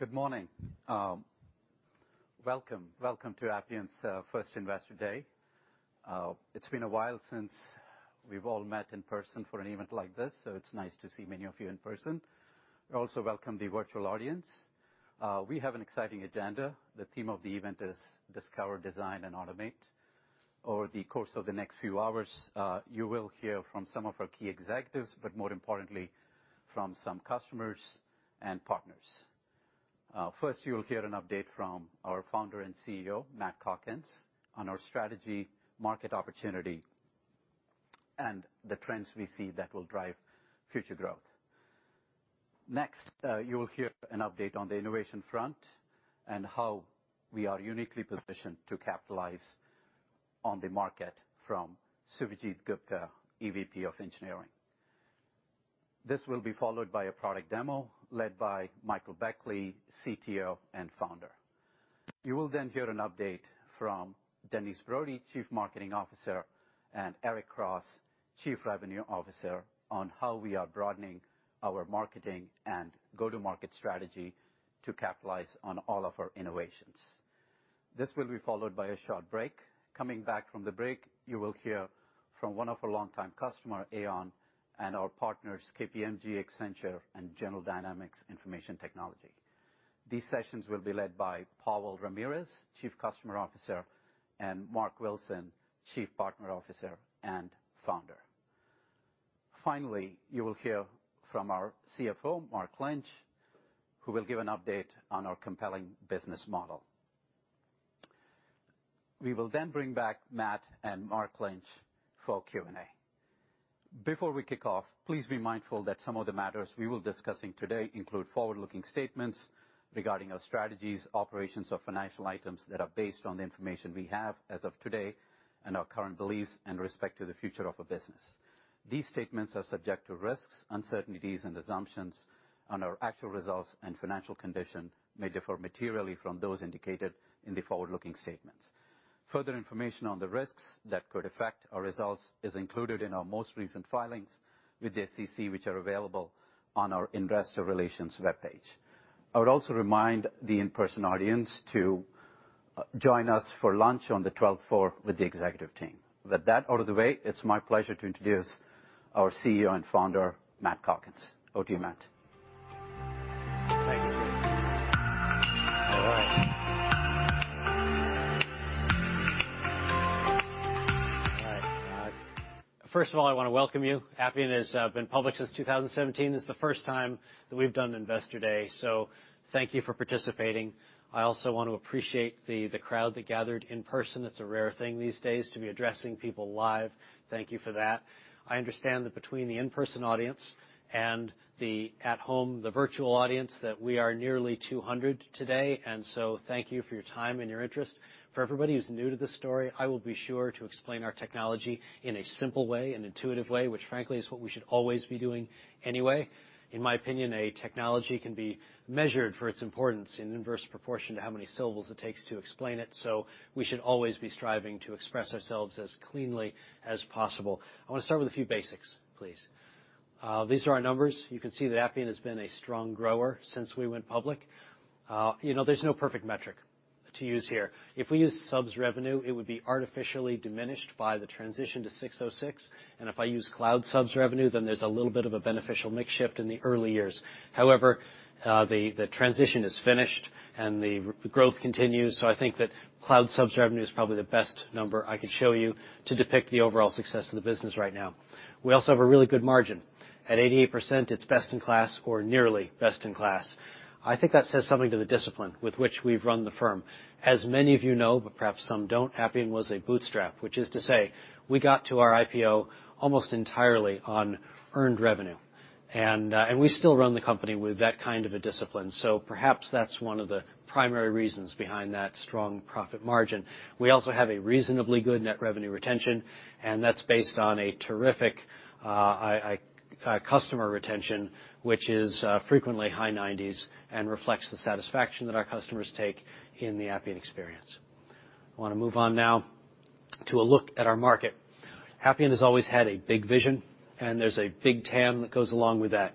Good morning. Welcome to Appian's first Investor Day. It's been a while since we've all met in person for an event like this, so it's nice to see many of you in person. I also welcome the virtual audience. We have an exciting agenda. The theme of the event is Discover, Design, and Automate. Over the course of the next few hours, you will hear from some of our key executives, but more importantly, from some customers and partners. First, you will hear an update from our Founder and CEO, Matt Calkins, on our strategy, market opportunity, and the trends we see that will drive future growth. Next, you will hear an update on the innovation front and how we are uniquely positioned to capitalize on the market from Suvajit Gupta, EVP of Engineering. This will be followed by a product demo led by Michael Beckley, CTO and Founder. You will then hear an update from Denise Vu Broady, Chief Marketing Officer, and Eric Cross, Chief Revenue Officer, on how we are broadening our marketing and go-to-market strategy to capitalize on all of our innovations. This will be followed by a short break. Coming back from the break, you will hear from one of our longtime customer, Aon, and our partners KPMG, Accenture, and General Dynamics Information Technology. These sessions will be led by Pavel Zamudio-Ramirez, Chief Customer Officer, and Marc Wilson, Chief Partner Officer and Founder. Finally, you will hear from our CFO, Mark Lynch, who will give an update on our compelling business model. We will then bring back Matt and Mark Lynch for Q&A. Before we kick off, please be mindful that some of the matters we will discussing today include forward-looking statements regarding our strategies, operations, or financial items that are based on the information we have as of today, and our current beliefs in respect to the future of our business. These statements are subject to risks, uncertainties, and assumptions, and our actual results and financial condition may differ materially from those indicated in the forward-looking statements. Further information on the risks that could affect our results is included in our most recent filings with the SEC, which are available on our investor relations webpage. I would also remind the in-person audience to join us for lunch on the 12th floor with the executive team. With that out of the way, it's my pleasure to introduce our CEO and Founder, Matt Calkins. Over to you, Matt. Thank you. All right. All right. First of all, I want to welcome you. Appian has been public since 2017. This is the first time that we've done Investor Day, so thank you for participating. I also want to appreciate the crowd that gathered in person. It's a rare thing these days to be addressing people live. Thank you for that. I understand that between the in-person audience and the at home, the virtual audience, that we are nearly 200 today, thank you for your time and your interest. For everybody who's new to this story, I will be sure to explain our technology in a simple way, an intuitive way, which frankly is what we should always be doing anyway. In my opinion, a technology can be measured for its importance in inverse proportion to how many syllables it takes to explain it. We should always be striving to express ourselves as cleanly as possible. I want to start with a few basics, please. These are our numbers. You can see that Appian has been a strong grower since we went public. There's no perfect metric to use here. If we use subs revenue, it would be artificially diminished by the transition to ASC 606. If I use cloud subscriptions revenue, then there's a little bit of a beneficial mix shift in the early years. However, the transition is finished, and the growth continues. I think that cloud subscriptions revenue is probably the best number I could show you to depict the overall success of the business right now. We also have a really good margin. At 88%, it's best in class or nearly best in class. I think that says something to the discipline with which we've run the firm. As many of you know, but perhaps some don't, Appian was a bootstrap, which is to say we got to our IPO almost entirely on earned revenue. We still run the company with that kind of a discipline. Perhaps that's one of the primary reasons behind that strong profit margin. We also have a reasonably good net revenue retention, and that's based on a terrific customer retention, which is frequently high 90%s and reflects the satisfaction that our customers take in the Appian experience. I want to move on now to a look at our market. Appian has always had a big vision, and there's a big TAM that goes along with that.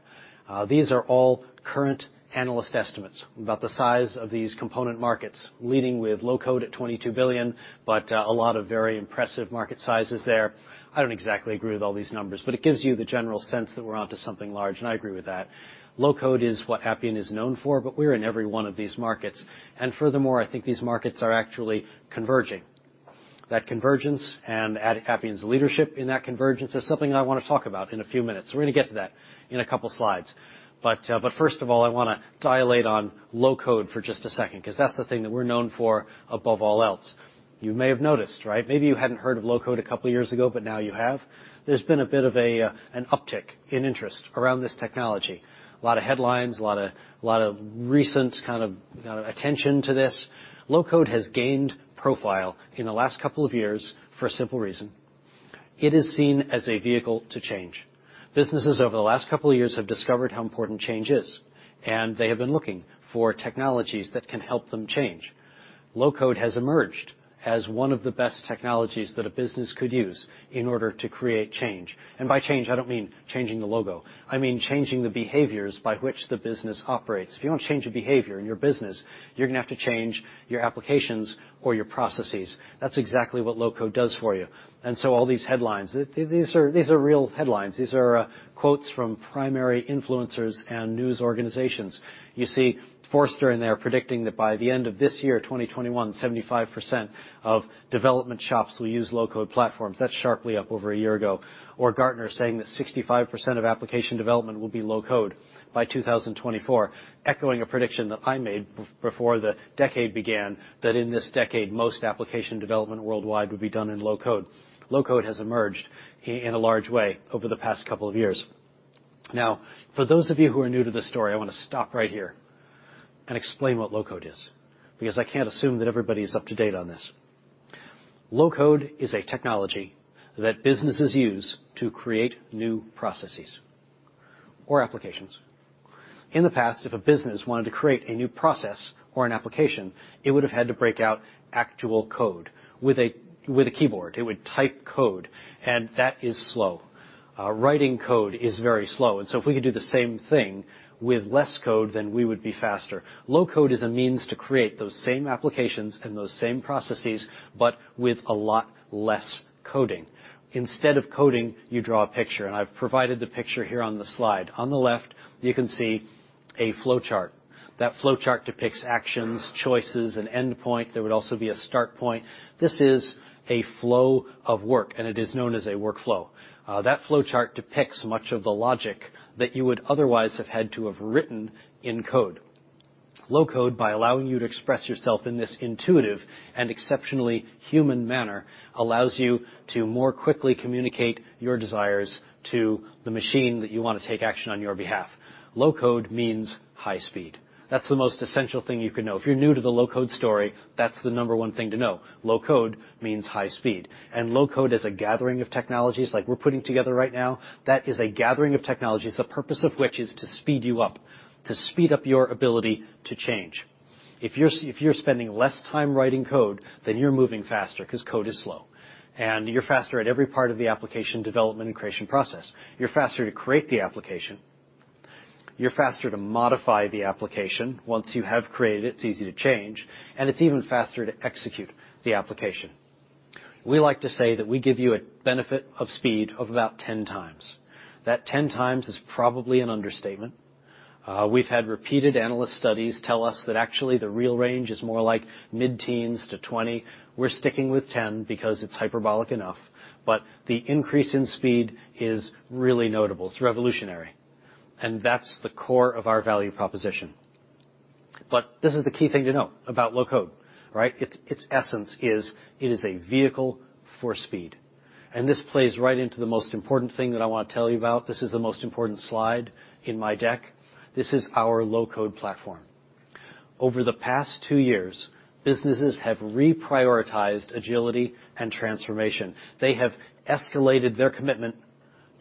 These are all current analyst estimates about the size of these component markets, leading with low-code at $22 billion, but a lot of very impressive market sizes there. I don't exactly agree with all these numbers, but it gives you the general sense that we're onto something large, and I agree with that. low-code is what Appian is known for, but we're in every one of these markets. Furthermore, I think these markets are actually converging. That convergence and Appian's leadership in that convergence is something I want to talk about in a few minutes. We're going to get to that in a couple slides. First of all, I want to dilate on low-code for just a second, because that's the thing that we're known for above all else. You may have noticed. Maybe you hadn't heard of low-code a couple of years ago, but now you have. There's been a bit of an uptick in interest around this technology. A lot of headlines, a lot of recent attention to this. Low-code has gained profile in the last couple of years for a simple reason. It is seen as a vehicle to change. Businesses over the last couple of years have discovered how important change is, and they have been looking for technologies that can help them change. Low-code has emerged as one of the best technologies that a business could use in order to create change. By change, I don't mean changing the logo. I mean changing the behaviors by which the business operates. If you want to change a behavior in your business, you're going to have to change your applications or your processes. That's exactly what low-code does for you. All these headlines, these are real headlines. These are quotes from primary influencers and news organizations. You see Forrester in there predicting that by the end of this year, 2021, 75% of development shops will use low-code platforms. That's sharply up over a year ago. Gartner saying that 65% of application development will be low-code by 2024, echoing a prediction that I made before the decade began, that in this decade, most application development worldwide would be done in low-code. Low-code has emerged in a large way over the past couple of years. For those of you who are new to this story, I want to stop right here and explain what low-code is, because I can't assume that everybody's up to date on this. Low-code is a technology that businesses use to create new processes or applications. In the past, if a business wanted to create a new process or an application, it would've had to break out actual code with a keyboard. It would type code, and that is slow. Writing code is very slow, and if we could do the same thing with less code, we would be faster. Low-code is a means to create those same applications and those same processes, but with a lot less coding. Instead of coding, you draw a picture, and I've provided the picture here on the slide. On the left, you can see a flowchart. That flowchart depicts actions, choices, an end point. There would also be a start point. This is a flow of work, and it is known as a workflow. That flowchart depicts much of the logic that you would otherwise have had to have written in code. Low-code, by allowing you to express yourself in this intuitive and exceptionally human manner, allows you to more quickly communicate your desires to the machine that you want to take action on your behalf. Low-code means high speed. That's the most essential thing you can know. If you're new to the low-code story, that's the number one thing to know. Low-code means high speed. Low-code is a gathering of technologies like we're putting together right now. That is a gathering of technologies, the purpose of which is to speed you up, to speed up your ability to change. If you're spending less time writing code, then you're moving faster because code is slow. You're faster at every part of the application development and creation process. You're faster to create the application. You're faster to modify the application. Once you have created it's easy to change. It's even faster to execute the application. We like to say that we give you a benefit of speed of about 10x. That 10x is probably an understatement. We've had repeated analyst studies tell us that actually, the real range is more like mid-teens to 20x. We're sticking with 10x because it's hyperbolic enough. The increase in speed is really notable. It's revolutionary. That's the core of our value proposition. This is the key thing to know about low-code, right? Its essence is it is a vehicle for speed. This plays right into the most important thing that I want to tell you about. This is the most important slide in my deck. This is our low-code platform. Over the past two years, businesses have reprioritized agility and transformation. They have escalated their commitment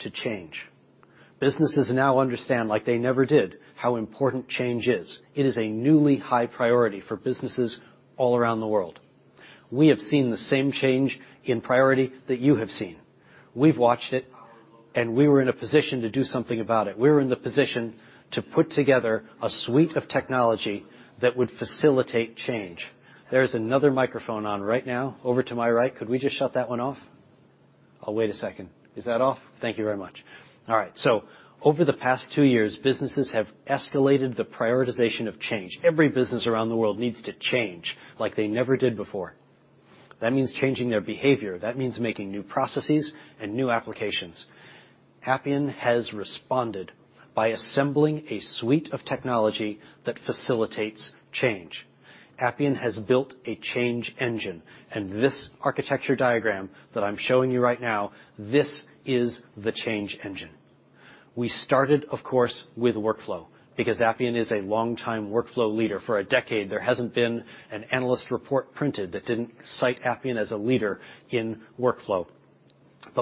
to change. Businesses now understand like they never did how important change is. It is a newly high priority for businesses all around the world. We have seen the same change in priority that you have seen. We've watched it, and we were in a position to do something about it. We were in the position to put together a suite of technology that would facilitate change. There's another microphone on right now over to my right. Could we just shut that one off? I'll wait a second. Is that off? Thank you very much. All right. Over the past two years, businesses have escalated the prioritization of change. Every business around the world needs to change like they never did before. That means changing their behavior. That means making new processes and new applications. Appian has responded by assembling a suite of technology that facilitates change. Appian has built a change engine, and this architecture diagram that I'm showing you right now, this is the change engine. We started, of course, with workflow, because Appian is a longtime workflow leader. For a decade, there hasn't been an analyst report printed that didn't cite Appian as a leader in workflow.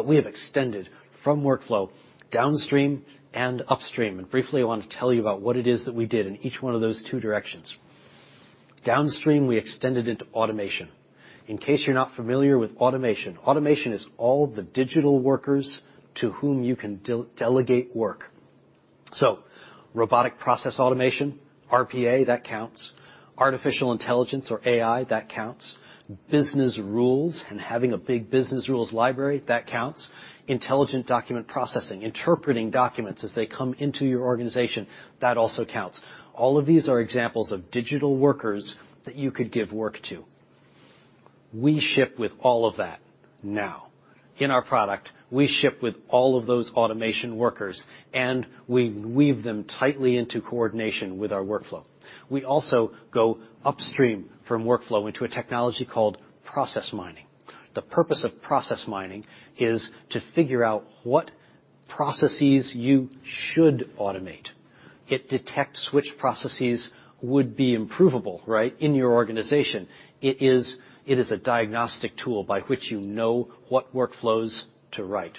We have extended from workflow downstream and upstream. Briefly, I want to tell you about what it is that we did in each one of those two directions. Downstream, we extended into automation. In case you're not familiar with automation, automation is all the digital workers to whom you can delegate work. Robotic process automation, RPA, that counts. Artificial intelligence or AI, that counts. Business rules and having a big business rules library, that counts. Intelligent document processing, interpreting documents as they come into your organization, that also counts. All of these are examples of digital workers that you could give work to. We ship with all of that now in our product. We ship with all of those automation workers, and we weave them tightly into coordination with our workflow. We also go upstream from workflow into a technology called process mining. The purpose of process mining is to figure out what processes you should automate. It detects which processes would be improvable, right, in your organization. It is a diagnostic tool by which you know what workflows to write.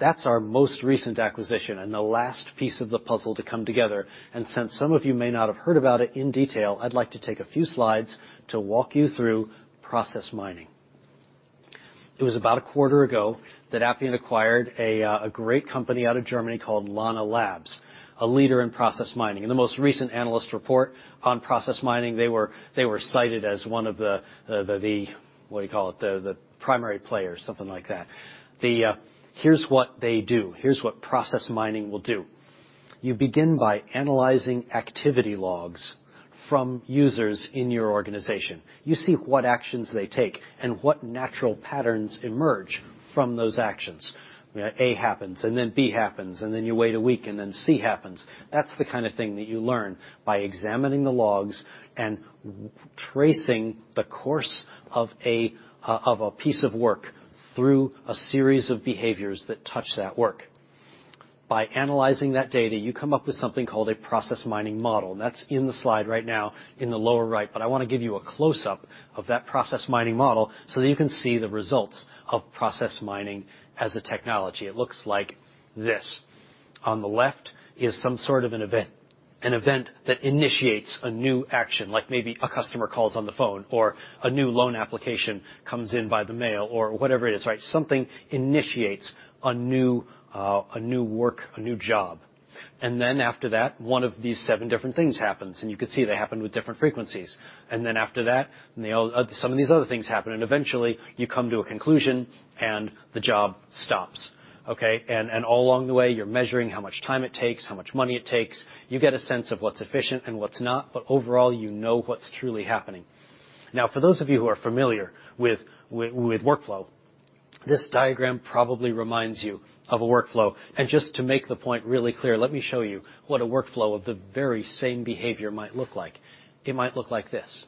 That's our most recent acquisition and the last piece of the puzzle to come together. Since some of you may not have heard about it in detail, I'd like to take a few slides to walk you through process mining. It was about a quarter ago that Appian acquired a great company out of Germany called Lana Labs, a leader in process mining. In the most recent analyst report on process mining, they were cited as one of the, what do you call it, the primary players, something like that. Here's what they do. Here's what process mining will do. You begin by analyzing activity logs from users in your organization. You see what actions they take and what natural patterns emerge from those actions. A happens, and then B happens, and then you wait a week, and then C happens. That's the kind of thing that you learn by examining the logs and tracing the course of a piece of work through a series of behaviors that touch that work. By analyzing that data, you come up with something called a process mining model. That's in the slide right now in the lower right. I want to give you a close-up of that process mining model so that you can see the results of process mining as a technology. It looks like this. On the left is some sort of an event. An event that initiates a new action, like maybe a customer calls on the phone, or a new loan application comes in by the mail, or whatever it is, right? Something initiates a new work, a new job. Then after that, one of these seven different things happens, and you can see they happen with different frequencies. Then after that, some of these other things happen, and eventually you come to a conclusion, and the job stops. Okay. All along the way, you're measuring how much time it takes, how much money it takes. You get a sense of what's efficient and what's not. Overall, you know what's truly happening. For those of you who are familiar with workflow, this diagram probably reminds you of a workflow. Just to make the point really clear, let me show you what a workflow of the very same behavior might look like. It might look like this.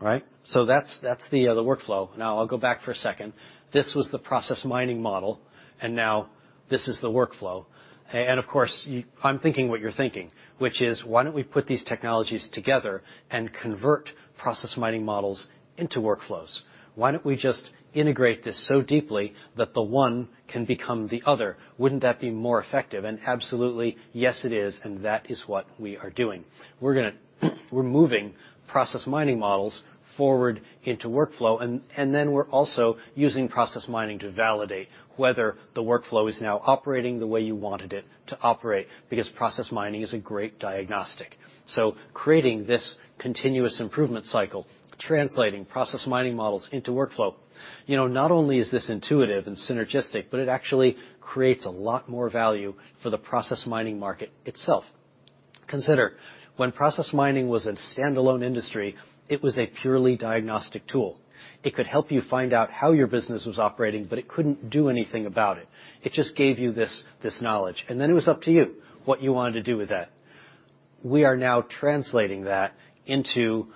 Right? That's the workflow. I'll go back for a second. This was the process mining model, and now this is the workflow. Of course, I'm thinking what you're thinking, which is, why don't we put these technologies together and convert process mining models into workflows? Why don't we just integrate this so deeply that the one can become the other? Wouldn't that be more effective? Absolutely, yes, it is, and that is what we are doing. We're moving process mining models forward into workflow. We're also using process mining to validate whether the workflow is now operating the way you wanted it to operate, because process mining is a great diagnostic. Creating this continuous improvement cycle, translating process mining models into workflow. Not only is this intuitive and synergistic, but it actually creates a lot more value for the process mining market itself. Consider, when process mining was a standalone industry, it was a purely diagnostic tool. It could help you find out how your business was operating. It couldn't do anything about it. It just gave you this knowledge. It was up to you what you wanted to do with that. We are now translating that into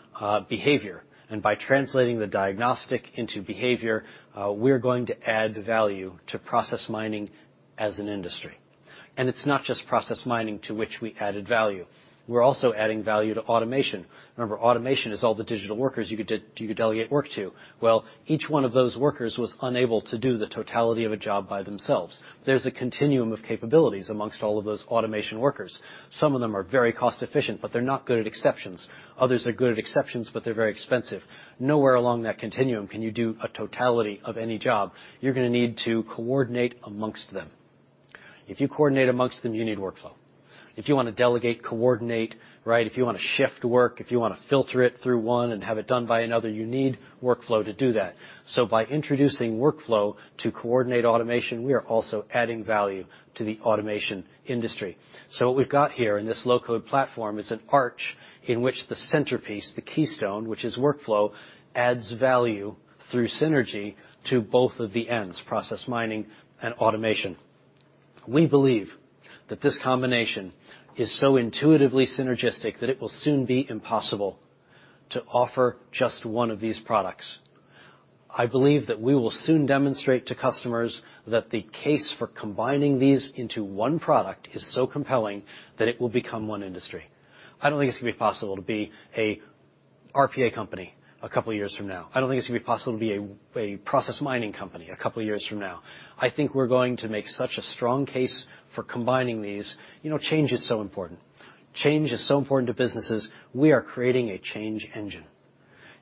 behavior. By translating the diagnostic into behavior, we're going to add value to process mining as an industry. It's not just process mining to which we added value. We're also adding value to automation. Remember, automation is all the digital workers you could delegate work to. Well, each one of those workers was unable to do the totality of a job by themselves. There's a continuum of capabilities amongst all of those automation workers. Some of them are very cost-efficient, but they're not good at exceptions. Others are good at exceptions, but they're very expensive. Nowhere along that continuum can you do a totality of any job. You're going to need to coordinate amongst them. If you coordinate amongst them, you need workflow. If you want to delegate, coordinate. If you want to shift work, if you want to filter it through one and have it done by another, you need workflow to do that. By introducing workflow to coordinate automation, we are also adding value to the automation industry. What we've got here in this low-code platform is an arch in which the centerpiece, the keystone, which is workflow, adds value through synergy to both of the ends, process mining and automation. We believe that this combination is so intuitively synergistic that it will soon be impossible to offer just one of these products. I believe that we will soon demonstrate to customers that the case for combining these into one product is so compelling that it will become one industry. I don't think it's going to be possible to be a RPA company a couple of years from now. I don't think it's going to be possible to be a process mining company a couple of years from now. I think we're going to make such a strong case for combining these. Change is so important. Change is so important to businesses. We are creating a change engine,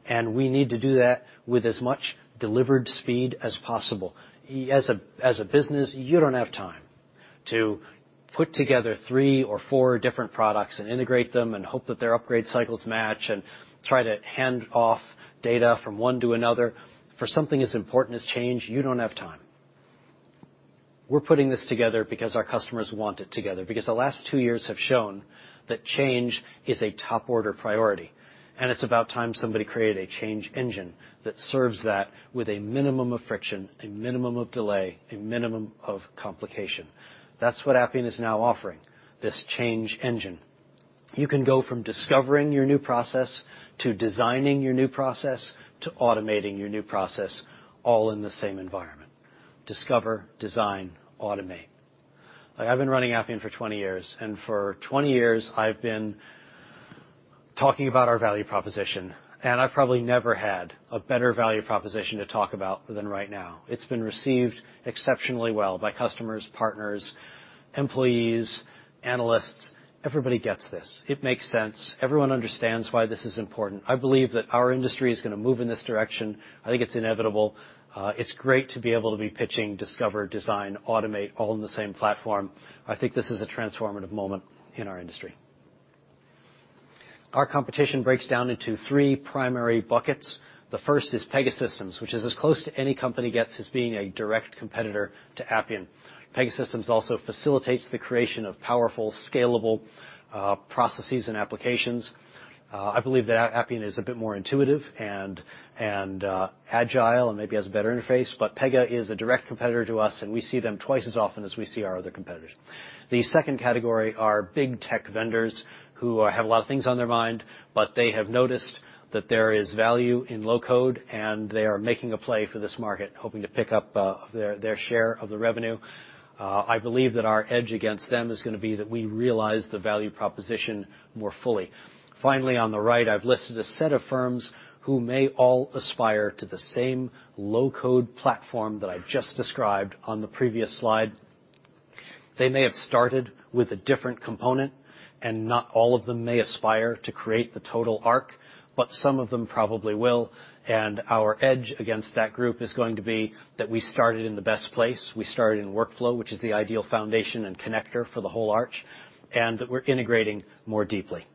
and we need to do that with as much delivered speed as possible. As a business, you don't have time to put together three or four different products and integrate them and hope that their upgrade cycles match, and try to hand off data from one to another. For something as important as change, you don't have time. We're putting this together because our customers want it together, because the last two years have shown that change is a top-order priority, and it's about time somebody created a change engine that serves that with a minimum of friction, a minimum of delay, a minimum of complication. That's what Appian is now offering, this change engine. You can go from discovering your new process, to designing your new process, to automating your new process, all in the same environment. Discover, Design, Automate. I've been running Appian for 20 years, and for 20 years, I've been talking about our value proposition, and I've probably never had a better value proposition to talk about than right now. It's been received exceptionally well by customers, partners, employees, analysts. Everybody gets this. It makes sense. Everyone understands why this is important. I believe that our industry is going to move in this direction. I think it's inevitable. It's great to be able to be pitching Discover, Design, Automate, all in the same platform. I think this is a transformative moment in our industry. Our competition breaks down into three primary buckets. The first is Pegasystems, which is as close to any company gets as being a direct competitor to Appian. Pegasystems also facilitates the creation of powerful, scalable processes and applications. I believe that Appian is a bit more intuitive and agile, and maybe has a better interface. Pega is a direct competitor to us, and we see them twice as often as we see our other competitors. The second category are big tech vendors who have a lot of things on their mind, but they have noticed that there is value in low-code, and they are making a play for this market, hoping to pick up their share of the revenue. I believe that our edge against them is going to be that we realize the value proposition more fully. Finally, on the right, I've listed a set of firms who may all aspire to the same low-code platform that I've just described on the previous slide. They may have started with a different component, and not all of them may aspire to create the total arch, but some of them probably will. Our edge against that group is going to be that we started in the best place. We started in workflow, which is the ideal foundation and connector for the whole arch, and that we're integrating more deeply.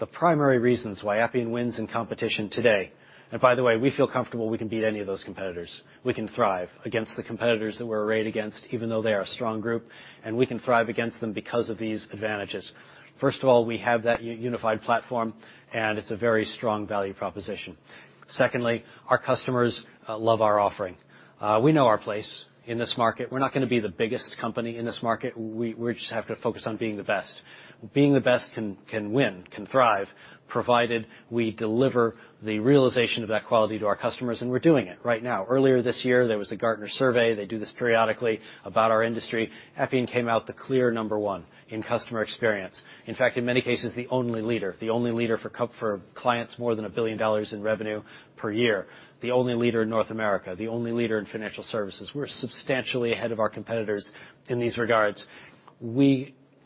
The primary reasons why Appian wins in competition today. By the way, we feel comfortable we can beat any of those competitors. We can thrive against the competitors that we're arrayed against, even though they are a strong group, and we can thrive against them because of these advantages. First of all, we have that unified platform, and it's a very strong value proposition. Secondly, our customers love our offering. We know our place in this market. We're not going to be the biggest company in this market. We just have to focus on being the best. Being the best can win, can thrive, provided we deliver the realization of that quality to our customers, and we're doing it right now. Earlier this year, there was a Gartner survey, they do this periodically, about our industry. Appian came out the clear number one in customer experience. In fact, in many cases, the only leader. The only leader for clients more than $1 billion in revenue per year, the only leader in North America, the only leader in financial services. We're substantially ahead of our competitors in these regards.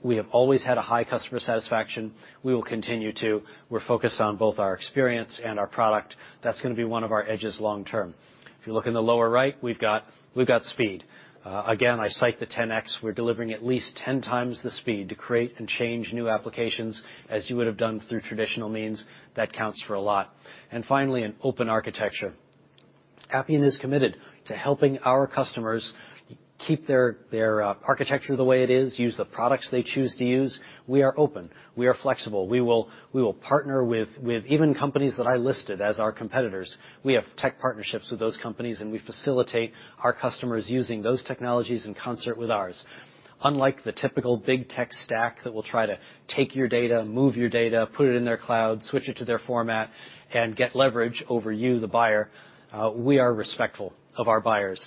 We have always had a high customer satisfaction. We will continue to. We're focused on both our experience and our product. That's going to be one of our edges long term. If you look in the lower right, we've got speed. Again, I cite the 10x. We're delivering at least 10x the speed to create and change new applications as you would have done through traditional means. That counts for a lot. Finally, an open architecture. Appian is committed to helping our customers keep their architecture the way it is, use the products they choose to use. We are open. We are flexible. We will partner with even companies that I listed as our competitors. We have tech partnerships with those companies, and we facilitate our customers using those technologies in concert with ours. Unlike the typical big tech stack that will try to take your data, move your data, put it in their cloud, switch it to their format, and get leverage over you, the buyer, we are respectful of our buyers.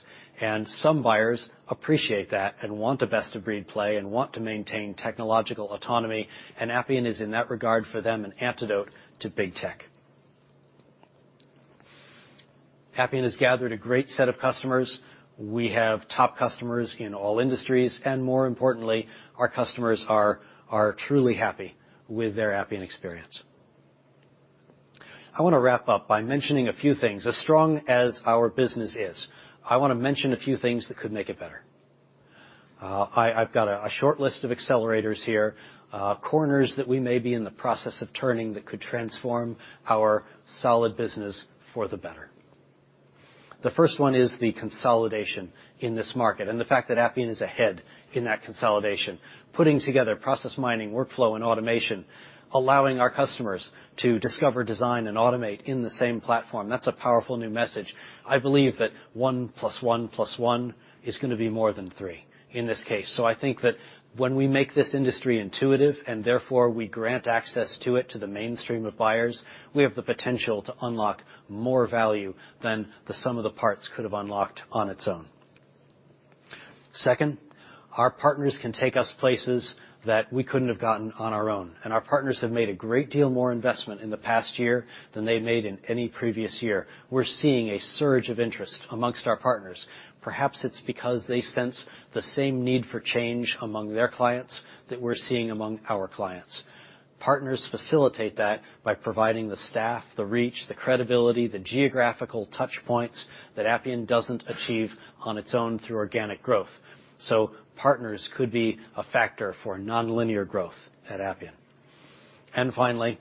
Some buyers appreciate that and want a best-of-breed play and want to maintain technological autonomy, Appian is, in that regard for them, an antidote to big tech. Appian has gathered a great set of customers. We have top customers in all industries, and more importantly, our customers are truly happy with their Appian experience. I want to wrap up by mentioning a few things. As strong as our business is, I want to mention a few things that could make it better. I've got a short list of accelerators here, corners that we may be in the process of turning that could transform our solid business for the better. The first one is the consolidation in this market and the fact that Appian is ahead in that consolidation, putting together process mining, workflow, and automation, allowing our customers to Discover, Design, and Automate in the same platform. That's a powerful new message. I believe that one plus one plus one is going to be more than three in this case. I think that when we make this industry intuitive, and therefore we grant access to it to the mainstream of buyers, we have the potential to unlock more value than the sum of the parts could have unlocked on its own. Second, our partners can take us places that we couldn't have gotten on our own, and our partners have made a great deal more investment in the past year than they made in any previous year. We're seeing a surge of interest amongst our partners. Perhaps it's because they sense the same need for change among their clients that we're seeing among our clients. Partners facilitate that by providing the staff, the reach, the credibility, the geographical touch points that Appian doesn't achieve on its own through organic growth. Partners could be a factor for nonlinear growth at Appian. Finally,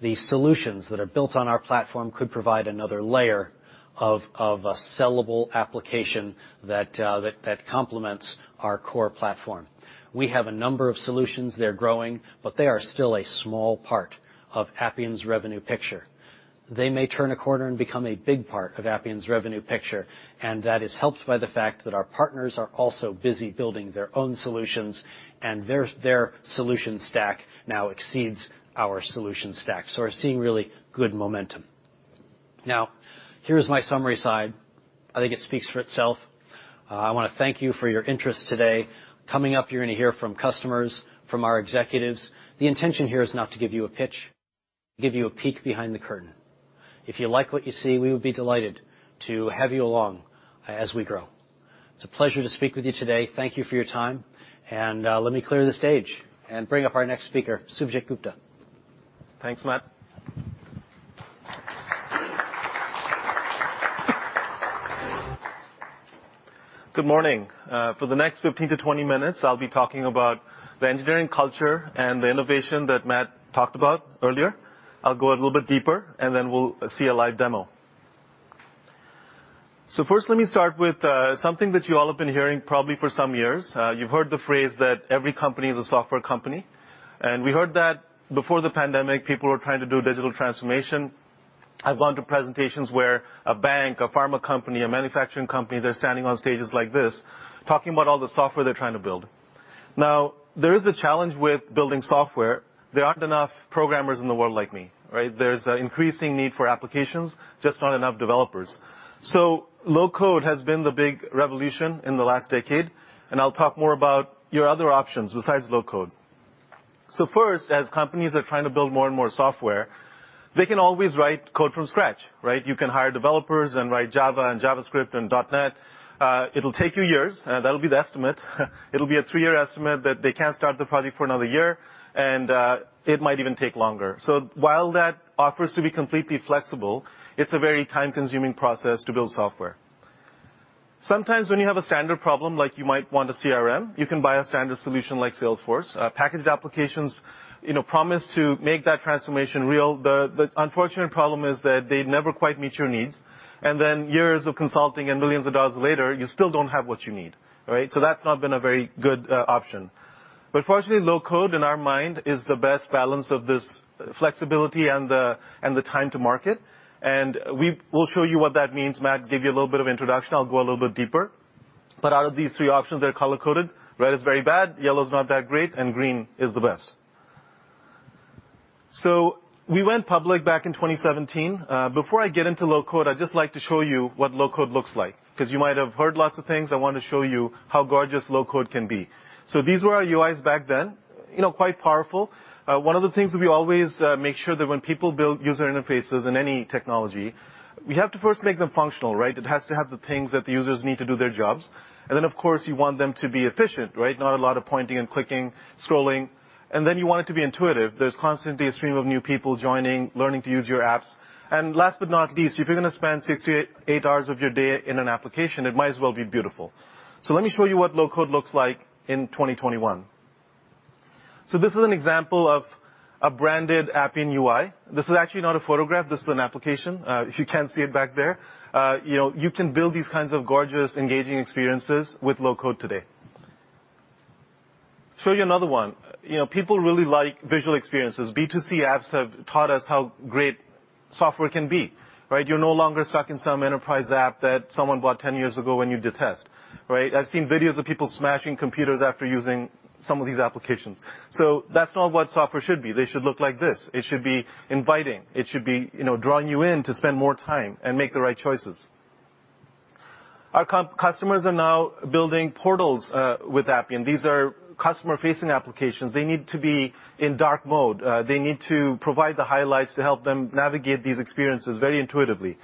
the solutions that are built on our platform could provide another layer of a sellable application that complements our core platform. We have a number of solutions. They're growing, but they are still a small part of Appian's revenue picture. They may turn a corner and become a big part of Appian's revenue picture, and that is helped by the fact that our partners are also busy building their own solutions, and their solution stack now exceeds our solution stack. We're seeing really good momentum. Now, here's my summary slide. I think it speaks for itself. I want to thank you for your interest today. Coming up, you're going to hear from customers, from our executives. The intention here is not to give you a pitch, give you a peek behind the curtain. If you like what you see, we would be delighted to have you along as we grow. It's a pleasure to speak with you today. Thank you for your time, and let me clear the stage and bring up our next speaker, Suvajit Gupta. Thanks, Matt. Good morning. For the next 15 to 20 minutes, I'll be talking about the engineering culture and the innovation that Matt talked about earlier. I'll go a little bit deeper, then we'll see a live demo. First, let me start with something that you all have been hearing probably for some years. You've heard the phrase that every company is a software company. We heard that before the pandemic, people were trying to do digital transformation. I've gone to presentations where a bank, a pharma company, a manufacturing company, they're standing on stages like this talking about all the software they're trying to build. Now, there is a challenge with building software. There aren't enough programmers in the world like me, right? There's an increasing need for applications, just not enough developers. Low-code has been the big revolution in the last decade, and I'll talk more about your other options besides low-code. First, as companies are trying to build more and more software, they can always write code from scratch, right? You can hire developers and write Java and JavaScript and .NET. It'll take you years. That'll be the estimate. It'll be a three-year estimate that they can't start the project for another year, and it might even take longer. While that offers to be completely flexible, it's a very time-consuming process to build software. Sometimes when you have a standard problem, like you might want a CRM, you can buy a standard solution like Salesforce. Packaged applications promise to make that transformation real. The unfortunate problem is that they never quite meet your needs, and then years of consulting and millions of dollars later, you still don't have what you need. All right? That's not been a very good option. Fortunately, low-code, in our mind, is the best balance of this flexibility and the time to market. We will show you what that means. Matt gave you a little bit of introduction. I'll go a little bit deeper. Out of these three options, they're color-coded. Red is very bad, yellow is not that great, and green is the best. We went public back in 2017. Before I get into low-code, I'd just like to show you what low-code looks like, because you might have heard lots of things. I want to show you how gorgeous low-code can be. These were our UIs back then. Quite powerful. One of the things that we always make sure that when people build user interfaces in any technology, we have to first make them functional, right? It has to have the things that the users need to do their jobs. Then, of course, you want them to be efficient, right? Not a lot of pointing and clicking, scrolling. Then you want it to be intuitive. There's constantly a stream of new people joining, learning to use your apps. Last but not least, if you're going to spend 68 hours of your day in an application, it might as well be beautiful. Let me show you what low-code looks like in 2021. This is an example of a branded Appian UI. This is actually not a photograph. This is an application, if you can see it back there. You can build these kinds of gorgeous, engaging experiences with low-code today. Show you another one. People really like visual experiences. B2C apps have taught us how great software can be, right? You're no longer stuck in some enterprise app that someone bought 10 years ago, and you detest, right? I've seen videos of people smashing computers after using some of these applications. That's not what software should be. They should look like this. It should be inviting. It should be drawing you in to spend more time and make the right choices. Our customers are now building portals with Appian. These are customer-facing applications. They need to be in dark mode. They need to provide the highlights to help them navigate these experiences very intuitively.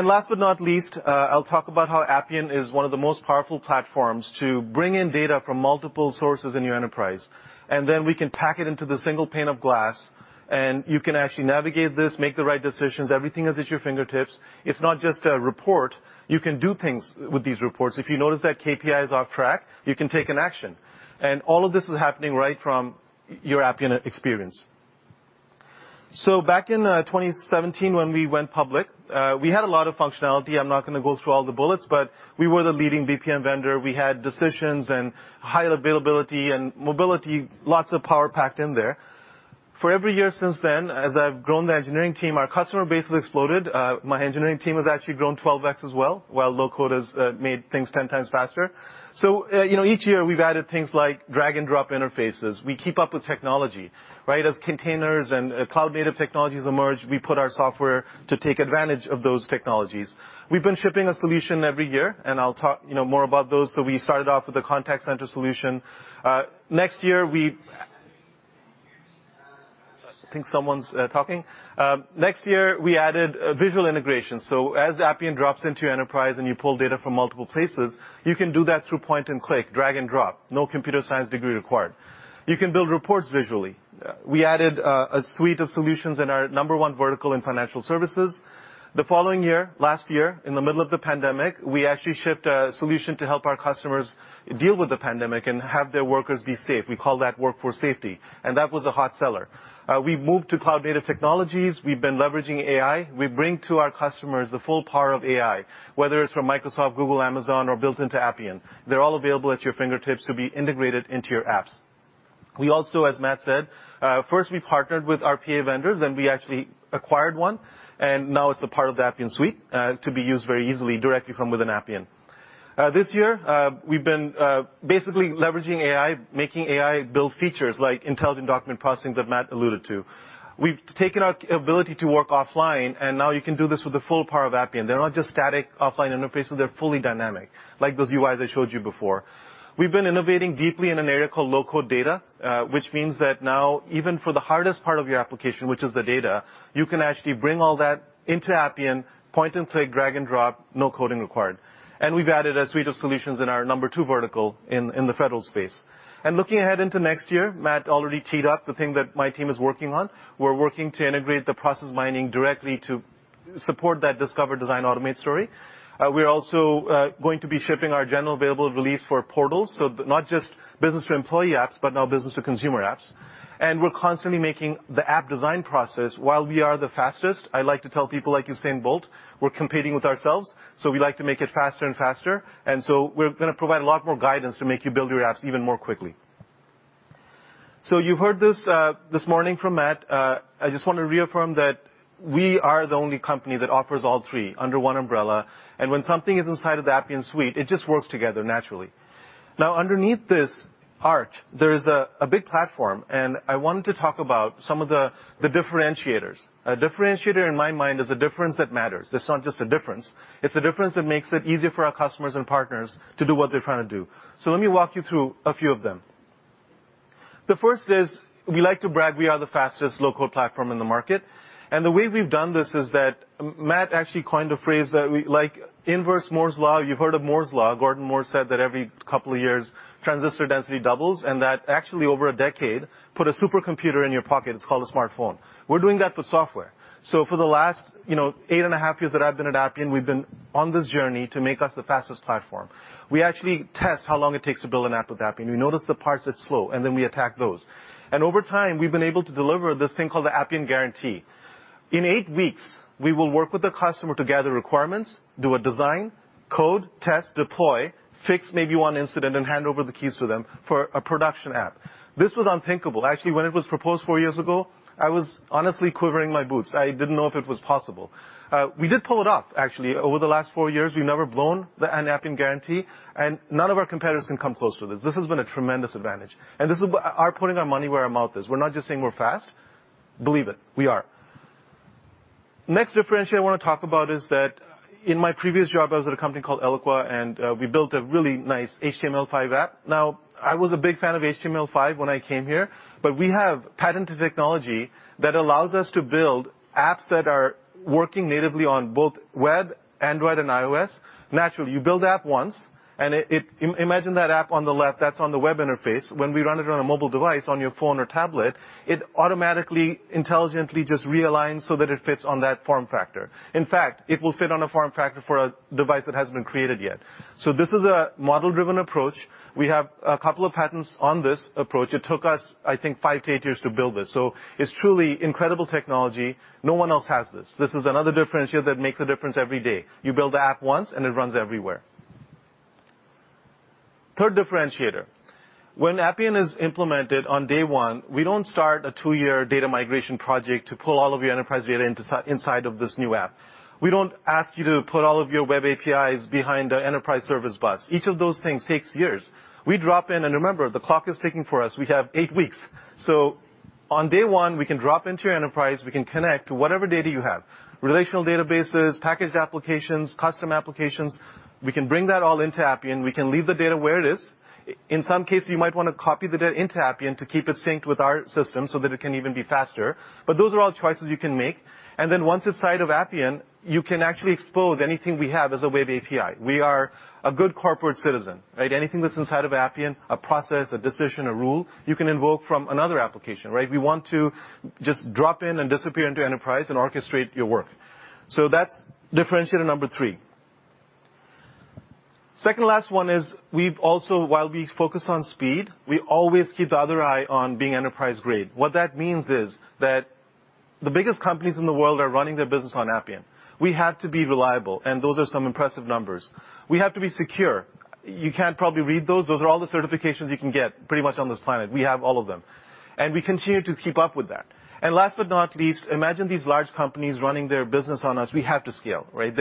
Last but not least, I'll talk about how Appian is one of the most powerful platforms to bring in data from multiple sources in your enterprise. We can pack it into the single pane of glass, and you can actually navigate this, make the right decisions. Everything is at your fingertips. It's not just a report. You can do things with these reports. If you notice that KPI is off track, you can take an action. All of this is happening right from your Appian experience. Back in 2017 when we went public, we had a lot of functionality. I'm not going to go through all the bullets, but we were the leading BPM vendor. We had decisions and high availability and mobility, lots of power packed in there. For every year since then, as I've grown the engineering team, our customer base has exploded. My engineering team has actually grown 12x as well, while low-code has made things 10x faster. Each year, we've added things like drag-and-drop interfaces. We keep up with technology, right? As containers and cloud-native technologies emerge, we put our software to take advantage of those technologies. We've been shipping a solution every year, and I'll talk more about those. We started off with a contact center solution. Next year, I think someone's talking. Next year, we added visual integration. As Appian drops into your enterprise and you pull data from multiple places, you can do that through point and click, drag-and-drop. No computer science degree required. You can build reports visually. We added a suite of solutions in our number one vertical in financial services. The following year, last year, in the middle of the pandemic, we actually shipped a solution to help our customers deal with the pandemic and have their workers be safe. We call that Workforce Safety, and that was a hot seller. We've moved to cloud-native technologies. We've been leveraging AI. We bring to our customers the full power of AI, whether it's from Microsoft, Google, Amazon, or built into Appian. They're all available at your fingertips to be integrated into your apps. We also, as Matt said, first we partnered with RPA vendors, then we actually acquired one. Now it's a part of the Appian Suite to be used very easily directly from within Appian. This year, we've been basically leveraging AI, making AI build features like intelligent document processing that Matt alluded to. We've taken our ability to work offline. Now you can do this with the full power of Appian. They're not just static offline interfaces, they're fully dynamic, like those UIs I showed you before. We've been innovating deeply in an area called low-code data, which means that now even for the hardest part of your application, which is the data, you can actually bring all that into Appian, point and click, drag and drop, no coding required. We've added a suite of solutions in our number two vertical in the federal space. Looking ahead into next year, Matt already teed up the thing that my team is working on. We're working to integrate the process mining directly to support that Discover, Design, Automate story. We're also going to be shipping our general available release for portals, not just business-to-employee apps, but now business-to-consumer apps. We're constantly making the app-design process. While we are the fastest, I like to tell people, like Usain Bolt, we're competing with ourselves, so we like to make it faster and faster. We're going to provide a lot more guidance to make you build your Apps even more quickly. You heard this this morning from Matt. I just want to reaffirm that we are the only company that offers all three under one umbrella, and when something is inside of the Appian Suite, it just works together naturally. Underneath this arch, there is a big platform, and I wanted to talk about some of the differentiators. A differentiator in my mind is a difference that matters. It's not just a difference. It's a difference that makes it easier for our customers and partners to do what they're trying to do. Let me walk you through a few of them. The first is we like to brag we are the fastest low-code platform in the market. The way we've done this is that Matt actually coined a phrase that we like Inverse-Moore's Law. You've heard of Moore's Law. Gordon Moore said that every couple of years, transistor density doubles, and that actually over a decade, put a supercomputer in your pocket. It's called a smartphone. We're doing that with software. For the last eight and a half years that I've been at Appian, we've been on this journey to make us the fastest platform. We actually test how long it takes to build an app with Appian. We notice the parts that's slow, we attack those. Over time, we've been able to deliver this thing called the Appian Guarantee. In eight weeks, we will work with the customer to gather requirements, do a design, code, test, deploy, fix maybe one incident and hand over the keys to them for a production app. This was unthinkable. Actually, when it was proposed four years ago, I was honestly quivering in my boots. I didn't know if it was possible. We did pull it off, actually. Over the last four years, we've never blown an Appian Guarantee. None of our competitors can come close to this. This has been a tremendous advantage. This is our putting our money where our mouth is. We're not just saying we're fast. Believe it, we are. Next differentiator I want to talk about is that in my previous job, I was at a company called Oracle Eloqua. We built a really nice HTML5 app. I was a big fan of HTML5 when I came here, we have patented technology that allows us to build apps that are working natively on both web, Android, and iOS naturally. You build the app once and imagine that app on the left, that's on the web interface. When we run it on a mobile device, on your phone or tablet, it automatically, intelligently just realigns so that it fits on that form factor. In fact, it will fit on a form factor for a device that hasn't been created yet. This is a model-driven approach. We have a couple of patents on this approach. It took us, I think, five to eight years to build this. It's truly in credible technology. No one else has this. This is another differentiator that makes a difference every day. You build the app once and it runs everywhere. Third differentiator. When Appian is implemented on day one, we don't start a two-year data migration project to pull all of your enterprise data inside of this new app. We don't ask you to put all of your web APIs behind an enterprise service bus. Each of those things takes years. We drop in and remember, the clock is ticking for us. We have eight weeks. On day one, we can drop into your enterprise. We can connect to whatever data you have, relational databases, packaged applications, custom applications. We can bring that all into Appian. We can leave the data where it is. In some cases, you might want to copy the data into Appian to keep it synced with our system so that it can even be faster. Those are all choices you can make. Then once inside of Appian, you can actually expose anything we have as a web API. We are a good corporate citizen, right. Anything that's inside of Appian, a process, a decision, a rule you can invoke from another application, right. We want to just drop in and disappear into enterprise and orchestrate your work. That's differentiator number three. Second last one is we've also, while we focus on speed, we always keep the other eye on being enterprise-grade. What that means is that the biggest companies in the world are running their business on Appian. We have to be reliable, and those are some impressive numbers. We have to be secure. You can't probably read those. Those are all the certifications you can get pretty much on this planet. We have all of them, and we continue to keep up with that. Last but not least, imagine these large companies running their business on us. We have to scale, right?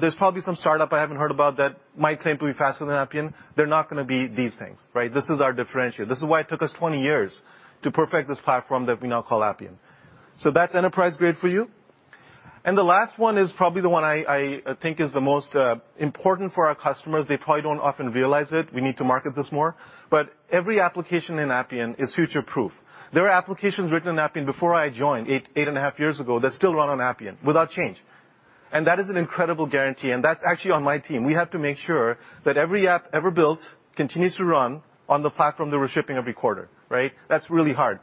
There's probably some startup I haven't heard about that might claim to be faster than Appian. They're not going to be these things, right? This is our differentiator. This is why it took us 20 years to perfect this platform that we now call Appian. That's enterprise-grade for you. The last one is probably the one I think is the most important for our customers. They probably don't often realize it. We need to market this more, every application in Appian is future-proof. There are applications written in Appian before I joined eight and a half years ago that still run on Appian without change, and that is an incredible guarantee, and that's actually on my team. We have to make sure that every app ever built continues to run on the platform that we're shipping every quarter, right? That's really hard.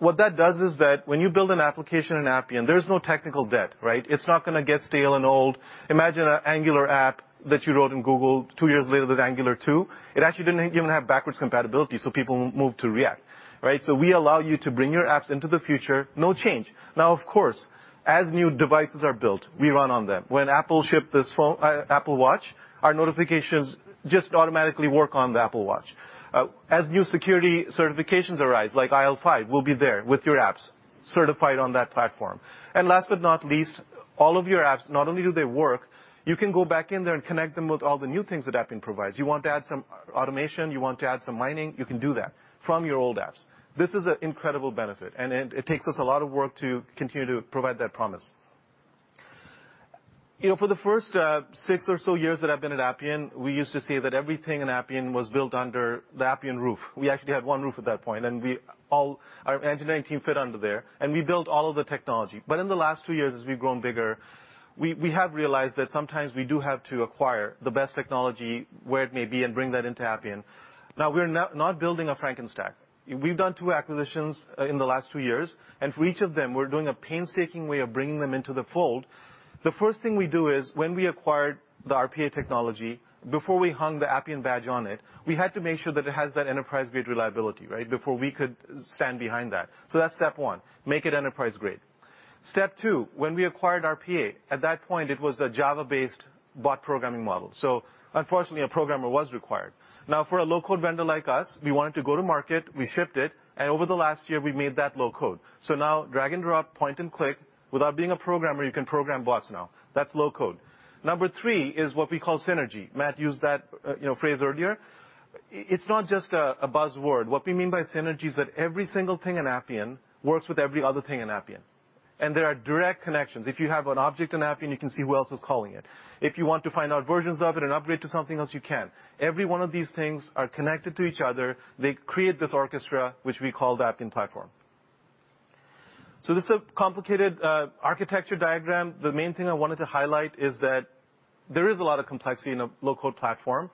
What that does is that when you build an application in Appian, there's no technical debt, right? It's not going to get stale and old. Imagine a Angular app that you wrote in Google two years later with Angular 2. It actually didn't even have backwards compatibility, so people moved to React, right? We allow you to bring your apps into the future, no change. Now, of course, as new devices are built, we run on them. When Apple ship this Apple Watch, our notifications just automatically work on the Apple Watch. As new security certifications arise, like IL-5, we'll be there with your apps, certified on that platform. Last but not least, all of your apps, not only do they work, you can go back in there and connect them with all the new things that Appian provides. You want to add some Automation, you want to add some Mining, you can do that from your old apps. This is an incredible benefit, and it takes us a lot of work to continue to provide that promise. For the first six or so years that I've been at Appian, we used to say that everything in Appian was built under the Appian roof. We actually had one roof at that point, and our engineering team fit under there, and we built all of the technology. In the last two years, as we've grown bigger, we have realized that sometimes we do have to acquire the best technology where it may be, and bring that into Appian. We're not building a Frankenstack. We've done two acquisitions in the last two years, and for each of them, we're doing a painstaking way of bringing them into the fold. The first thing we do is when we acquired the RPA technology, before we hung the Appian badge on it, we had to make sure that it has that enterprise-grade reliability, before we could stand behind that. That's step one, make it enterprise-grade. Step two, when we acquired RPA, at that point, it was a Java-based bot programming model. Unfortunately, a programmer was required. For a low-code vendor like us, we wanted to go-to-market, we shipped it, and over the last year we've made that low-code. Now drag and drop, point and click. Without being a programmer, you can program bots now. That's low-code. Number three is what we call synergy. Matt used that phrase earlier. It's not just a buzzword. What we mean by synergy is that every single thing in Appian works with every other thing in Appian, and there are direct connections. If you have an object in Appian, you can see who else is calling it. If you want to find out versions of it and upgrade to something else, you can. Every one of these things are connected to each other. They create this orchestra, which we call the Appian platform. This is a complicated architecture diagram. The main thing I wanted to highlight is that there is a lot of complexity in a low-code platform,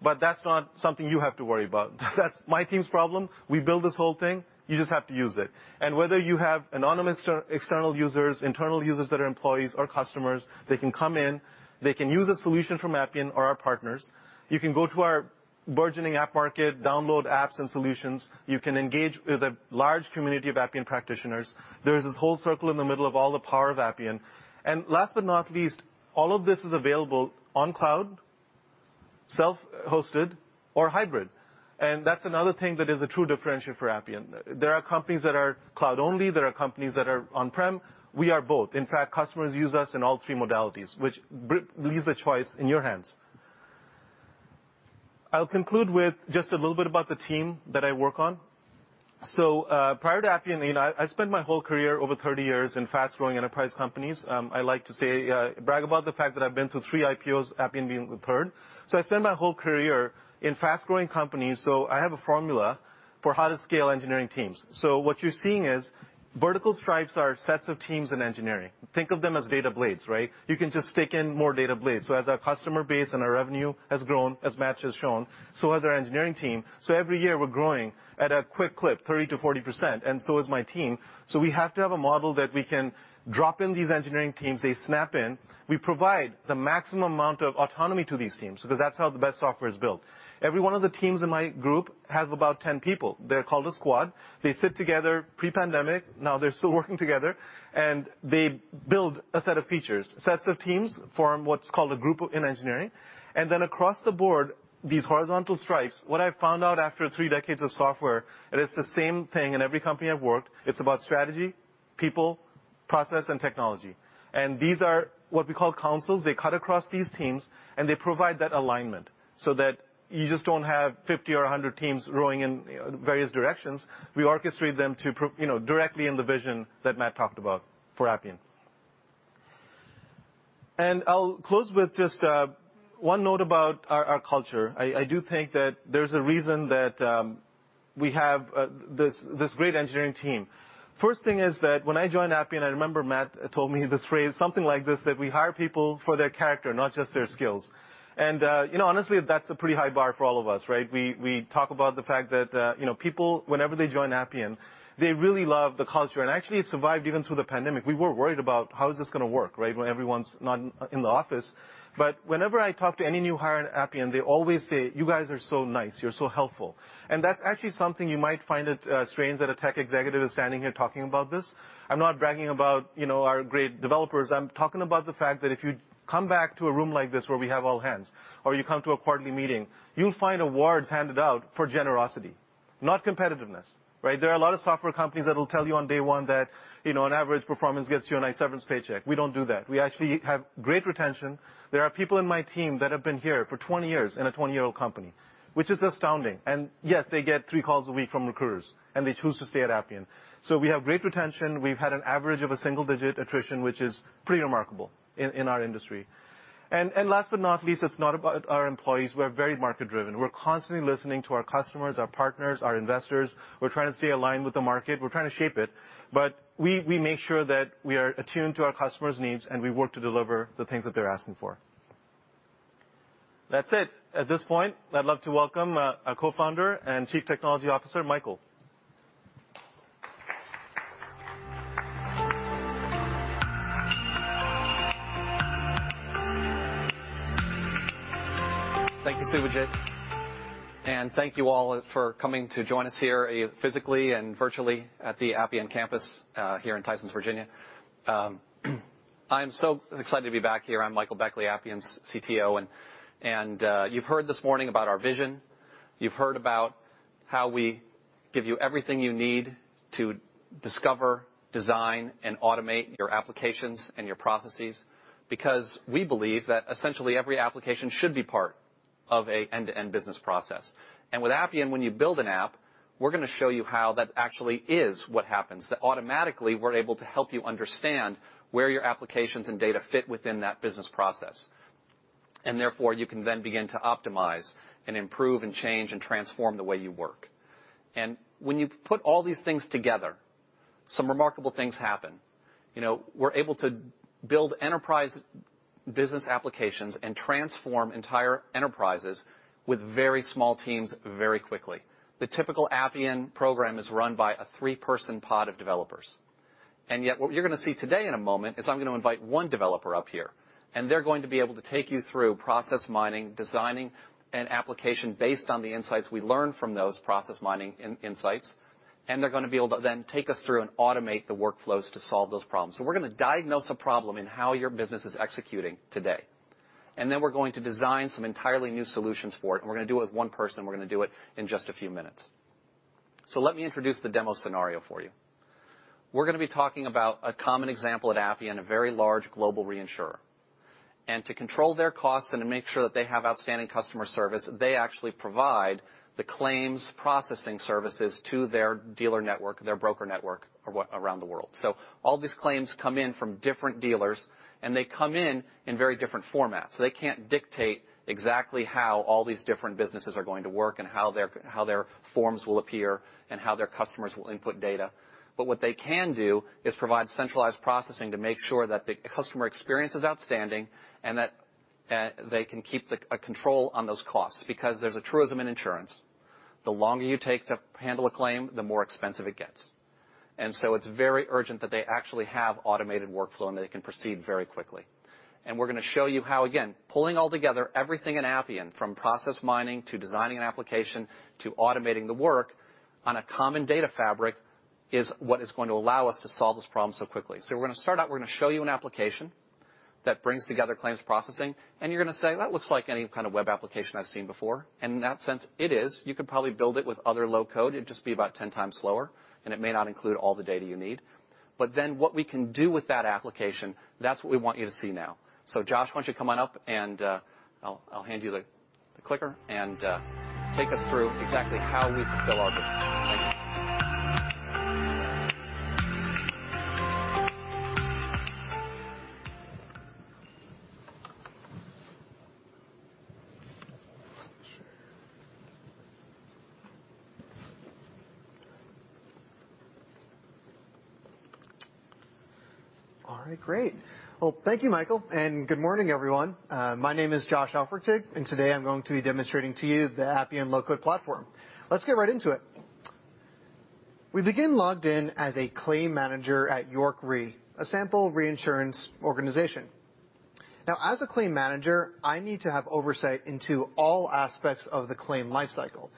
but that's not something you have to worry about. That's my team's problem. We build this whole thing. You just have to use it. Whether you have anonymous external users, internal users that are employees or customers, they can come in, they can use a solution from Appian or our partners. You can go to our burgeoning app market, download apps and solutions. You can engage with a large community of Appian practitioners. There is this whole circle in the middle of all the power of Appian. Last but not least, all of this is available on cloud, self-hosted, or hybrid. That's another thing that is a true differentiator for Appian. There are companies that are cloud only. There are companies that are on-prem. We are both. In fact, customers use us in all three modalities, which leaves the choice in your hands. I'll conclude with just a little bit about the team that I work on. Prior to Appian, I spent my whole career, over 30 years, in fast-growing enterprise companies. I like to brag about the fact that I've been to three IPOs, Appian being the third. I spent my whole career in fast-growing companies. I have a formula for how to scale engineering teams. What you're seeing is vertical stripes are sets of teams in engineering. Think of them as data blades. You can just stick in more data blades. As our customer base and our revenue has grown, as Matt has shown, so has our engineering team. Every year we're growing at a quick clip, 30%-40%, and so is my team. We have to have a model that we can drop in these engineering teams, they snap in. We provide the maximum amount of autonomy to these teams because that's how the best software is built. Every one of the teams in my group has about 10 people. They're called a Squad. They sit together pre-pandemic. Now they're still working together, they build a set of features. Sets of teams form what's called a Group in Engineering. Across the board, these horizontal stripes, what I've found out after three decades of software, it is the same thing in every company I've worked, it's about strategy, people, process, and technology. These are what we call Councils. They cut across these teams, and they provide that alignment so that you just don't have 50 or 100 teams rowing in various directions. We orchestrate them directly in the vision that Matt talked about for Appian. I'll close with just one note about our culture. I do think that there's a reason that we have this great engineering team. First thing is that when I joined Appian, I remember Matt told me this phrase, something like this, that we hire people for their character, not just their skills. Honestly, that's a pretty high bar for all of us. We talk about the fact that people, whenever they join Appian, they really love the culture, and actually it survived even through the pandemic. We were worried about how is this going to work when everyone's not in the office. Whenever I talk to any new hire at Appian, they always say, "You guys are so nice. You're so helpful." That's actually something you might find it strange that a tech executive is standing here talking about this. I'm not bragging about our great developers. I'm talking about the fact that if you come back to a room like this where we have all hands, or you come to a quarterly meeting, you'll find awards handed out for generosity, not competitiveness. There are a lot of software companies that will tell you on day one that an average performance gets you a nice severance paycheck. We don't do that. We actually have great retention. There are people in my team that have been here for 20 years in a 20-year-old company, which is astounding, and yes, they get three calls a week from recruiters, and they choose to stay at Appian. We have great retention. We've had an average of a single-digit attrition, which is pretty remarkable in our industry. Last but not least, it's not about our employees. We're very market-driven. We're constantly listening to our customers, our partners, our investors. We're trying to stay aligned with the market. We're trying to shape it. We make sure that we are attuned to our customers' needs, and we work to deliver the things that they're asking for. That's it. At this point, I'd love to welcome our Co-Founder and Chief Technology Officer, Michael. Thank you, Suvajit. Thank you all for coming to join us here, physically and virtually at the Appian campus here in Tysons, Virginia. I'm so excited to be back here. I'm Michael Beckley, Appian's CTO. You've heard this morning about our vision. You've heard about how we give you everything you need to Discover, Design, and Automate your applications and your processes, because we believe that essentially every application should be part of an end-to-end business process. With Appian, when you build an app, we're going to show you how that actually is what happens. That automatically, we're able to help you understand where your applications and data fit within that business process. Therefore, you can then begin to optimize and improve and change and transform the way you work. When you put all these things together, some remarkable things happen. We're able to build enterprise business applications and transform entire enterprises with very small teams, very quickly. The typical Appian program is run by a three-person pod of developers. Yet what you're going to see today in a moment is I'm going to invite one developer up here, and they're going to be able to take you through process mining, designing an application based on the insights we learn from those process mining insights, and they're going to be able to then take us through and automate the workflows to solve those problems. We're going to diagnose a problem in how your business is executing today. Then we're going to design some entirely new solutions for it, and we're going to do it with one person, and we're going to do it in just a few minutes. Let me introduce the demo scenario for you. We're going to be talking about a common example at Appian, a very large global reinsurer. To control their costs and to make sure that they have outstanding customer service, they actually provide the Claims processing services to their dealer network, their broker network around the world. All these Claims come in from different dealers, and they come in in very different formats. They can't dictate exactly how all these different businesses are going to work and how their forms will appear and how their customers will input data. What they can do is provide centralized processing to make sure that the customer experience is outstanding and that they can keep a control on those costs, because there's a truism in insurance. The longer you take to handle a claim, the more expensive it gets. It's very urgent that they actually have automated workflow and they can proceed very quickly. We're going to show you how, again, pulling all together everything in Appian, from process mining to designing an application to automating the work on a common data fabric, is what is going to allow us to solve this problem so quickly. We're going to start out. We're going to show you an application that brings together Claims processing, and you're going to say, "That looks like any kind of web application I've seen before." In that sense, it is. You could probably build it with other low code. It'd just be about 10x slower, and it may not include all the data you need. What we can do with that application, that's what we want you to see now. Josh, why don't you to come on up and I'll hand you the clicker and take us through exactly how we fulfill our vision. Thank you. All right, great. Well, thank you, Michael. Good morning, everyone. My name is Josh Aufrichtig. Today I'm going to be demonstrating to you the Appian low-code platform. Let's get right into it. We begin logged in as a claim manager at York Re, a sample reinsurance organization. Now, as a claim manager, I need to have oversight into all aspects of the claim lifecycle.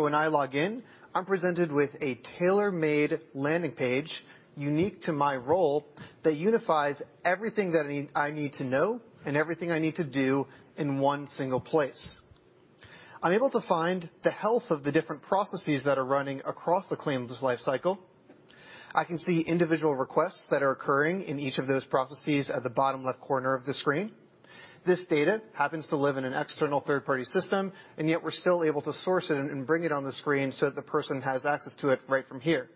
When I log in, I'm presented with a tailor-made landing page unique to my role that unifies everything that I need to know and everything I need to do in one single place. I'm able to find the health of the different processes that are running across the Claims lifecycle. I can see individual requests that are occurring in each of those processes at the bottom left corner of the screen. This data happens to live in an external third-party system, yet we're still able to source it and bring it on the screen so that the person has access to it right from here.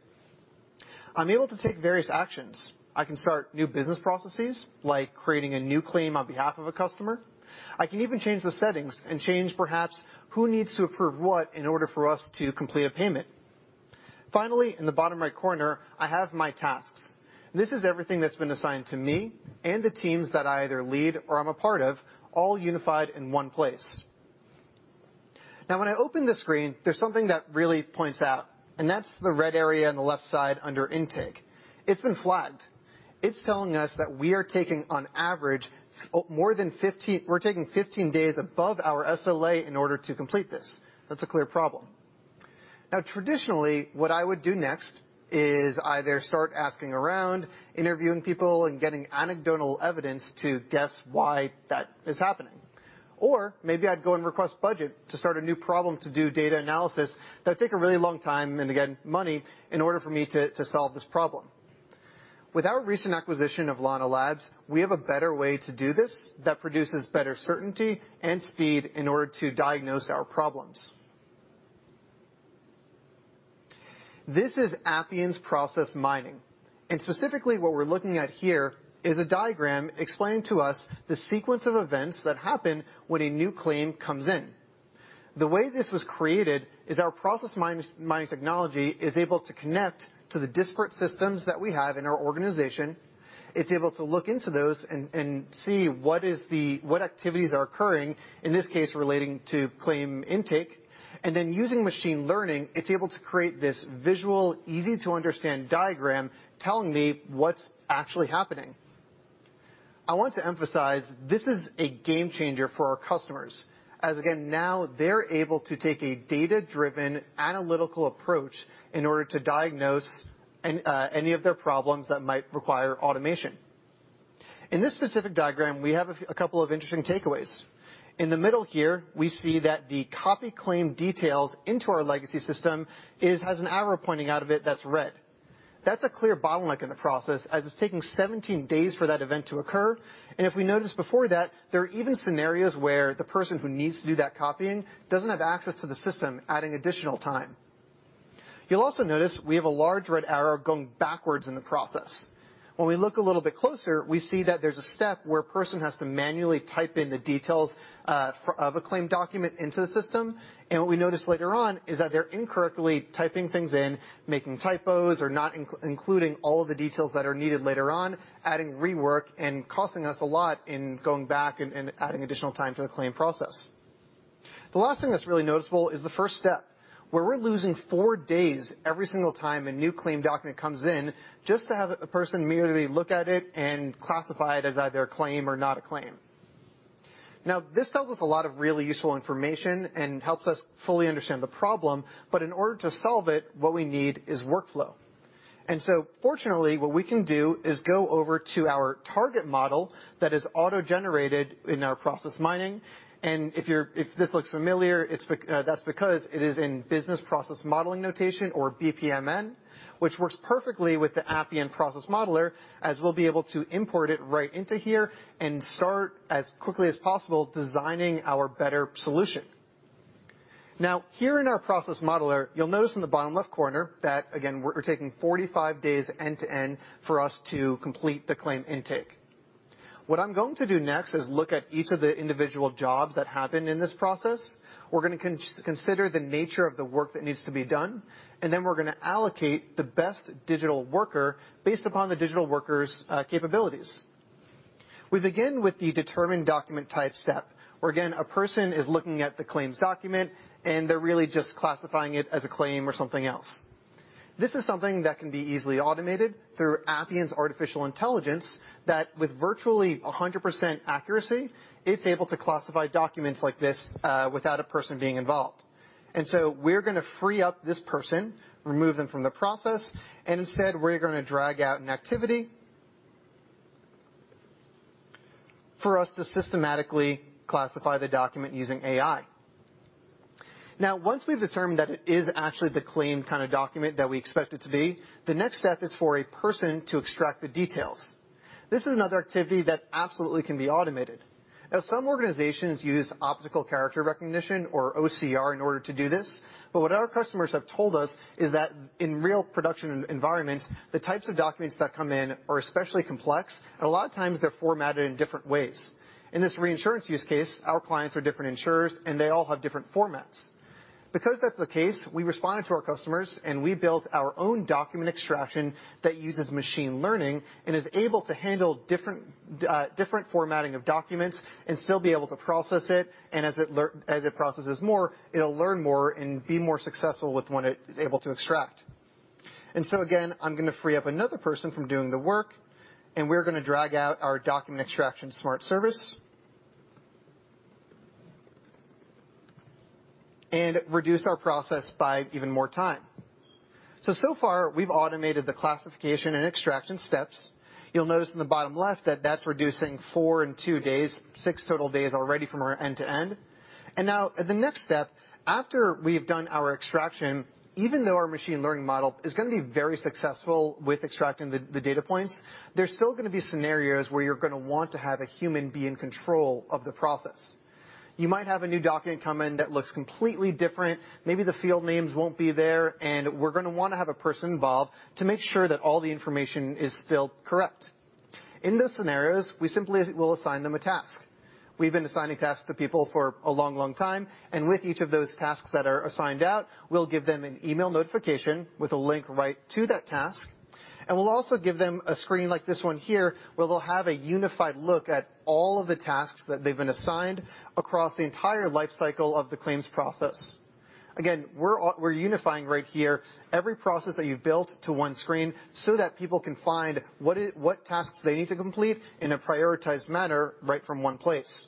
I'm able to take various actions. I can start new business processes, like creating a new claim on behalf of a customer. I can even change the settings and change perhaps who needs to approve what in order for us to complete a payment. Finally, in the bottom right corner, I have my tasks. This is everything that's been assigned to me and the teams that I either lead or I'm a part of, all unified in one place. When I open this screen, there's something that really points out, that's the red area on the left side under Intake. It's been flagged. It's telling us that we are taking 15 days above our SLA in order to complete this. That's a clear problem. Now, traditionally, what I would do next is either start asking around, interviewing people, and getting anecdotal evidence to guess why that is happening. Maybe I'd go and request budget to start a new problem to do data analysis that take a really long time, and again, money, in order for me to solve this problem. With our recent acquisition of Lana Labs, we have a better way to do this that produces better certainty and speed in order to diagnose our problems. This is Appian's process mining. Specifically, what we're looking at here is a diagram explaining to us the sequence of events that happen when a new claim comes in. The way this was created is our process mining technology is able to connect to the disparate systems that we have in our organization. It's able to look into those and see what activities are occurring, in this case, relating to claim intake, and then using machine learning, it's able to create this visual, easy-to-understand diagram telling me what's actually happening. I want to emphasize, this is a game changer for our customers, as again, now they're able to take a data-driven analytical approach in order to diagnose any of their problems that might require automation. In this specific diagram, we have a couple of interesting takeaways. In the middle here, we see that the copy claim details into our legacy system has an arrow pointing out of it that's red. That's a clear bottleneck in the process, as it's taking 17 days for that event to occur. If we notice before that, there are even scenarios where the person who needs to do that copying doesn't have access to the system, adding additional time. You'll also notice we have a large red arrow going backwards in the process. When we look a little bit closer, we see that there's a step where a person has to manually type in the details of a claim document into the system. What we notice later on is that they're incorrectly typing things in, making typos, or not including all of the details that are needed later on, adding rework and costing us a lot in going back and adding additional time to the claim process. The last thing that's really noticeable is the first step, where we're losing four days every single time a new claim document comes in just to have a person merely look at it and classify it as either a claim or not a claim. Now, this tells us a lot of really useful information and helps us fully understand the problem. In order to solve it, what we need is workflow. Fortunately, what we can do is go over to our target model that is auto-generated in our process mining. If this looks familiar, that's because it is in Business Process Model and Notation, or BPMN, which works perfectly with the Appian process modeler, as we'll be able to import it right into here and start, as quickly as possible, designing our better solution. Here in our process modeler, you'll notice in the bottom left corner that, again, we're taking 45 days end-to-end for us to complete the claim intake. What I'm going to do next is look at each of the individual jobs that happen in this process. We're going to consider the nature of the work that needs to be done, then we're going to allocate the best digital worker based upon the digital worker's capabilities. We begin with the determine document type step, where again, a person is looking at the Claims document, and they're really just classifying it as a claim or something else. This is something that can be easily automated through Appian's artificial intelligence that, with virtually 100% accuracy, it's able to classify documents like this, without a person being involved. We're going to free up this person, remove them from the process, and instead, we're going to drag out an activity for us to systematically classify the document using AI. Once we've determined that it is actually the claim kind of document that we expect it to be, the next step is for a person to extract the details. This is another activity that absolutely can be automated. Some organizations use optical character recognition, or OCR, in order to do this. What our customers have told us is that in real production environments, the types of documents that come in are especially complex. A lot of times, they're formatted in different ways. In this reinsurance use case, our clients are different insurers, and they all have different formats. Because that's the case, we responded to our customers, and we built our own document extraction that uses machine learning and is able to handle different formatting of documents and still be able to process it. As it processes more, it'll learn more and be more successful with what it is able to extract. Again, I'm going to free up another person from doing the work, and we're going to drag out our document extraction smart service and reduce our process by even more time. So far, we've automated the classification and extraction steps. You'll notice in the bottom left that that's reducing four and two days, six total days already from our end-to-end. Now the next step, after we've done our extraction, even though our machine learning model is going to be very successful with extracting the data points, there's still going to be scenarios where you're going to want to have a human be in control of the process. You might have a new document come in that looks completely different. Maybe the field names won't be there. We're going to want to have a person involved to make sure that all the information is still correct. In those scenarios, we simply will assign them a task. We've been assigning tasks to people for a long time. With each of those tasks that are assigned out, we'll give them an email notification with a link right to that task. We'll also give them a screen like this one here, where they'll have a unified look at all of the tasks that they've been assigned across the entire life cycle of the Claims process. Again, we're unifying right here every process that you've built to one screen so that people can find what tasks they need to complete in a prioritized manner right from one place.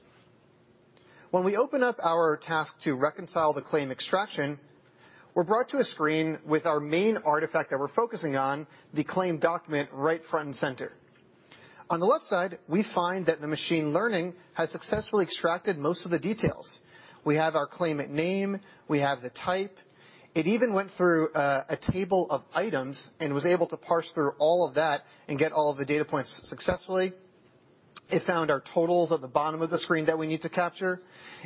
When we open up our task to reconcile the claim extraction, we're brought to a screen with our main artifact that we're focusing on, the Connected Claim document, right front and center. On the left side, we find that the machine learning has successfully extracted most of the details. We have our claimant name, we have the type. It even went through a table of items and was able to parse through all of that and get all of the data points successfully. It found our totals at the bottom of the screen that we need to capture,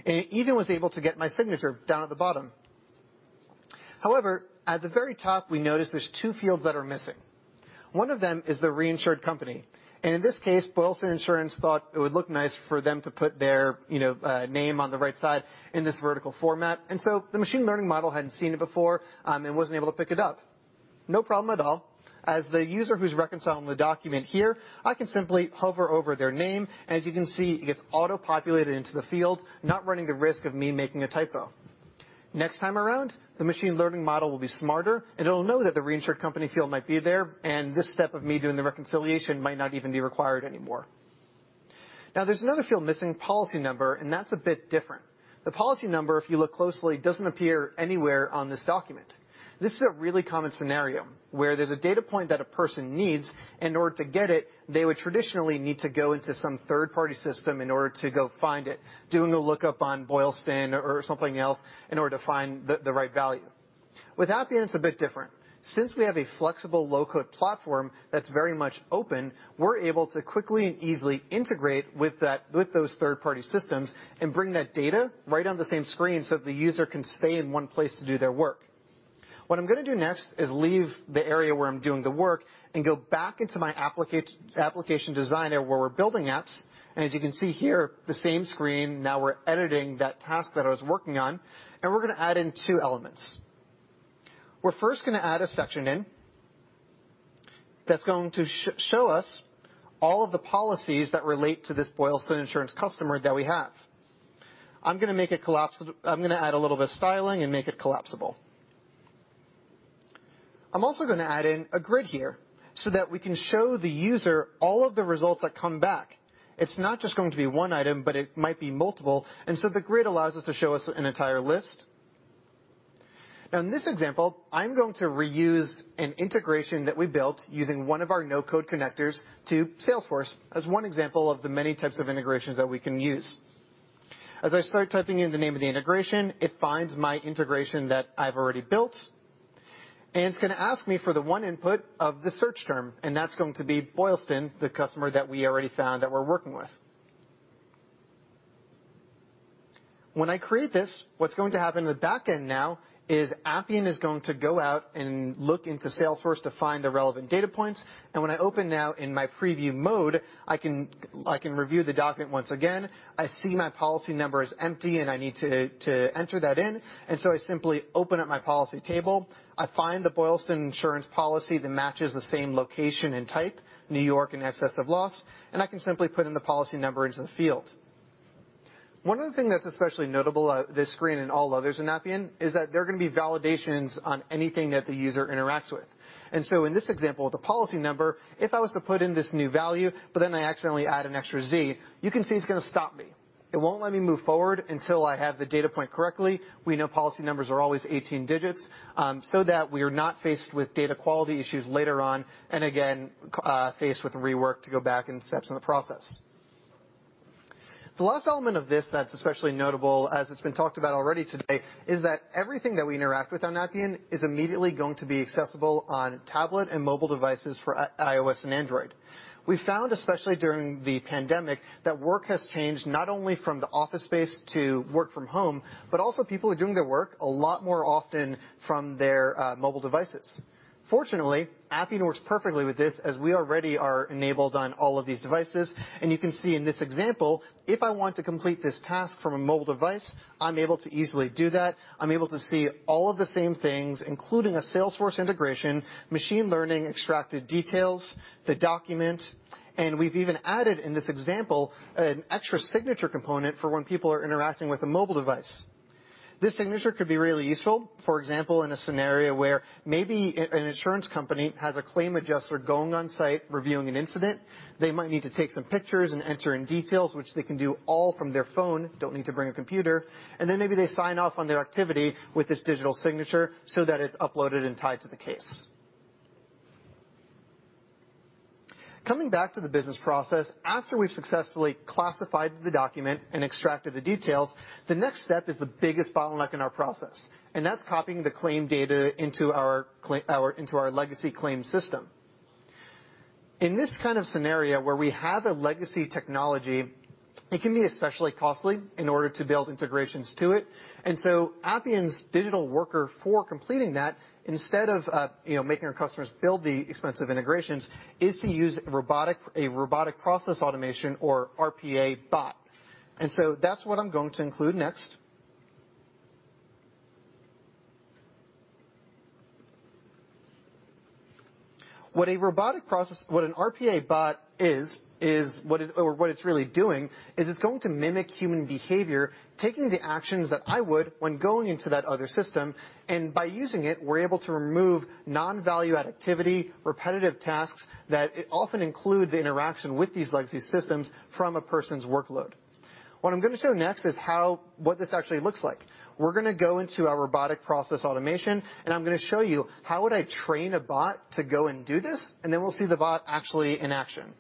and it even was able to get my signature down at the bottom. At the very top, we notice there's two fields that are missing. One of them is the reinsured company. In this case, Boylston Insurance thought it would look nice for them to put their name on the right side in this vertical format. The machine learning model hadn't seen it before, and wasn't able to pick it up. No problem at all. As the user who's reconciling the document here, I can simply hover over their name, and as you can see, it gets auto-populated into the field, not running the risk of me making a typo. Next time around, the machine learning model will be smarter, and it'll know that the reinsured company field might be there, and this step of me doing the reconciliation might not even be required anymore. There's another field missing, policy number, and that's a bit different. The policy number, if you look closely, doesn't appear anywhere on this document. This is a really common scenario, where there's a data point that a person needs. In order to get it, they would traditionally need to go into some third-party system in order to go find it, doing a lookup on Boylston or something else in order to find the right value. With Appian, it's a bit different. Since we have a flexible low-code platform that's very much open, we're able to quickly and easily integrate with those third-party systems and bring that data right on the same screen so that the user can stay in one place to do their work. What I'm going to do next is leave the area where I'm doing the work and go back into my application designer, where we're building apps. As you can see here, the same screen. Now we're editing that task that I was working on, and we're going to add in two elements. We're first going to add a section in that's going to show us all of the policies that relate to this Boylston Insurance customer that we have. I'm going to add a little bit of styling and make it collapsible. I'm also going to add in a grid here so that we can show the user all of the results that come back. It's not just going to be one item, but it might be multiple. The grid allows us to show us an entire list. In this example, I'm going to reuse an integration that we built using one of our no-code connectors to Salesforce as one example of the many types of integrations that we can use. As I start typing in the name of the integration, it finds my integration that I've already built, and it's going to ask me for the one input of the search term, and that's going to be Boylston, the customer that we already found that we're working with. When I create this, what's going to happen in the back-end now is Appian is going to go out and look into Salesforce to find the relevant data points. When I open now in my Preview Mode, I can review the document once again. I see my policy number is empty, and I need to enter that in. I simply open up my policy table. I find the Boylston Insurance policy that matches the same location and type, New York and excessive loss, I can simply put in the policy number into the field. One other thing that's especially notable, this screen and all others in Appian, is that there are going to be validations on anything that the user interacts with. In this example, the policy number, if I was to put in this new value, but then I accidentally add an extra Z, you can see it's going to stop me. It won't let me move forward until I have the data point correctly, we know policy numbers are always 18 digits, so that we are not faced with data quality issues later on, and again, faced with rework to go back in steps in the process. The last element of this that's especially notable, as it's been talked about already today, is that everything that we interact with on Appian is immediately going to be accessible on tablet and mobile devices for iOS and Android. We found, especially during the pandemic, that work has changed not only from the office space to work from home, but also people are doing their work a lot more often from their mobile devices. Fortunately, Appian works perfectly with this as we already are enabled on all of these devices. You can see in this example, if I want to complete this task from a mobile device, I'm able to easily do that. I'm able to see all of the same things, including a Salesforce integration, machine learning, extracted details, the document. We've even added in this example, an extra signature component for when people are interacting with a mobile device. This signature could be really useful. For example, in a scenario where maybe an insurance company has a claim adjuster going on-site reviewing an incident. They might need to take some pictures and enter in details, which they can do all from their phone, don't need to bring a computer. Then maybe they sign off on their activity with this digital signature so that it's uploaded and tied to the case. Coming back to the business process. After we've successfully classified the document and extracted the details, the next step is the biggest bottleneck in our process, and that's copying the claim data into our legacy claim system. In this kind of scenario where we have a legacy technology, it can be especially costly in order to build integrations to it. Appian's digital worker for completing that, instead of making our customers build the expensive integrations, is to use a robotic process automation or RPA bot. That's what I'm going to include next. What an RPA bot is or what it's really doing is it's going to mimic human behavior, taking the actions that I would when going into that other system. By using it, we're able to remove non-value-add activity, repetitive tasks that often include the interaction with these legacy systems from a person's workload. What I'm going to show next is what this actually looks like. We're going to go into our robotic process automation, and I'm going to show you how would I train a bot to go and do this, then we'll see the bot actually in action.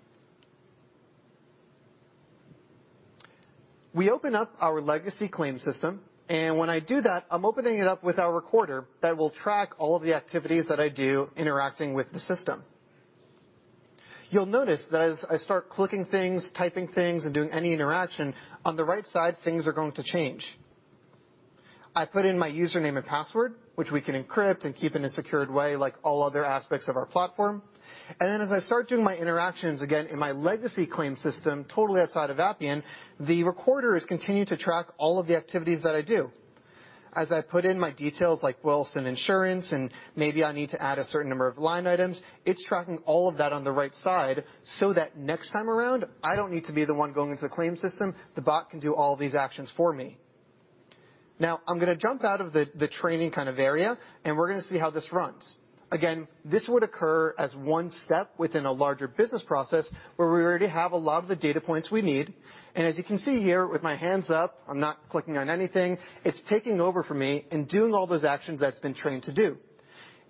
We open up our legacy claim system, and when I do that, I'm opening it up with our recorder that will track all of the activities that I do interacting with the system. You'll notice that as I start clicking things, typing things, and doing any interaction, on the right side, things are going to change. I put in my username and password, which we can encrypt and keep in a secured way, like all other aspects of our platform. As I start doing my interactions again in my legacy claim system, totally outside of Appian, the recorder is continuing to track all of the activities that I do. As I put in my details like Boylston Insurance, and maybe I need to add a certain number of line items. It's tracking all of that on the right side so that next time around, I don't need to be the one going into the Connected Claim system. The bot can do all of these actions for me. Now, I'm going to jump out of the training kind of area, and we're going to see how this runs. This would occur as one step within a larger business process where we already have a lot of the data points we need. As you can see here with my hands up, I'm not clicking on anything. It's taking over for me and doing all those actions that it's been trained to do.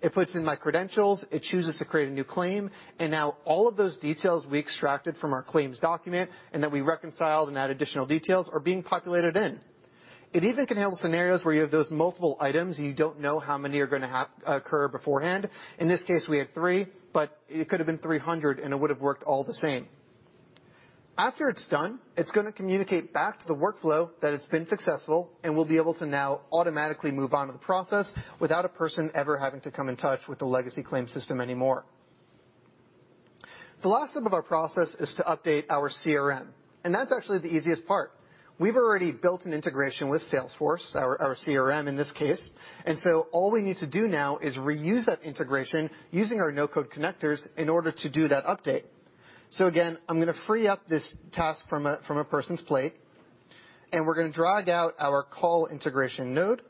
It puts in my credentials, it chooses to create a new claim, now all of those details we extracted from our Connected Claims document and that we reconciled and added additional details are being populated in. It even can handle scenarios where you have those multiple items, you don't know how many are going to occur beforehand. In this case, we had three, but it could have been 300, and it would have worked all the same. After it's done, it's going to communicate back to the workflow that it's been successful, and we'll be able to now automatically move on to the process without a person ever having to come in touch with the legacy claim system anymore. The last step of our process is to update our CRM, and that's actually the easiest part. We've already built an integration with Salesforce, our CRM in this case. All we need to do now is reuse that integration using our no-code connectors in order to do that update. Again, I'm going to free up this task from a person's plate, and we're going to drag out our Call Integration node.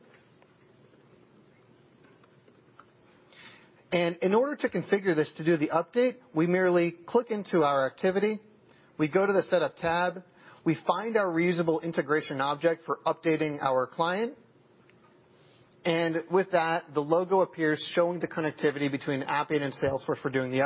In order to configure this to do the update, we merely click into our activity. We go to the Setup tab, we find our reusable integration object for updating our client. With that, the logo appears showing the connectivity between Appian and Salesforce for doing the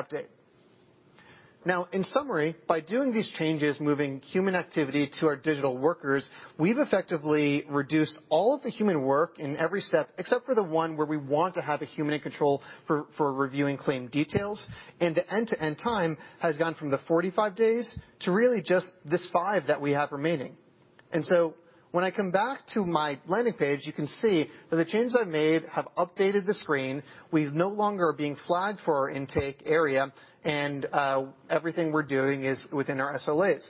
update. In summary, by doing these changes, moving human activity to our digital workers, we've effectively reduced all of the human work in every step except for the one where we want to have a human in control for reviewing claim details. The end-to-end time has gone from the 45 days to really just this five that we have remaining. When I come back to my landing page, you can see that the changes I've made have updated the screen. We've no longer are being flagged for our intake area, and everything we're doing is within our SLAs.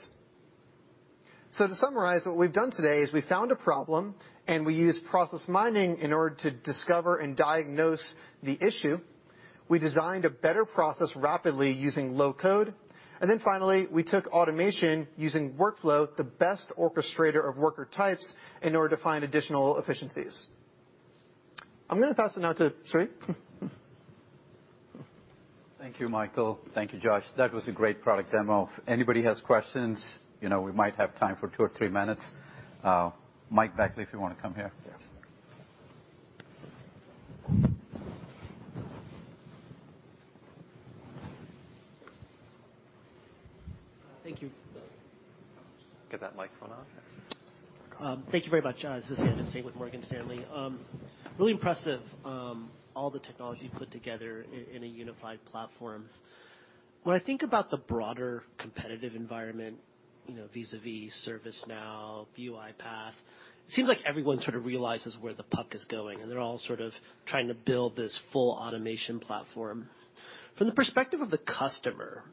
To summarize, what we've done today is we found a problem, and we used process mining in order to discover and diagnose the issue. We designed a better process rapidly using low-code, and then finally, we took automation using workflow, the best orchestrator of worker types, in order to find additional efficiencies. I'm going to pass it now to Sri. Thank you, Michael. Thank you, Josh. That was a great product demo. If anybody has questions, we might have time for two or three minutes. Michael Beckley, if you want to come here. Yes. Thank you. Get that microphone on. Thank you very much. This is Sanjit Singh with Morgan Stanley. Really impressive, all the technology put together in a unified platform. When I think about the broader competitive environment, vis-a-vis ServiceNow, UiPath, it seems like everyone sort of realizes where the puck is going, and they're all sort of trying to build this full automation platform. From the perspective of the customer,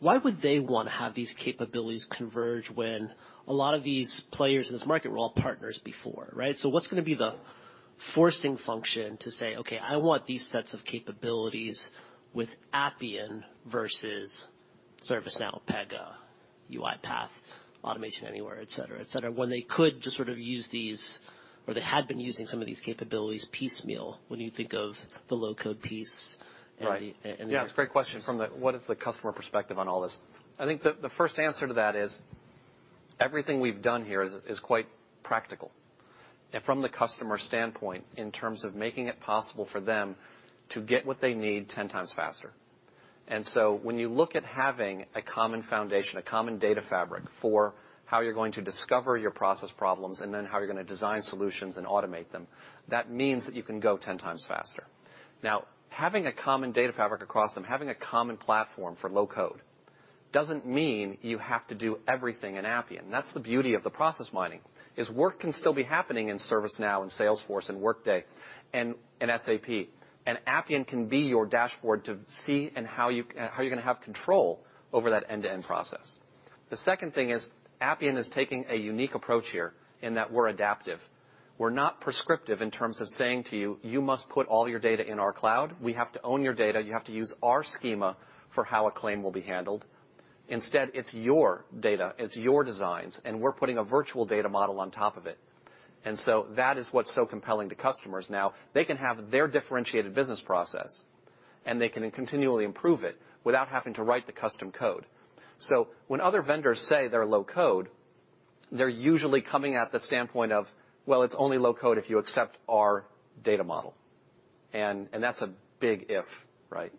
why would they want to have these capabilities converge when a lot of these players in this market were all partners before, right? What's going to be the forcing function to say, "Okay, I want these sets of capabilities with Appian versus ServiceNow, Pega, UiPath, Automation Anywhere," et cetera. When they could just sort of use these or they had been using some of these capabilities piecemeal when you think of the low-code piece and the- Right. Yeah, it's a great question from the what is the customer perspective on all this. I think the first answer to that is everything we've done here is quite practical. From the customer standpoint, in terms of making it possible for them to get what they need 10x faster. When you look at having a common foundation, a common data fabric for how you're going to discover your process problems and then how you're going to design solutions and automate them, that means that you can go 10x faster. Now, having a common data fabric across them, having a common platform for low-code doesn't mean you have to do everything in Appian. That's the beauty of the process mining, is work can still be happening in ServiceNow, in Salesforce, in Workday, and in SAP. Appian can be your dashboard to see and how you're going to have control over that end-to-end process. The second thing is Appian is taking a unique approach here in that we're adaptive. We're not prescriptive in terms of saying to you, "You must put all your data in our cloud. We have to own your data. You have to use our schema for how a claim will be handled." Instead, it's your data, it's your designs, and we're putting a virtual data model on top of it. That is what's so compelling to customers now. They can have their differentiated business process, and they can continually improve it without having to write the custom code. When other vendors say they're low-code, they're usually coming at the standpoint of, well, it's only low-code if you accept our data model. That's a big if, right?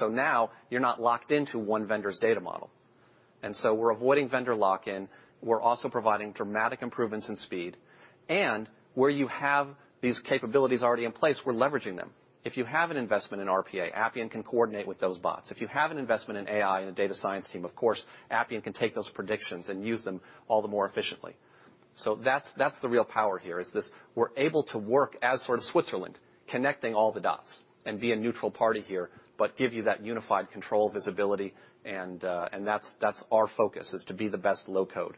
Now you're not locked into one vendor's data model. We're avoiding vendor lock-in. We're also providing dramatic improvements in speed. Where you have these capabilities already in place, we're leveraging them. If you have an investment in RPA, Appian can coordinate with those bots. If you have an investment in AI and a data science team, of course, Appian can take those predictions and use them all the more efficiently. That's the real power here, is this, we're able to work as sort of Switzerland, connecting all the dots and be a neutral party here, but give you that unified control visibility. That's our focus, is to be the best low-code.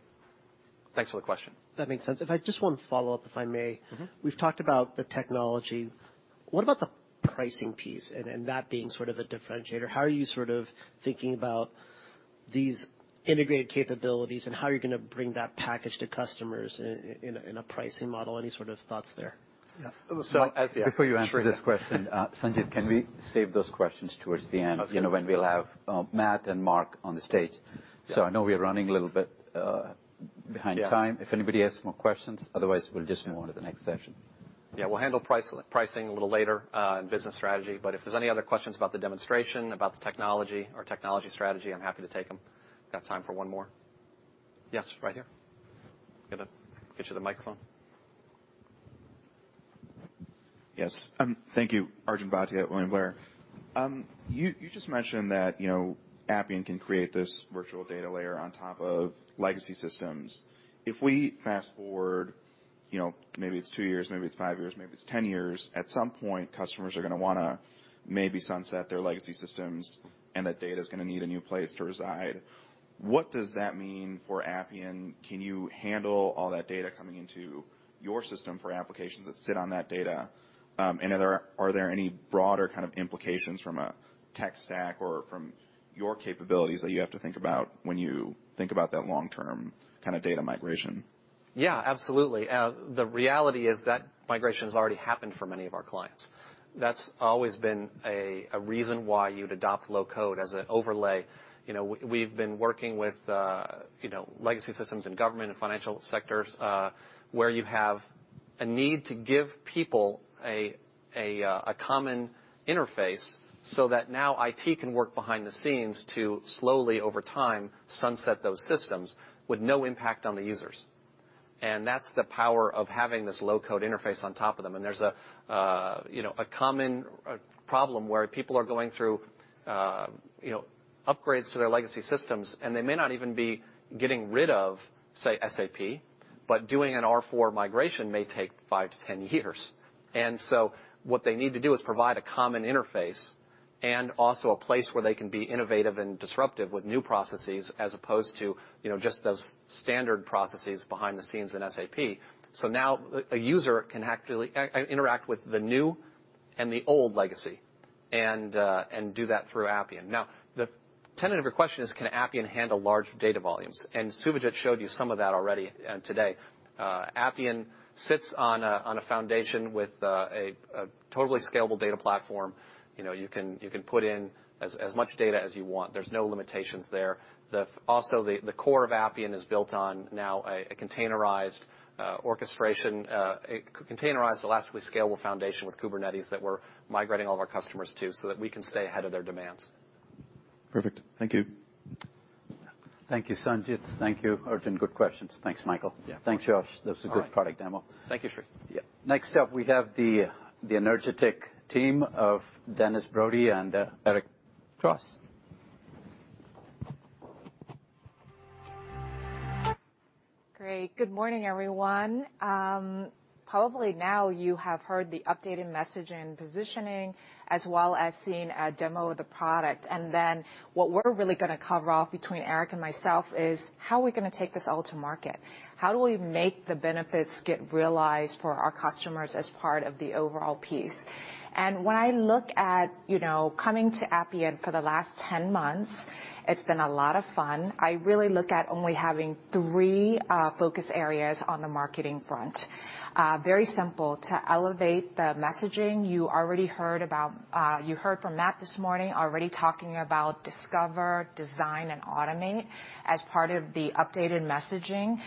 Thanks for the question. That makes sense. If I just want to follow up, if I may. We've talked about the technology. What about the pricing piece and that being sort of a differentiator. How are you sort of thinking about these integrated capabilities and how you're going to bring that package to customers in a pricing model? Any sort of thoughts there? Yeah. So as- Yeah. Sure, yeah. Before you answer this question, Sanjit, can we save those questions towards the end- Okay when we'll have Matt and Mark on the stage. Yeah. I know we're running a little bit behind time. Yeah. If anybody has more questions, otherwise we'll just move on to the next section. Yeah, we'll handle pricing a little later, and business strategy, but if there's any other questions about the demonstration, about the technology or technology strategy, I'm happy to take them. We've got time for one more. Yes, right here. I'm going to get you the microphone. Yes. Thank you. Arjun Bhatia, William Blair. You just mentioned that Appian can create this virtual data layer on top of legacy systems. If we fast-forward, maybe it's two years, maybe it's five years, maybe it's 10 years, at some point, customers are going to want to maybe sunset their legacy systems, and that data's going to need a new place to reside. What does that mean for Appian? Can you handle all that data coming into your system for applications that sit on that data? Are there any broader kind of implications from a tech stack or from your capabilities that you have to think about when you think about that long-term data migration? Absolutely. The reality is that migration has already happened for many of our clients. That's always been a reason why you'd adopt low-code as an overlay. We've been working with legacy systems in government and financial sectors, where you have a need to give people a common interface so that now IT can work behind the scenes to slowly, over time, sunset those systems with no impact on the users. That's the power of having this low-code interface on top of them, and there's a common problem where people are going through upgrades to their legacy systems, and they may not even be getting rid of, say, SAP, but doing an SAP S/4 migration may take 5 to 10 years. What they need to do is provide a common interface and also a place where they can be innovative and disruptive with new processes as opposed to just those standard processes behind the scenes in SAP. Now a user can actually interact with the new and the old legacy and do that through Appian. The tenet of your question is, can Appian handle large data volumes? Suvajit showed you some of that already today. Appian sits on a foundation with a totally scalable data platform. You can put in as much data as you want. There's no limitations there. The core of Appian is built on now a containerized orchestration, a containerized elastically scalable foundation with Kubernetes that we're migrating all of our customers to so that we can stay ahead of their demands. Perfect. Thank you. Thank you, Sanjit. Thank you, Arjun. Good questions. Thanks, Michael. Yeah. Thanks, Josh. That was a good- All right. product demo. Thank you, Sri. Yeah. Next up we have the energetic team of Denise Broady and Eric Cross. Great. Good morning, everyone. Probably now you have heard the updated message and positioning, as well as seen a demo of the product. What we're really going to cover off between Eric and myself is how are we going to take this all to market? How do we make the benefits get realized for our customers as part of the overall piece? When I look at coming to Appian for the last 10 months, it's been a lot of fun. I really look at only having three focus areas on the marketing front. Very simple, to elevate the messaging. You already heard from Matt this morning already talking about Discover, Design, and Automate as part of the updated messaging.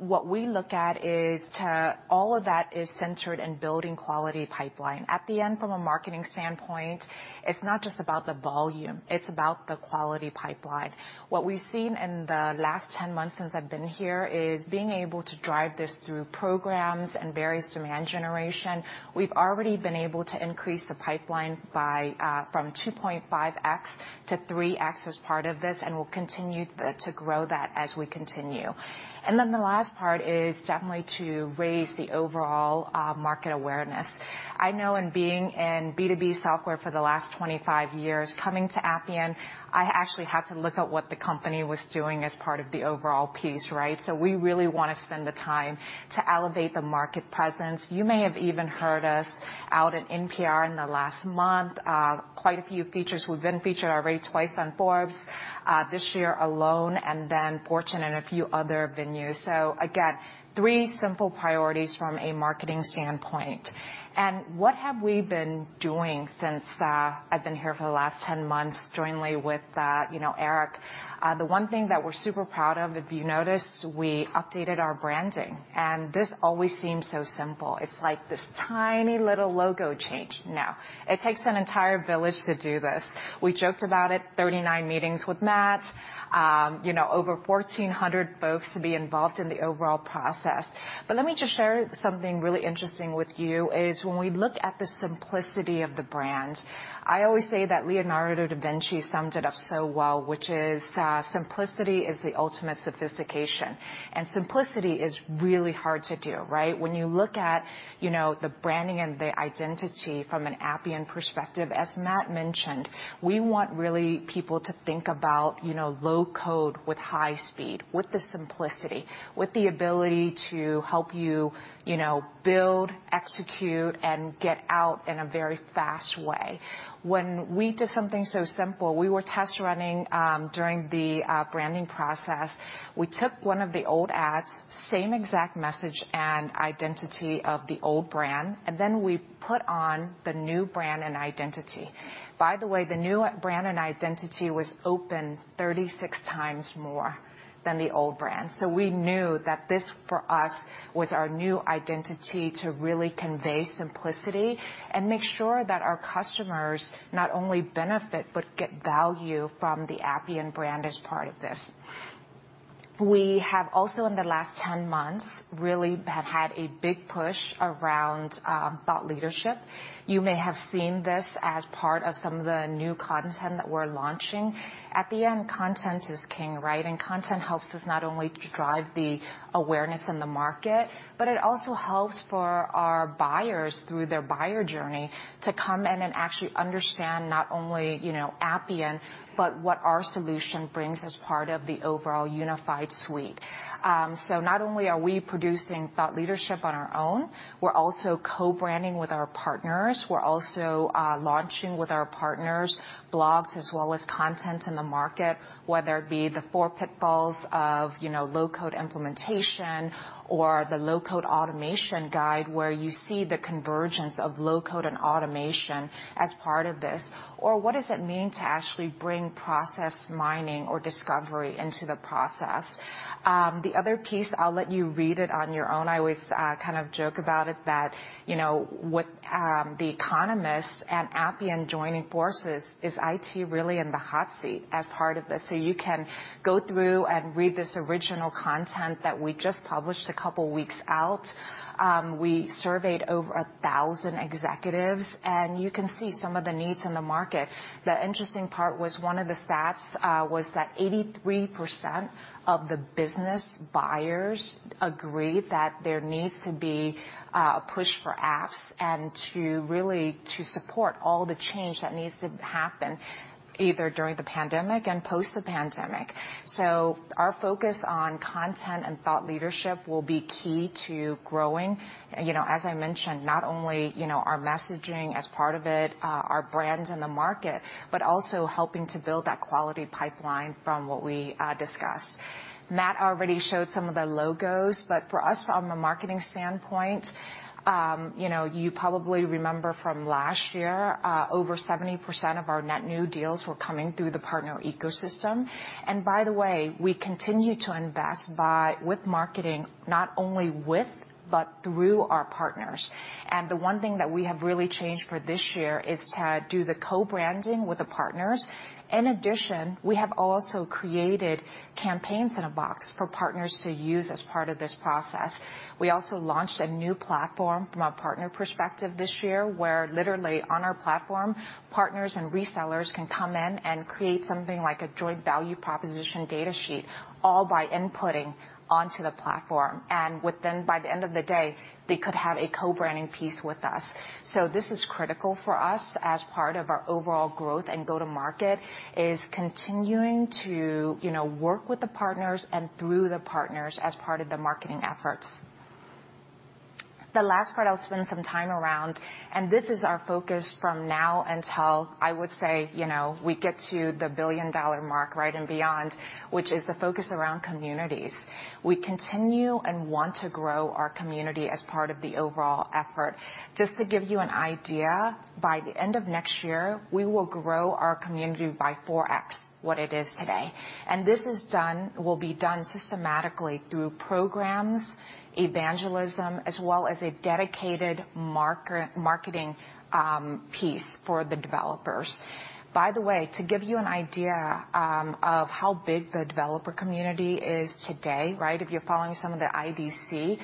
What we look at is to all of that is centered in building quality pipeline. At the end, from a marketing standpoint, it's not just about the volume, it's about the quality pipeline. What we've seen in the last 10 months since I've been here is being able to drive this through programs and various demand generation. We've already been able to increase the pipeline from 2.5x to 3x as part of this. We'll continue to grow that as we continue. The last part is definitely to raise the overall market awareness. I know in being in B2B software for the last 25 years, coming to Appian, I actually had to look at what the company was doing as part of the overall piece, right? We really want to spend the time to elevate the market presence. You may have even heard us out in NPR in the last month. Quite a few features. We've been featured already twice on Forbes, this year alone, then Fortune and a few other venues. Again, three simple priorities from a marketing standpoint. What have we been doing since I've been here for the last 10 months jointly with Eric? The one thing that we're super proud of, if you noticed, we updated our branding, this always seems so simple. It's like this tiny little logo change. No. It takes an entire village to do this. We joked about it, 39 meetings with Matt. Over 1,400 folks to be involved in the overall process. Let me just share something really interesting with you is when we look at the simplicity of the brand, I always say that Leonardo da Vinci summed it up so well, which is, "Simplicity is the ultimate sophistication." Simplicity is really hard to do, right? When you look at the branding and the identity from an Appian perspective, as Matt mentioned, we want really people to think about low-code with high speed, with the simplicity, with the ability to help you build, execute, and get out in a very fast way. When we do something so simple, we were test running during the branding process. We took one of the old ads, same exact message and identity of the old brand, and then we put on the new brand and identity. By the way, the new brand and identity was opened 36x more than the old brand. We knew that this, for us, was our new identity to really convey simplicity and make sure that our customers not only benefit but get value from the Appian brand as part of this. We have also, in the last 10 months, really have had a big push around thought leadership. You may have seen this as part of some of the new content that we're launching. At the end, content is king, right? Content helps us not only to drive the awareness in the market, but it also helps for our buyers through their buyer journey to come in and actually understand not only Appian, but what our solution brings as part of the overall unified suite. Not only are we producing thought leadership on our own, we're also co-branding with our partners. We're also launching with our partners blogs as well as content in the market, whether it be the four pitfalls of low-code implementation or the low-code automation guide, where you see the convergence of low-code and automation as part of this, or what does it mean to actually bring process mining or discovery into the process. The other piece, I'll let you read it on your own. I always kind of joke about it that, with The Economist and Appian joining forces, is IT really in the hot seat as part of this? You can go through and read this original content that we just published a couple weeks out. We surveyed over 1,000 executives, and you can see some of the needs in the market. The interesting part was one of the stats was that 83% of the business buyers agree that there needs to be a push for apps and to really to support all the change that needs to happen, either during the pandemic and post the pandemic. Our focus on content and thought leadership will be key to growing. As I mentioned, not only our messaging as part of it, our brand in the market, but also helping to build that quality pipeline from what we discussed. Matt already showed some of the logos, for us, from a marketing standpoint, you probably remember from last year, over 70% of our net new deals were coming through the partner ecosystem. By the way, we continue to invest with marketing, not only with, but through our partners. The one thing that we have really changed for this year is to do the co-branding with the partners. In addition, we have also created campaigns in a box for partners to use as part of this process. We also launched a new platform from a partner perspective this year, where literally on our platform, partners and resellers can come in and create something like a joint value proposition data sheet, all by inputting onto the platform. By the end of the day, they could have a co-branding piece with us. This is critical for us as part of our overall growth and go-to-market is continuing to work with the partners and through the partners as part of the marketing efforts. The last part I'll spend some time around, this is our focus from now until I would say, we get to the $1 billion-dollar mark and beyond, which is the focus around communities. We continue and want to grow our community as part of the overall effort. Just to give you an idea, by the end of next year, we will grow our community by 4x what it is today. This will be done systematically through programs, evangelism, as well as a dedicated marketing piece for the developers. By the way, to give you an idea of how big the developer community is today, if you're following some of the IDC,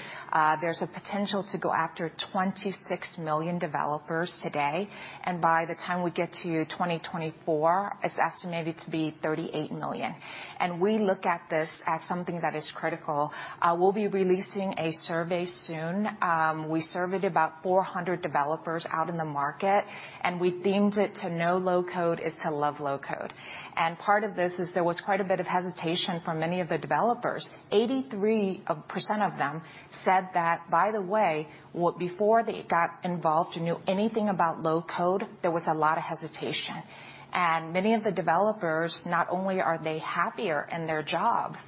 there's a potential to go after 26 million developers today, and by the time we get to 2024, it's estimated to be 38 million. We look at this as something that is critical. We'll be releasing a survey soon. We surveyed about 400 developers out in the market, and we themed it, "To know low-code is to love low-code." Part of this is there was quite a bit of hesitation from many of the developers. 83% of them said that, by the way, before they got involved or knew anything about low-code, there was a lot of hesitation. Many of the developers, not only are they happier in their jobs,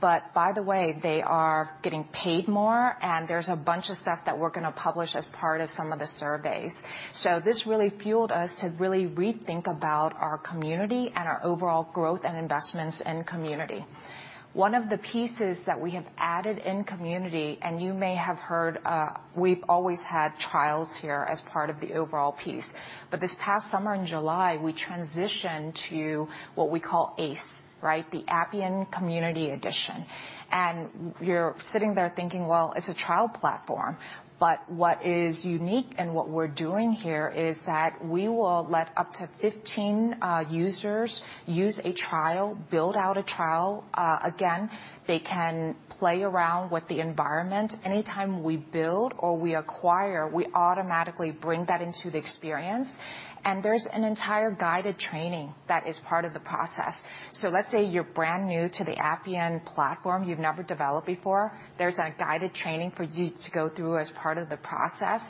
but by the way, they are getting paid more, and there's a bunch of stuff that we're going to publish as part of some of the surveys. This really fueled us to really rethink about our community and our overall growth and investments in community. One of the pieces that we have added in community, you may have heard, we've always had trials here as part of the overall piece. This past summer in July, we transitioned to what we call ACE, the Appian Community Edition. You're sitting there thinking, well, it's a trial platform. What is unique and what we're doing here is that we will let up to 15 users use a trial, build out a trial. Again, they can play around with the environment. Anytime we build or we acquire, we automatically bring that into the experience. There's an entire guided training that is part of the process. Let's say you're brand new to the Appian platform, you've never developed before, there's a guided training for you to go through as part of the process.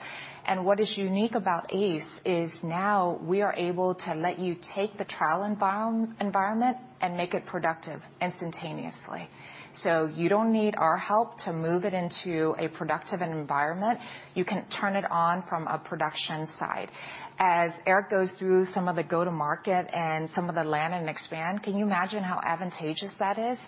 What is unique about ACE is now we are able to let you take the trial environment and make it productive instantaneously. You don't need our help to move it into a productive environment. You can turn it on from a production side. As Eric goes through some of the go-to-market and some of the land and expand, can you imagine how advantageous that is?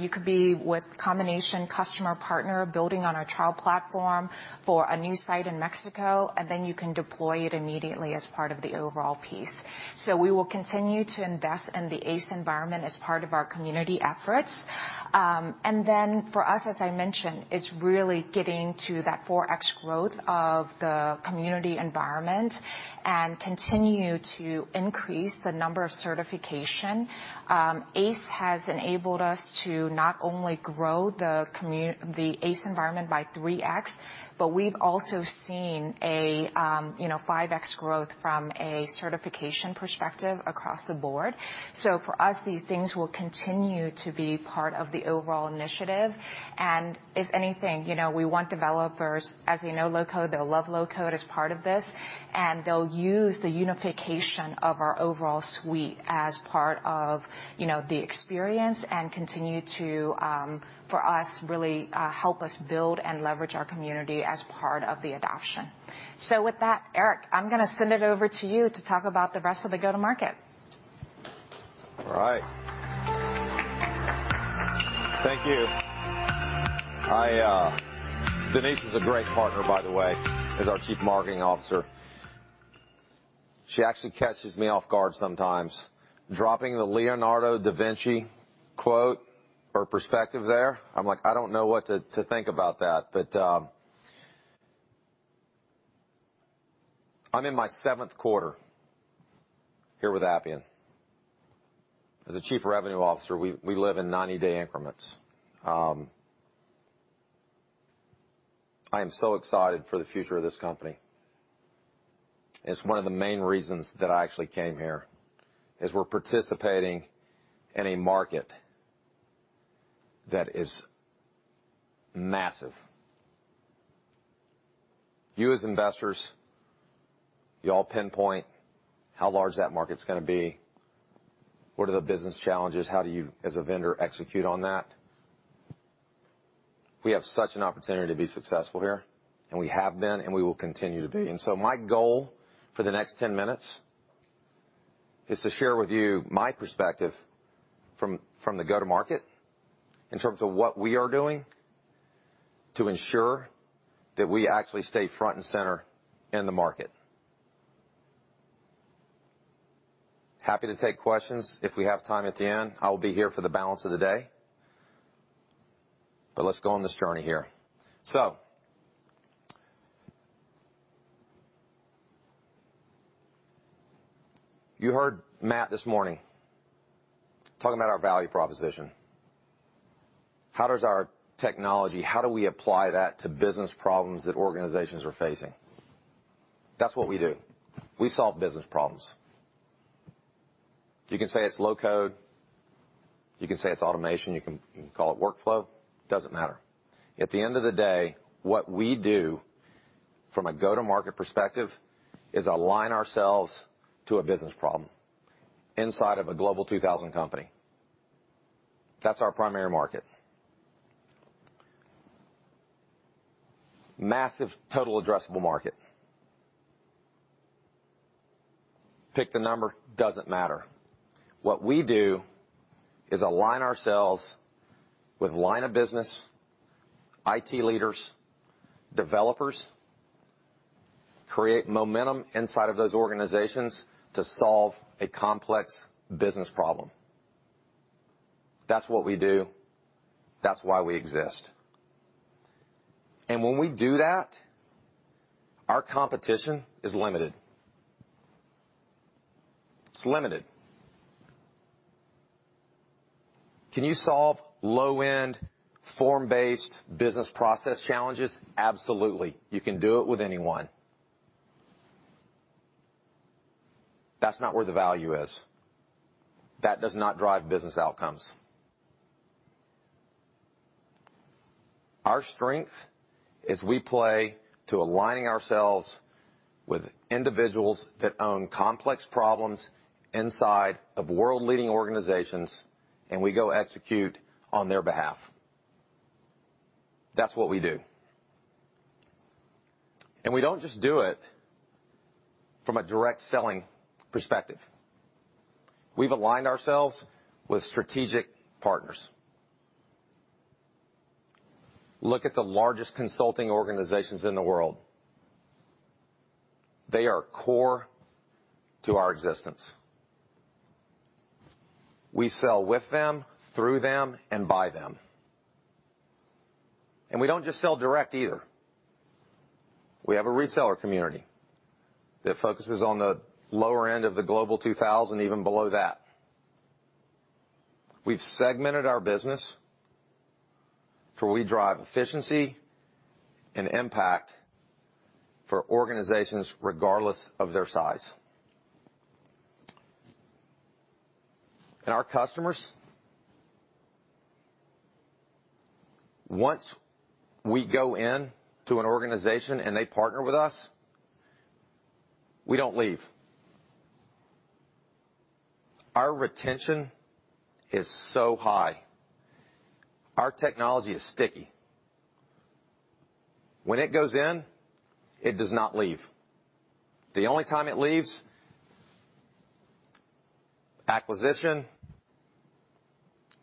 You could be with combination customer partner building on our trial platform for a new site in Mexico, then you can deploy it immediately as part of the overall piece. We will continue to invest in the ACE environment as part of our community efforts. Then for us, as I mentioned, it's really getting to that 4x growth of the community environment and continue to increase the number of certification. ACE has enabled us to not only grow the ACE environment by 3x, but we've also seen a 5x growth from a certification perspective across the board. For us, these things will continue to be part of the overall initiative. If anything, we want developers, as they know low-code, they'll love low-code as part of this, and they'll use the unification of our overall suite as part of the experience and continue to, for us, really help us build and leverage our community as part of the adoption. With that, Eric, I'm going to send it over to you to talk about the rest of the go-to-market. All right. Thank you. Denise is a great partner, by the way, as our Chief Marketing Officer. She actually catches me off guard sometimes, dropping the Leonardo da Vinci quote or perspective there. I'm like, I don't know what to think about that. I'm in my seventh quarter here with Appian. As a Chief Revenue Officer, we live in 90-day increments. I am so excited for the future of this company. It's one of the main reasons that I actually came here, is we're participating in a market that is massive. You as investors, you all pinpoint how large that market's going to be. What are the business challenges? How do you, as a vendor, execute on that? We have such an opportunity to be successful here, and we have been, and we will continue to be. My goal for the next 10 minutes is to share with you my perspective from the go-to-market in terms of what we are doing to ensure that we actually stay front and center in the market. Happy to take questions if we have time at the end. I will be here for the balance of the day. Let's go on this journey here. You heard Matt this morning talking about our value proposition. How does our technology, how do we apply that to business problems that organizations are facing? That's what we do. We solve business problems. You can say it's low-code, you can say it's automation, you can call it workflow. Doesn't matter. At the end of the day, what we do from a go-to-market perspective is align ourselves to a business problem inside of a Global 2000 company. That's our primary market. Massive total addressable market. Pick the number, doesn't matter. What we do is align ourselves with line of business, IT leaders, developers, create momentum inside of those organizations to solve a complex business problem. That's what we do. That's why we exist. When we do that, our competition is limited. It's limited. Can you solve low-end form-based business process challenges? Absolutely. You can do it with anyone. That's not where the value is. That does not drive business outcomes. Our strength is we play to aligning ourselves with individuals that own complex problems inside of world-leading organizations, and we go execute on their behalf. That's what we do. We don't just do it from a direct selling perspective. We've aligned ourselves with strategic partners. Look at the largest consulting organizations in the world. They are core to our existence. We sell with them, through them, and by them. We don't just sell direct either. We have a reseller community that focuses on the lower end of the Global 2000, even below that. We've segmented our business to where we drive efficiency and impact for organizations regardless of their size. Our customers, once we go in to an organization and they partner with us, we don't leave. Our retention is so high. Our technology is sticky. When it goes in, it does not leave. The only time it leaves, acquisition,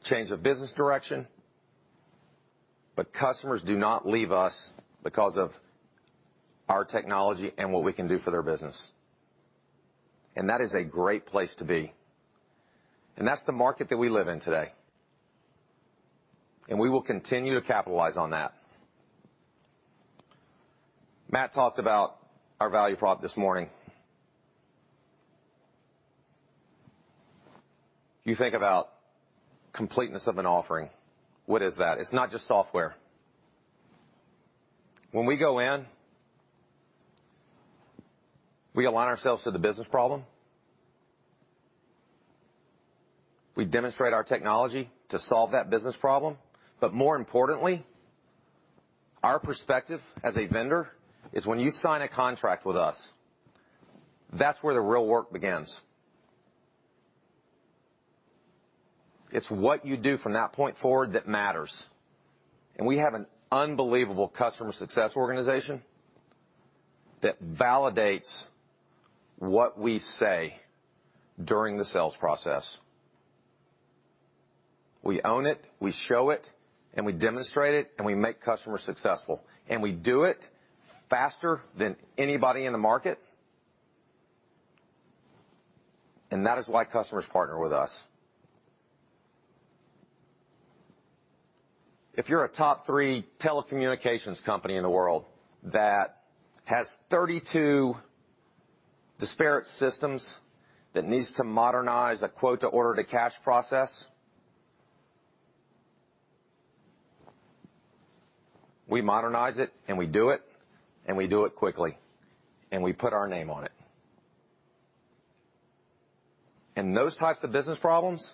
change of business direction, but customers do not leave us because of our technology and what we can do for their business. That is a great place to be. That's the market that we live in today. We will continue to capitalize on that. Matt talked about our value proposition this morning. You think about completeness of an offering. What is that? It's not just software. When we go in, we align ourselves to the business problem. We demonstrate our technology to solve that business problem. More importantly, our perspective as a vendor is when you sign a contract with us, that's where the real work begins. It's what you do from that point forward that matters. We have an unbelievable Customer Success organization that validates what we say during the sales process. We own it, we show it, and we demonstrate it, and we make customers successful, and we do it faster than anybody in the market. That is why customers partner with us. If you're a top three telecommunications company in the world that has 32 disparate systems that needs to modernize a quote to order to cash process, we modernize it and we do it, and we do it quickly, and we put our name on it. In those types of business problems,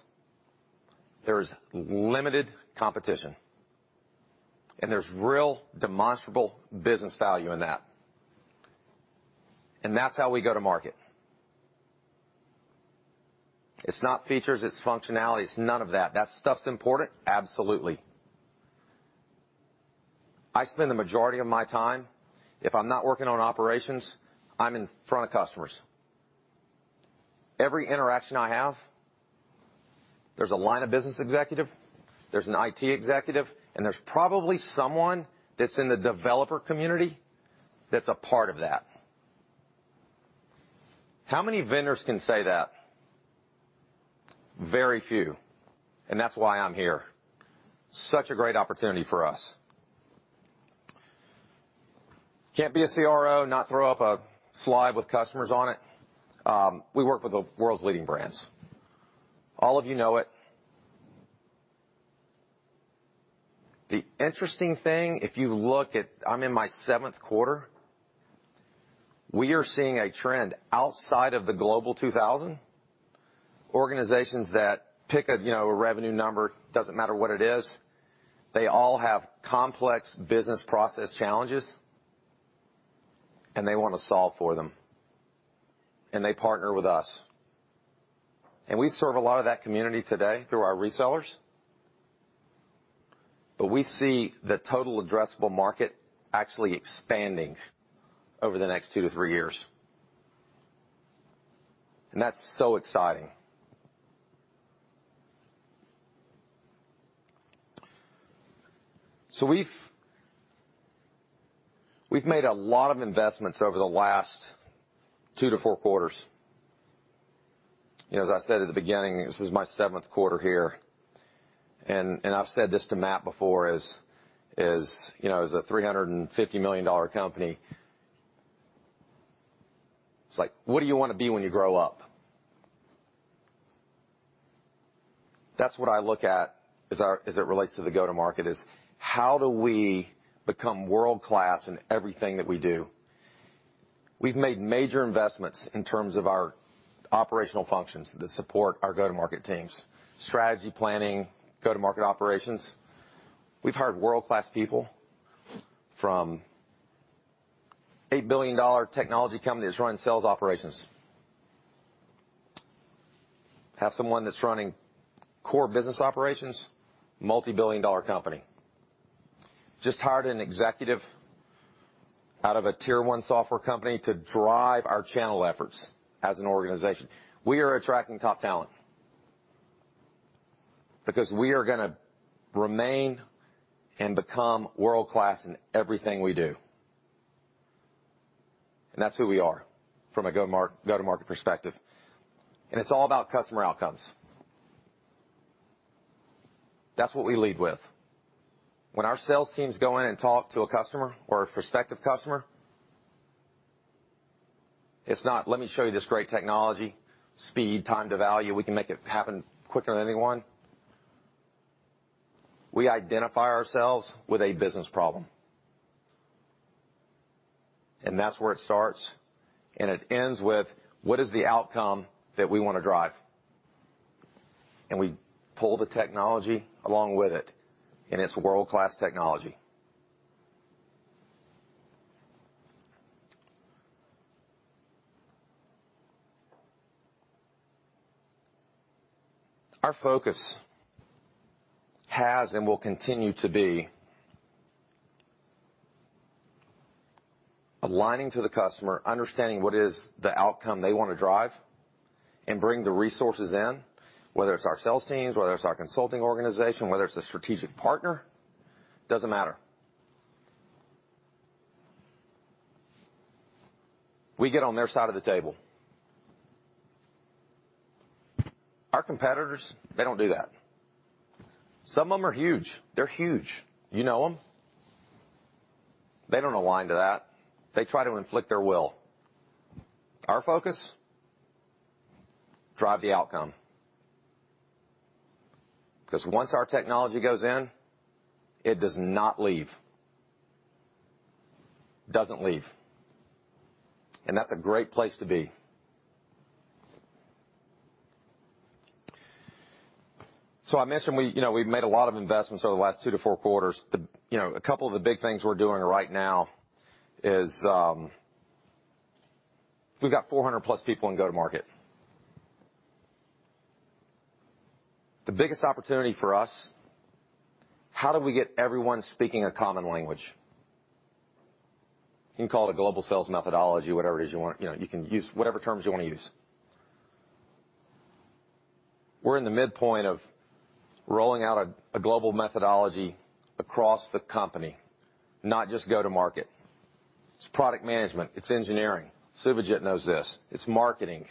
there's limited competition, and there's real demonstrable business value in that. That's how we go-to-market. It's not features, it's functionality, it's none of that. That stuff's important, absolutely. I spend the majority of my time, if I'm not working on operations, I'm in front of customers. Every interaction I have, there's a line of business executive, there's an IT executive, and there's probably someone that's in the developer community that's a part of that. How many vendors can say that? Very few, that's why I'm here. Such a great opportunity for us. We can't be a CRO and not throw up a slide with customers on it. We work with the world's leading brands. All of you know it. The interesting thing, if you look at, I'm in my seventh quarter. We are seeing a trend outside of the Global 2000. Organizations that pick a revenue number, doesn't matter what it is, they all have complex business process challenges, and they want to solve for them. They partner with us. We serve a lot of that community today through our resellers. We see the total addressable market actually expanding over the next two to three years. That's so exciting. We've made a lot of investments over the last two to four quarters. As I said at the beginning, this is my seventh quarter here, and I've said this to Matt before as a $350 million company. It's like, what do you want to be when you grow up? That's what I look at as it relates to the go-to-market, is how do we become world-class in everything that we do? We've made major investments in terms of our operational functions to support our go-to-market teams, strategy planning, go-to-market operations. We've hired world-class people from $8 billion technology companies running sales operations. Have someone that's running core business operations, multibillion-dollar company. Just hired an executive out of a Tier 1 software company to drive our channel efforts as an organization. We are attracting top talent. We are going to remain and become world-class in everything we do. That's who we are from a go-to-market perspective. It's all about customer outcomes. That's what we lead with. When our sales teams go in and talk to a customer or a prospective customer, it's not, "Let me show you this great technology, speed, time to value. We can make it happen quicker than anyone." We identify ourselves with a business problem. That's where it starts, and it ends with what is the outcome that we want to drive? We pull the technology along with it, and it's world-class technology. Our focus has and will continue to be aligning to the customer, understanding what is the outcome they want to drive and bring the resources in, whether it's our sales teams, whether it's our consulting organization, whether it's a strategic partner, doesn't matter. We get on their side of the table. Our competitors, they don't do that. Some of them are huge. They're huge. You know them. They don't align to that. They try to inflict their will. Our focus, drive the outcome. Once our technology goes in, it does not leave. Doesn't leave. That's a great place to be. I mentioned we've made a lot of investments over the last two to four quarters. A couple of the big things we're doing right now is, we've got 400+ people in go-to-market. The biggest opportunity for us, how do we get everyone speaking a common language? You can call it a global sales methodology, whatever it is you want. You can use whatever terms you want to use. We're in the midpoint of rolling out a global methodology across the company, not just go-to-market. It's product management, it's engineering. Suvajit knows this. It's marketing.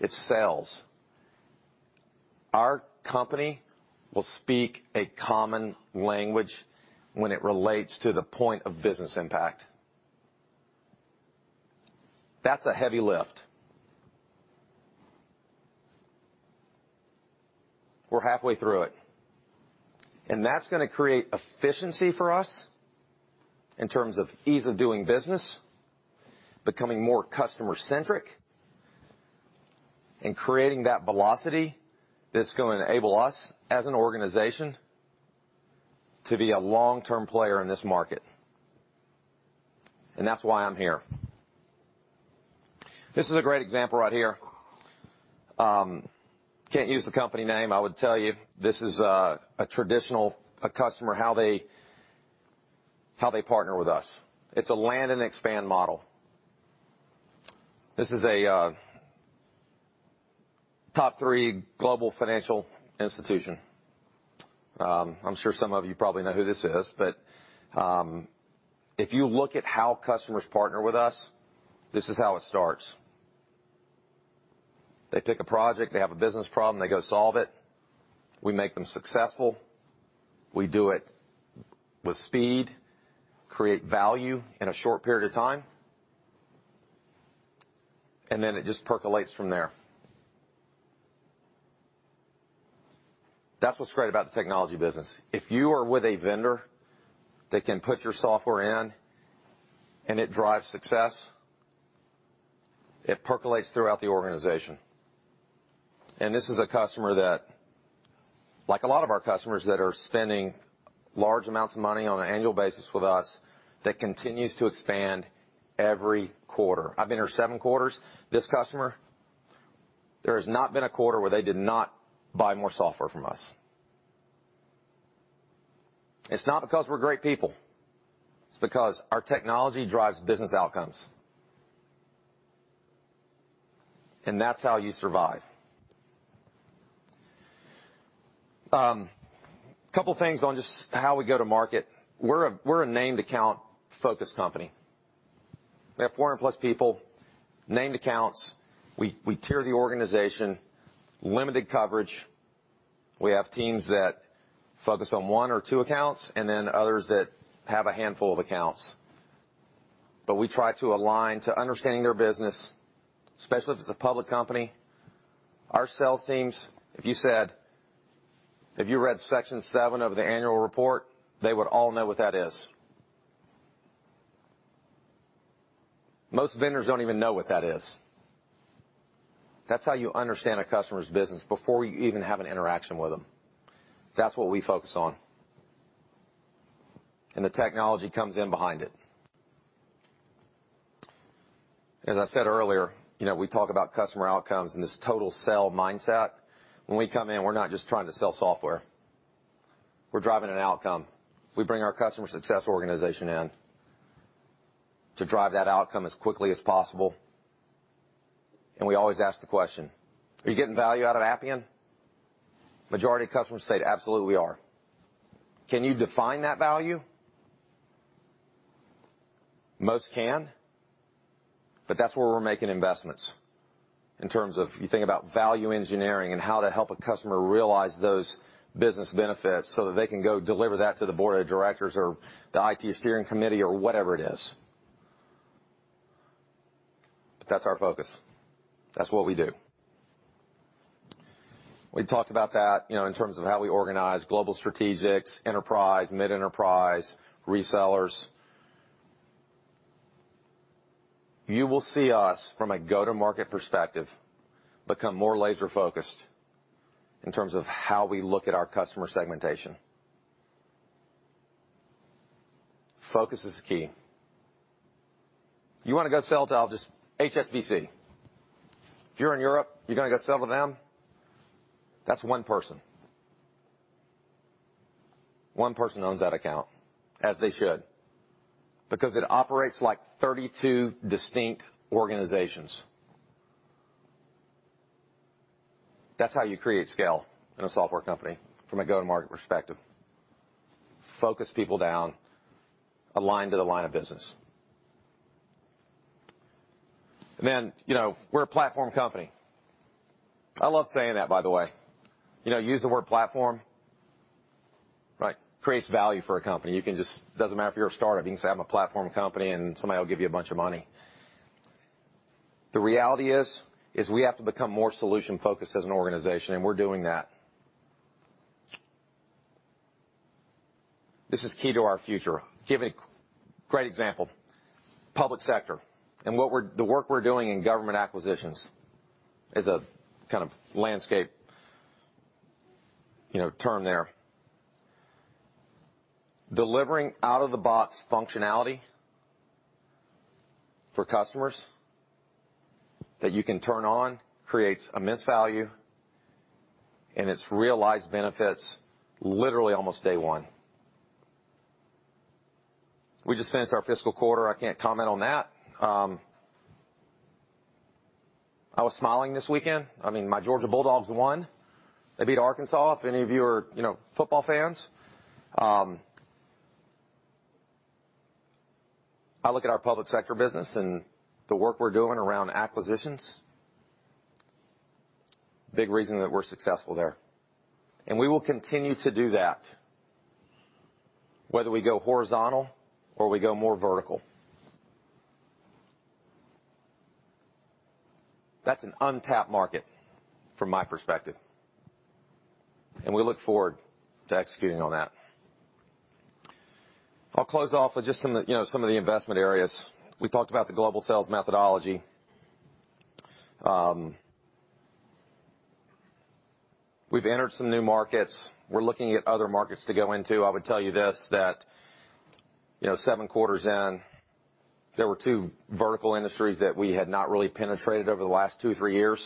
It's sales. Our company will speak a common language when it relates to the point of business impact. That's a heavy lift. We're halfway through it. That's going to create efficiency for us in terms of ease of doing business, becoming more customer-centric, and creating that velocity that's going to enable us as an organization to be a long-term player in this market. That's why I'm here. This is a great example right here. Can't use the company name. I would tell you, this is a traditional customer, how they partner with us. It's a land and expand model. This is a top three global financial institution. I'm sure some of you probably know who this is, but if you look at how customers partner with us, this is how it starts. They pick a project, they have a business problem, they go solve it. We make them successful. We do it with speed, create value in a short period of time. Then it just percolates from there. That's what's great about the technology business. If you are with a vendor that can put your software in and it drives success, it percolates throughout the organization. This is a customer that, like a lot of our customers that are spending large amounts of money on an annual basis with us, that continues to expand every quarter. I've been here seven quarters. This customer, there has not been a quarter where they did not buy more software from us. It's not because we're great people, it's because our technology drives business outcomes. That's how you survive. Couple things on just how we go-to-market. We're a named account-focused company. We have 400+ people, named accounts. We tier the organization, limited coverage. We have teams that focus on one or two accounts, and then others that have a handful of accounts. We try to align to understanding their business, especially if it's a public company. Our sales teams, if you read Section 7 of the annual report, they would all know what that is. Most vendors don't even know what that is. That's how you understand a customer's business before you even have an interaction with them. That's what we focus on. The technology comes in behind it. As I said earlier, we talk about customer outcomes and this total sell mindset. When we come in, we're not just trying to sell software. We're driving an outcome. We bring our Customer Success organization in to drive that outcome as quickly as possible. We always ask the question, "Are you getting value out of Appian?" Majority of customers state, "Absolutely are." Can you define that value? Most can. That's where we're making investments, in terms of, you think about value engineering and how to help a customer realize those business benefits, so that they can go deliver that to the board of directors or the IT steering committee or whatever it is. That's our focus. That's what we do. We talked about that, in terms of how we organize global strategics, enterprise, mid-enterprise, resellers. You will see us, from a go-to-market perspective, become more laser-focused in terms of how we look at our customer segmentation. Focus is key. You want to go sell to HSBC. If you're in Europe, you're going to go sell to them, that's one person. One person owns that account, as they should, because it operates like 32 distinct organizations. That's how you create scale in a software company from a go-to-market perspective. Focus people down, align to the line of business. We're a platform company. I love saying that, by the way. Use the word platform, creates value for a company. It doesn't matter if you're a startup, you can say, "I'm a platform company," and somebody will give you a bunch of money. The reality is, we have to become more solution-focused as an organization, and we're doing that. This is key to our future. Give a great example. Public sector, the work we're doing in government acquisitions is a kind of landscape term there. Delivering out-of-the-box functionality for customers that you can turn on creates immense value, and it's realized benefits literally almost day one. We just finished our fiscal quarter. I can't comment on that. I was smiling this weekend. My Georgia Bulldogs won. They beat Arkansas, if any of you are football fans. I look at our public sector business and the work we're doing around acquisitions, big reason that we're successful there. We will continue to do that, whether we go horizontal or we go more vertical. That's an untapped market from my perspective. We look forward to executing on that. I'll close off with just some of the investment areas. We talked about the global sales methodology. We've entered some new markets. We're looking at other markets to go into. I would tell you this, that seven quarters in, there were two vertical industries that we had not really penetrated over the last two, three years.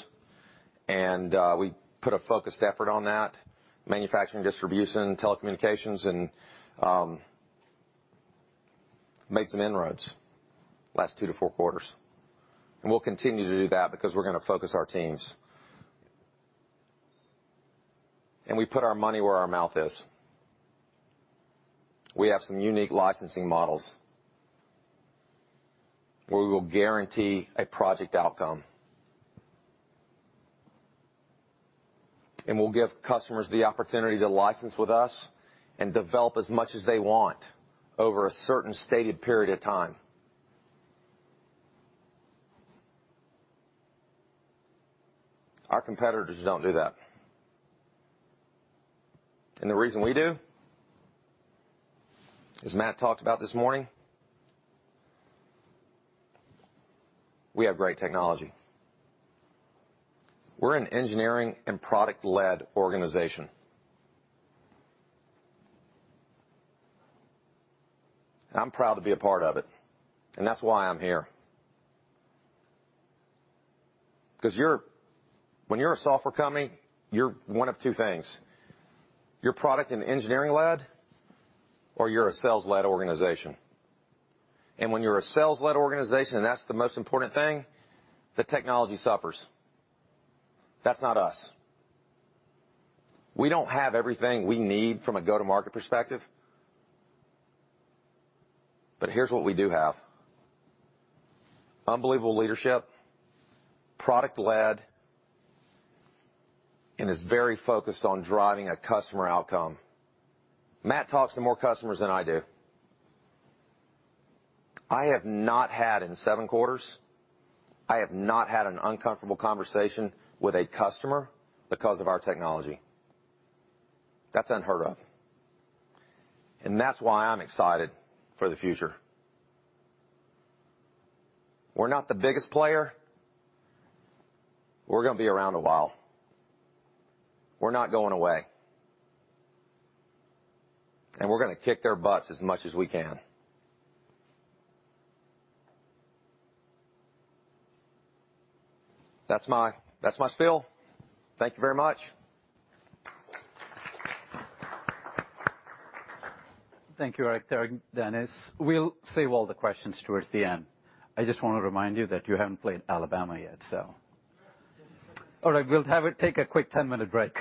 We put a focused effort on that, manufacturing, distribution, telecommunications, and made some inRoads last two to four quarters. We'll continue to do that because we're going to focus our teams. We put our money where our mouth is. We have some unique licensing models where we will guarantee a project outcome. We'll give customers the opportunity to license with us and develop as much as they want over a certain stated period of time. Our competitors don't do that. The reason we do, as Matt talked about this morning, we have great technology. We're an engineering and product-led organization. I'm proud to be a part of it, and that's why I'm here. Because when you're a software company, you're one of two things. You're product and engineering-led, or you're a sales-led organization. When you're a sales-led organization, and that's the most important thing, the technology suffers. That's not us. We don't have everything we need from a go-to-market perspective, but here's what we do have. Unbelievable leadership, product-led, and is very focused on driving a customer outcome. Matt talks to more customers than I do. I have not had, in seven quarters, I have not had an uncomfortable conversation with a customer because of our technology. That's unheard of. That's why I'm excited for the future. We're not the biggest player. We're going to be around a while. We're not going away. We're going to kick their butts as much as we can. That's my spiel. Thank you very much. Thank you, Eric, Denise. We'll save all the questions towards the end. I just want to remind you that you haven't played Alabama yet. All right. We'll take a quick 10-minute break.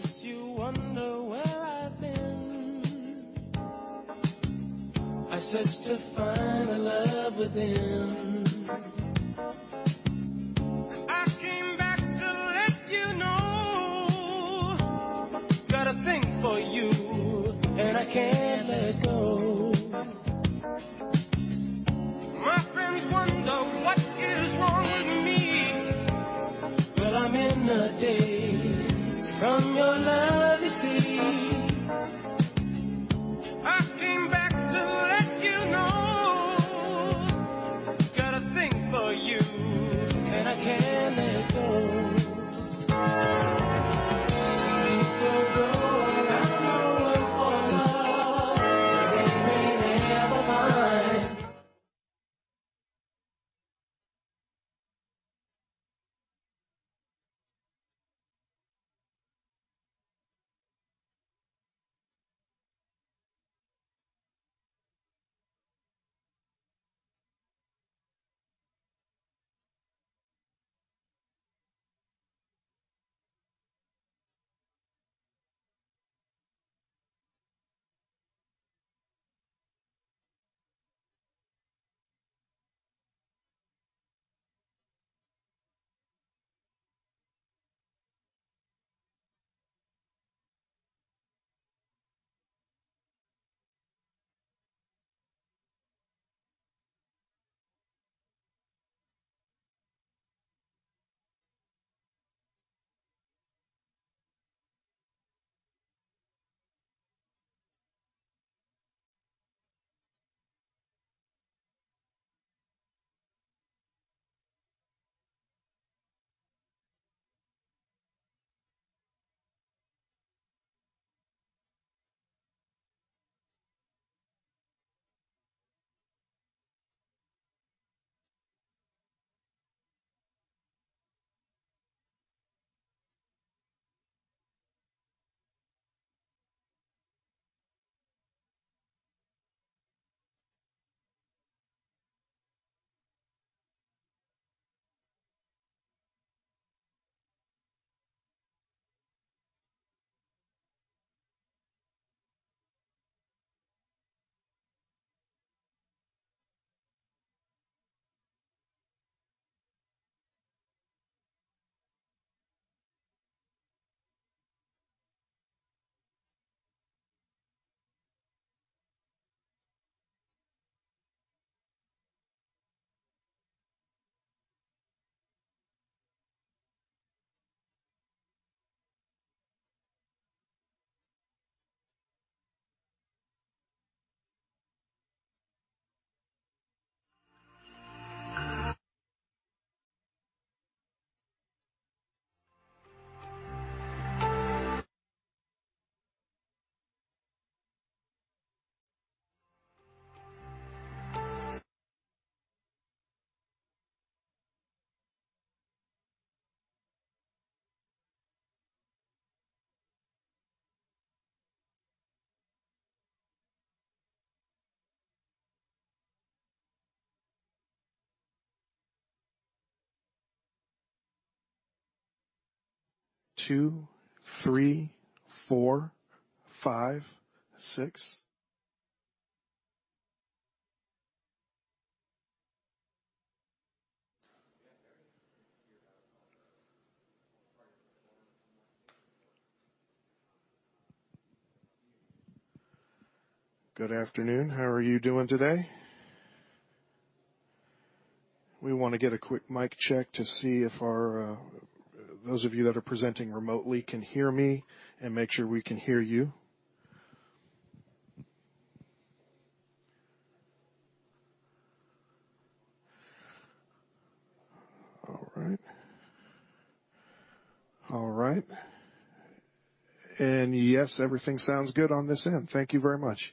We're only going to have to get back. Good afternoon. How are you doing today? We want to get a quick mic check to see if those of you that are presenting remotely can hear me and make sure we can hear you. All right. Yes, everything sounds good on this end. Thank you very much.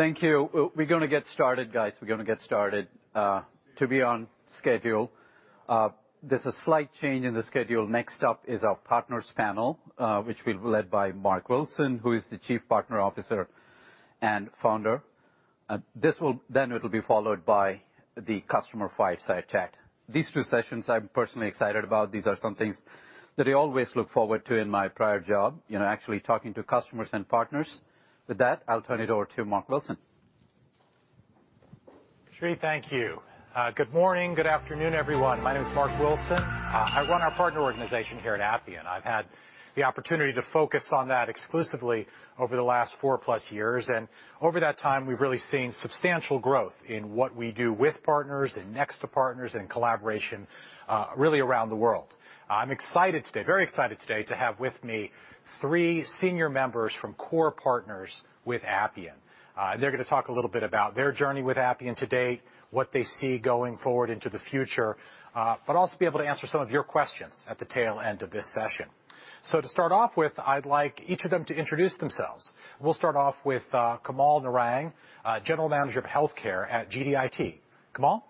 Thank you. We're going to get started, guys. We're going to get started to be on schedule. There's a slight change in the schedule. Next up is our partners panel, which will be led by Marc Wilson, who is the Chief Partner Officer and Founder. It'll be followed by the customer fireside chat. These two sessions I'm personally excited about. These are some things that I always look forward to in my prior job, actually talking to customers and partners. With that, I'll turn it over to Marc Wilson. Sri, thank you. Good morning. Good afternoon, everyone. My name is Marc Wilson. I run our partner organization here at Appian. I've had the opportunity to focus on that exclusively over the last 4+ years, and over that time, we've really seen substantial growth in what we do with partners and next to partners in collaboration really around the world. I'm very excited today to have with me three senior members from core partners with Appian. They're going to talk a little bit about their journey with Appian to date, what they see going forward into the future, but also be able to answer some of your questions at the tail end of this session. To start off with, I'd like each of them to introduce themselves. We'll start off with Kamal Narang, General Manager of Healthcare at GDIT. Kamal?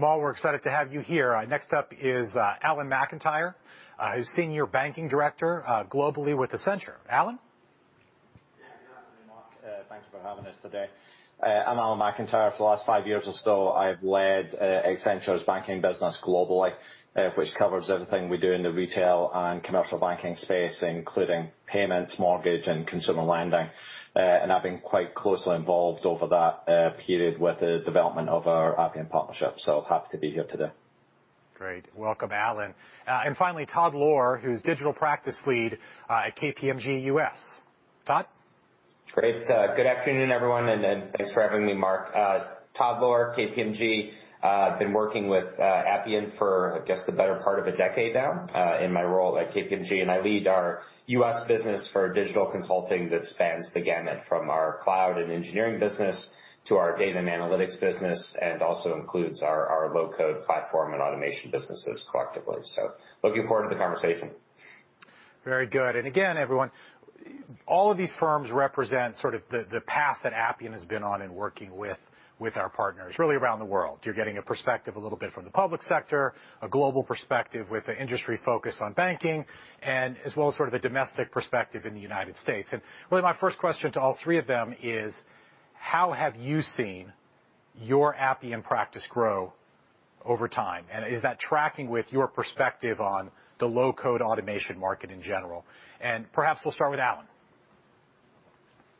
Hey, Marc, good afternoon, everyone. I am Kamal Narang, Vice President and General Manager for the public sector with GDIT. We provide all sorts of IT support across the government. We do health IT. We do IT. We provide a lot of mission support services across the health and education business. Kamal, we're excited to have you here. Next up is Alan McIntyre, who's Senior Banking Director globally with Accenture. Alan? Good afternoon, Mark. Thanks for having us today. I'm Alan McIntyre. For the last five years or so, I've led Accenture's banking business globally, which covers everything we do in the retail and commercial banking space, including payments, mortgage, and consumer lending. I've been quite closely involved over that period with the development of our Appian partnership, so happy to be here today. Great. Welcome, Alan. Finally, Todd Lohr, who's digital practice lead at KPMG U.S. Todd? Good afternoon, everyone, thanks for having me, Mark. Todd Lohr, KPMG. I've been working with Appian for, I guess, the better part of a decade now in my role at KPMG, and I lead our U.S. business for digital consulting that spans the gamut from our cloud and engineering business to our data and analytics business, and also includes our low-code platform and automation businesses collectively. Looking forward to the conversation. Very good. Again, everyone, all of these firms represent sort of the path that Appian has been on in working with our partners really around the world. You're getting a perspective a little bit from the public sector, a global perspective with an industry focus on banking, as well as sort of a domestic perspective in the United States. Really, my first question to all three of them is: how have you seen your Appian practice grow over time? Is that tracking with your perspective on the low-code automation market in general? Perhaps we'll start with Alan.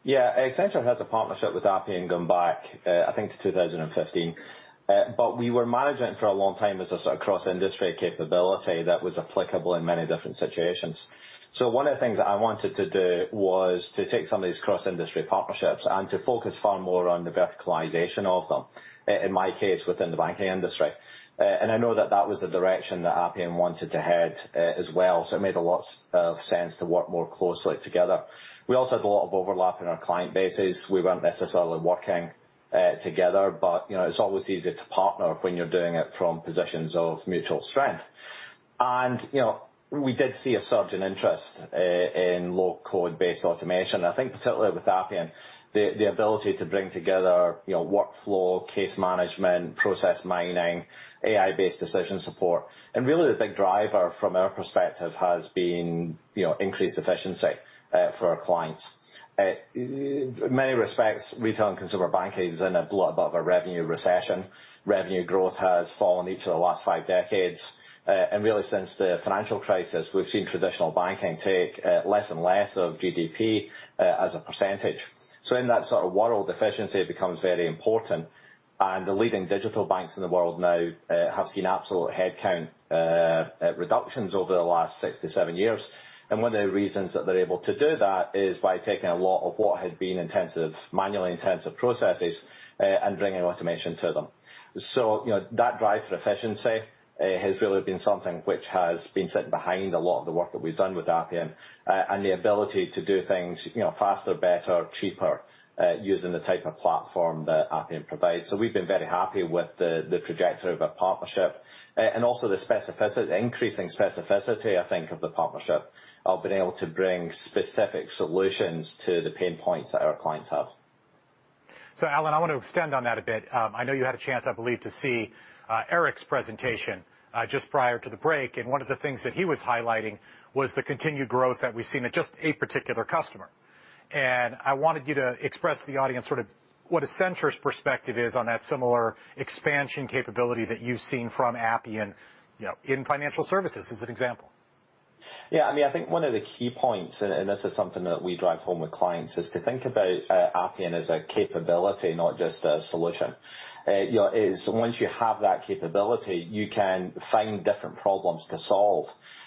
Accenture has a partnership with Appian going back, I think, to 2015. We were managing it for a long time as a sort of cross-industry capability that was applicable in many different situations. One of the things that I wanted to do was to take some of these cross-industry partnerships and to focus far more on the verticalization of them, in my case, within the banking industry. I know that that was the direction that Appian wanted to head as well, so it made a lot of sense to work more closely together. We also had a lot of overlap in our client bases. We weren't necessarily working together, but it's always easier to partner when you're doing it from positions of mutual strength. We did see a surge in interest in low-code based automation, and I think particularly with Appian, the ability to bring together workflow, case management, process mining, AI-based decision support. Really the big driver from our perspective has been increased efficiency for our clients. In many respects, retail and consumer banking is in a blood bath of a revenue recession. Revenue growth has fallen each of the last five decades. Really, since the financial crisis, we've seen traditional banking take less and less of GDP as a percentage. In that sort of world, efficiency becomes very important. The leading digital banks in the world now have seen absolute headcount reductions over the last six to seven years. One of the reasons that they're able to do that is by taking a lot of what had been manually intensive processes and bringing automation to them. That drive for efficiency has really been something which has been sitting behind a lot of the work that we've done with Appian. The ability to do things faster, better, cheaper using the type of platform that Appian provides. We've been very happy with the trajectory of our partnership and also the increasing specificity, I think, of the partnership, of being able to bring specific solutions to the pain points that our clients have. Alan, I want to extend on that a bit. I know you had a chance, I believe, to see Eric's presentation just prior to the break, and one of the things that he was highlighting was the continued growth that we've seen at just a particular customer. I wanted you to express to the audience sort of what Accenture's perspective is on that similar expansion capability that you've seen from Appian in financial services, as an example. Yeah. I think one of the key points, this is something that we drive home with clients, is to think about Appian as a capability, not just a solution. Once you have that capability, you can find different problems to solve.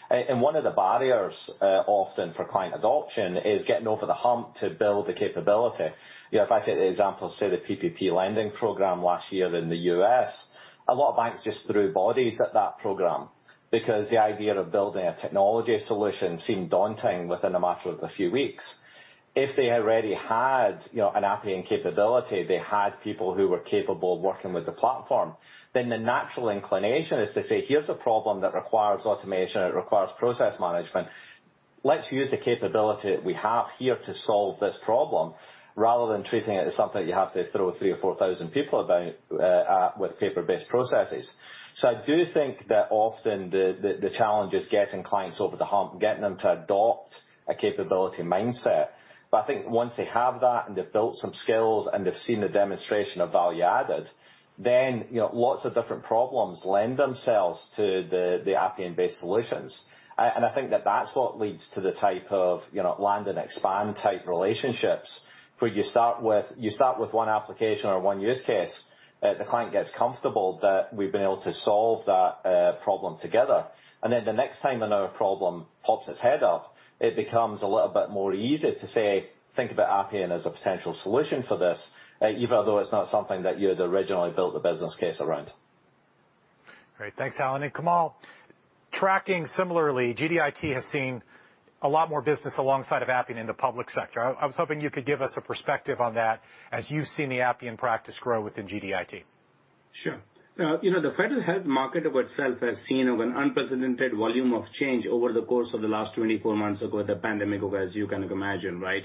One of the barriers often for client adoption is getting over the hump to build the capability. If I take the example of, say, the PPP lending program last year in the U.S., a lot of banks just threw bodies at that program because the idea of building a technology solution seemed daunting within a matter of a few weeks. If they already had an Appian capability, they had people who were capable of working with the platform, then the natural inclination is to say, "Here's a problem that requires automation, it requires process management. Let's use the capability that we have here to solve this problem," rather than treating it as something that you have to throw 3,000 or 4,000 people about with paper-based processes. I do think that often the challenge is getting clients over the hump, getting them to adopt a capability mindset. I think once they have that and they've built some skills and they've seen the demonstration of value added, then lots of different problems lend themselves to the Appian-based solutions. I think that that's what leads to the type of land and expand type relationships, where you start with one application or one use case. The client gets comfortable that we've been able to solve that problem together. The next time another problem pops its head up, it becomes a little bit easier to say, think about Appian as a potential solution for this, even although it's not something that you had originally built the business case around. Great. Thanks, Alan. Kamal, tracking similarly, GDIT has seen a lot more business alongside of Appian in the public sector. I was hoping you could give us a perspective on that as you've seen the Appian practice grow within GDIT. Sure. The federal health market itself has seen an unprecedented volume of change over the course of the last 24 months with the pandemic, as you can imagine, right?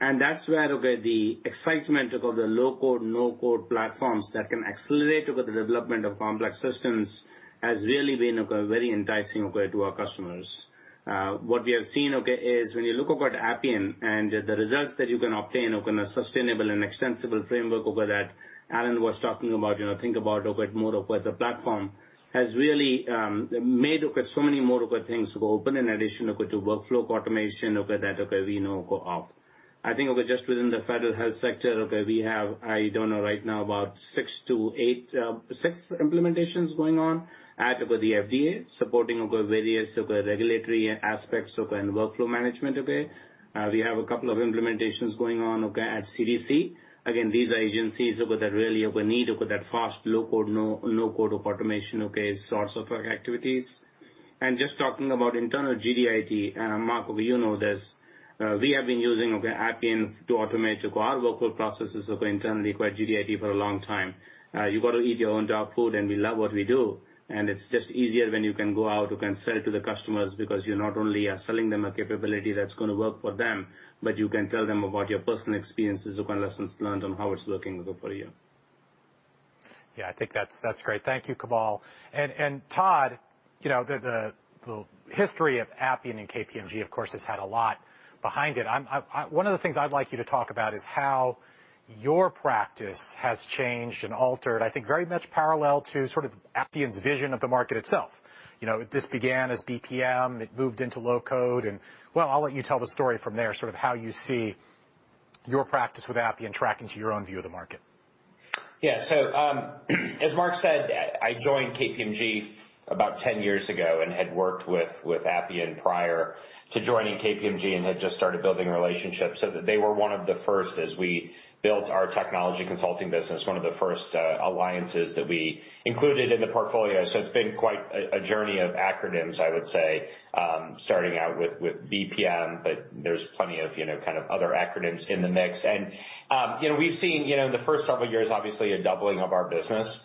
That's where the excitement of the low-code, no-code platforms that can accelerate the development of complex systems has really been very enticing to our customers. What we have seen is when you look at Appian and the results that you can obtain on a sustainable and extensible framework that Alan was talking about, think about more as a platform, has really made so many more things open in addition to workflow automation that we know of. I think just within the federal health sector, we have, I don't know right now, about six to eight implementations going on at the FDA, supporting various regulatory aspects and workflow management. We have a couple of implementations going on at CDC. Again, these are agencies that really need that fast low-code, no-code automation sorts of activities. Just talking about internal GDIT, Marc, you know this. We have been using Appian to automate our workflow processes internally at GDIT for a long time. You've got to eat your own dog food, and we love what we do, and it's just easier when you can go out, you can sell to the customers because you not only are selling them a capability that's going to work for them, but you can tell them about your personal experiences and lessons learned on how it's working for you. Yeah, I think that's great. Thank you, Kamal Narang. Todd, the history of Appian and KPMG, of course, has had a lot behind it. One of the things I'd like you to talk about is how your practice has changed and altered, I think very much parallel to sort of Appian's vision of the market itself. This began as BPM. It moved into low-code and, well, I'll let you tell the story from there, sort of how you see your practice with Appian tracking to your own view of the market. Yeah. As Marc said, I joined KPMG about 10 years ago and had worked with Appian prior to joining KPMG and had just started building relationships. They were one of the first as we built our technology consulting business, one of the first alliances that we included in the portfolio. It's been quite a journey of acronyms, I would say, starting out with BPM, but there's plenty of other acronyms in the mix. We've seen, the first several years, obviously, a doubling of our business,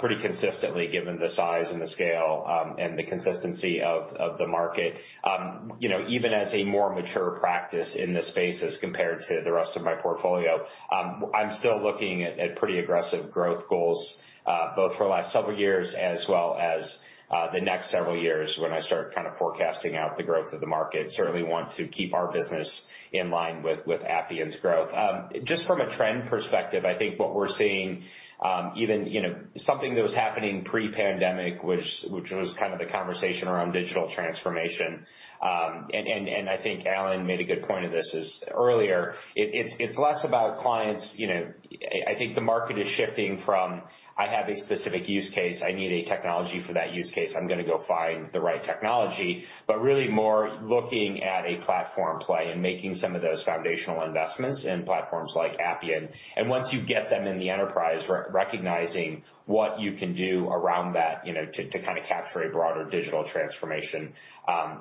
pretty consistently given the size and the scale, and the consistency of the market. Even as a more mature practice in this space as compared to the rest of my portfolio, I'm still looking at pretty aggressive growth goals, both for the last several years as well as the next several years when I start kind of forecasting out the growth of the market. Certainly want to keep our business in line with Appian's growth. Just from a trend perspective, I think what we're seeing, something that was happening pre-pandemic, which was kind of the conversation around digital transformation. I think Alan made a good point of this earlier. I think the market is shifting from, I have a specific use case, I need a technology for that use case. I'm going to go find the right technology. Really more looking at a platform play and making some of those foundational investments in platforms like Appian. Once you get them in the enterprise, recognizing what you can do around that to kind of capture a broader digital transformation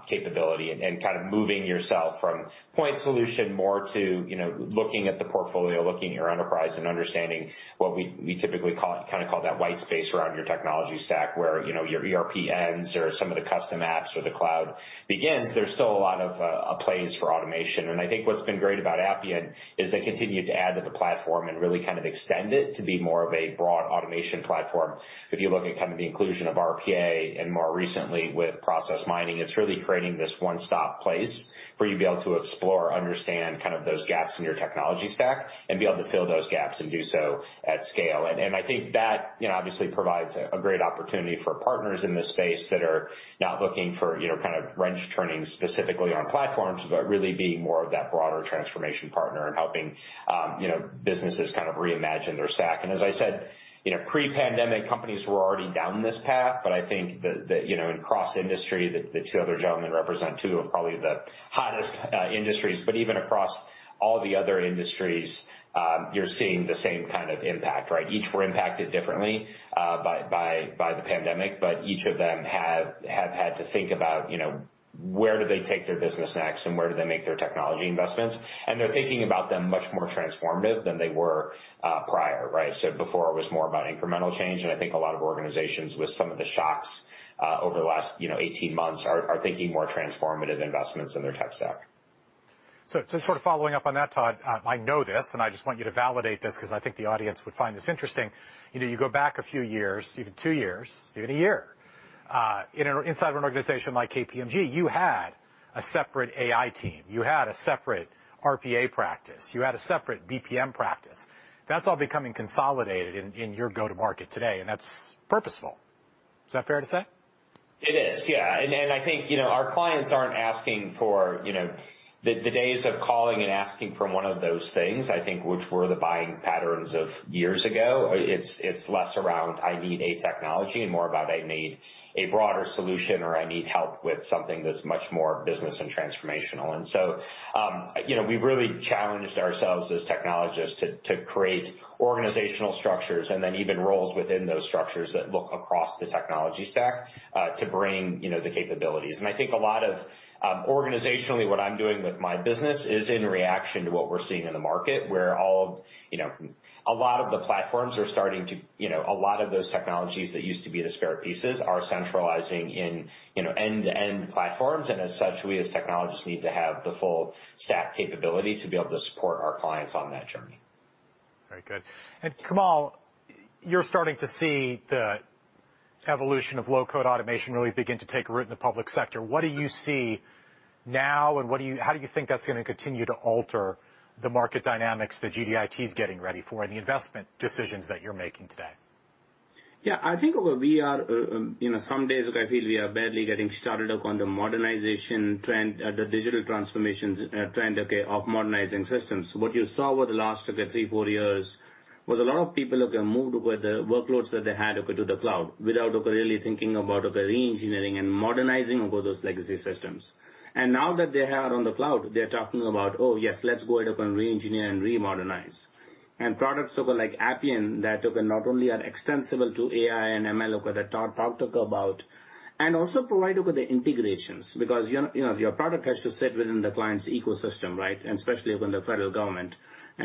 capability and kind of moving yourself from point solution more to looking at the portfolio, looking at your enterprise and understanding what we typically call that white space around your technology stack where your ERP ends or some of the custom apps or the cloud begins. There's still a lot of place for automation. I think what's been great about Appian is they continue to add to the platform and really kind of extend it to be more of a broad automation platform. If you look at kind of the inclusion of RPA and more recently with process mining, it's really creating this one-stop place for you to be able to explore, understand kind of those gaps in your technology stack and be able to fill those gaps and do so at scale. I think that obviously provides a great opportunity for partners in this space that are not looking for kind of wrench-turning specifically on platforms, but really being more of that broader transformation partner and helping businesses kind of reimagine their stack. As I said, pre-pandemic, companies were already down this path, but I think that in cross-industry, that the two other gentlemen represent two of probably the hottest industries. Even across all the other industries, you're seeing the same kind of impact, right? Each were impacted differently by the pandemic, but each of them have had to think about where do they take their business next and where do they make their technology investments. They're thinking about them much more transformative than they were prior, right? Before it was more about incremental change, and I think a lot of organizations with some of the shocks over the last 18 months are thinking more transformative investments in their tech stack. Just sort of following up on that, Todd, I know this, and I just want you to validate this because I think the audience would find this interesting. You go back a few years, even two years, even one year, inside of an organization like KPMG, you had a separate AI team. You had a separate RPA practice. You had a separate BPM practice. That's all becoming consolidated in your go-to-market today, and that's purposeful. Is that fair to say? It is, yeah. I think our clients aren't asking for the days of calling and asking for one of those things, I think which were the buying patterns of years ago. It's less around, I need a technology and more about I need a broader solution, or I need help with something that's much more business and transformational. We've really challenged ourselves as technologists to create organizational structures and then even roles within those structures that look across the technology stack, to bring the capabilities. I think a lot of organizationally, what I'm doing with my business is in reaction to what we're seeing in the market where a lot of those technologies that used to be the spare pieces are centralizing in end-to-end platforms. As such, we as technologists need to have the full stack capability to be able to support our clients on that journey. Very good. Kamal, you're starting to see the evolution of low-code automation really begin to take root in the public sector. What do you see now, and how do you think that's going to continue to alter the market dynamics that GDIT is getting ready for and the investment decisions that you're making today? I think some days I feel we are barely getting started on the modernization trend, the digital transformations trend, okay, of modernizing systems. What you saw over the last three, four years was a lot of people have moved workloads that they had over to the cloud without really thinking about re-engineering and modernizing over those legacy systems. Now that they are on the cloud, they're talking about, "Oh, yes, let's go ahead and re-engineer and re-modernize." Products like Appian that not only are extensible to AI and ML, like what Todd talked about, also provide the integrations, because your product has to sit within the client's ecosystem, right? Especially within the Federal Government,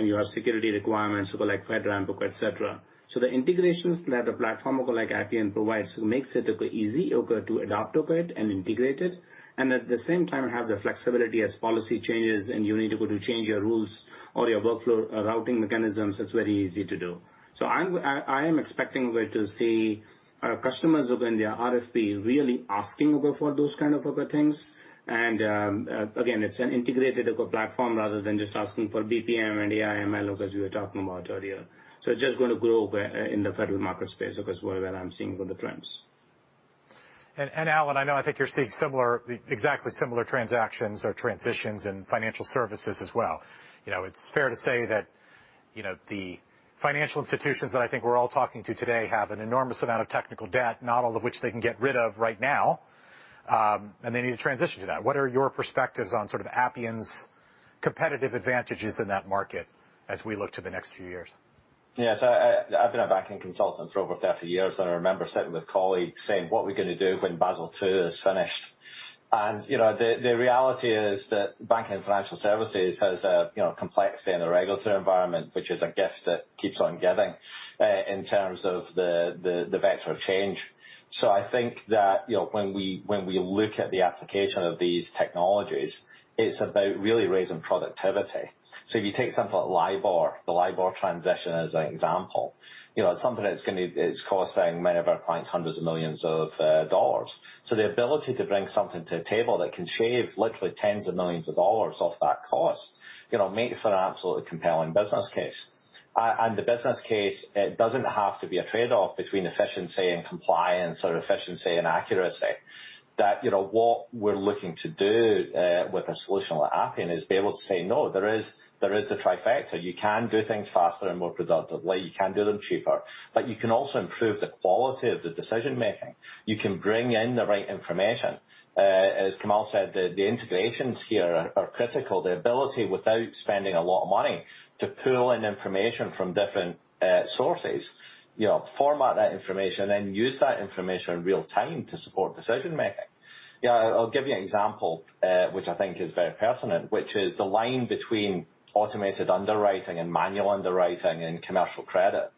you have security requirements like FedRAMP, et cetera. The integrations that a platform like Appian provides makes it easy to adopt it and integrate it, and at the same time have the flexibility as policy changes and you need to go to change your rules or your workflow routing mechanisms, it's very easy to do. I am expecting to see our customers within their RFP really asking for those kinds of things. Again, it's an integrated platform rather than just asking for BPM and AI, ML as we were talking about earlier. It's just going to grow in the federal market space as well that I'm seeing with the trends. Alan, I know I think you're seeing exactly similar transactions or transitions in financial services as well. It's fair to say that the financial institutions that I think we're all talking to today have an enormous amount of technical debt, not all of which they can get rid of right now. They need to transition to that. What are your perspectives on sort of Appian's competitive advantages in that market as we look to the next few years? Yes. I've been a banking consultant for over 30 years, and I remember sitting with colleagues saying, "What are we going to do when Basel II Capital Accord is finished?" The reality is that banking and financial services has a complexity in the regulatory environment, which is a gift that keeps on giving, in terms of the vector of change. I think that when we look at the application of these technologies, it's about really raising productivity. If you take something like LIBOR, the LIBOR transition as an example. It's something that's costing many of our clients hundreds of millions of dollars. The ability to bring something to the table that can shave literally tens of millions of dollars off that cost makes for an absolutely compelling business case. The business case doesn't have to be a trade-off between efficiency and compliance or efficiency and accuracy. That what we're looking to do with a solution like Appian is be able to say, "No, there is the transformation trifecta." You can do things faster and more productively. You can do them cheaper. You can also improve the quality of the decision-making. You can bring in the right information. As Kamal said, the integrations here are critical. The ability, without spending a lot of money, to pull in information from different sources, format that information, then use that information in real time to support decision-making. I'll give you an example, which I think is very pertinent, which is the line between automated underwriting and manual underwriting and commercial credit.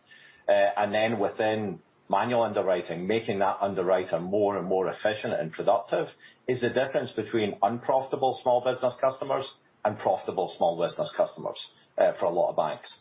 Then within manual underwriting, making that underwriter more and more efficient and productive is the difference between unprofitable small business customers and profitable small business customers for a lot of banks.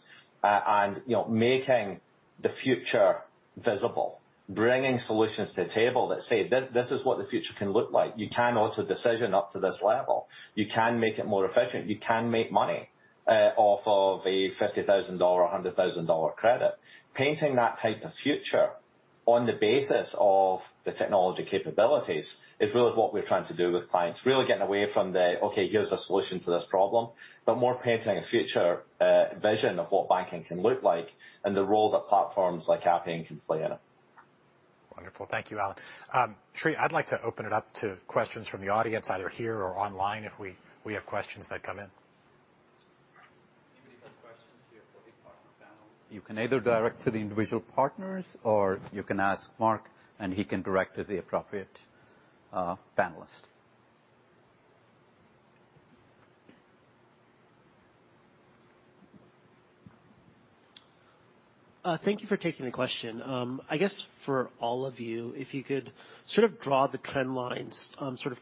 Making the future visible, bringing solutions to the table that say, "This is what the future can look like. You can auto-decision up to this level. You can make it more efficient. You can make money off of a $50,000-, $100,000-credit." Painting that type of future on the basis of the technology capabilities is really what we're trying to do with clients. Really getting away from the, "Okay, here's a solution to this problem," but more painting a future vision of what banking can look like and the role that platforms like Appian can play in it. Wonderful. Thank you, Alan. Sri, I'd like to open it up to questions from the audience, either here or online, if we have questions that come in. If anybody has questions, you have the whole partner panel. You can either direct to the individual partners, or you can ask Marc, and he can direct to the appropriate panelist. Thank you for taking the question. I guess for all of you, if you could sort of draw the trend lines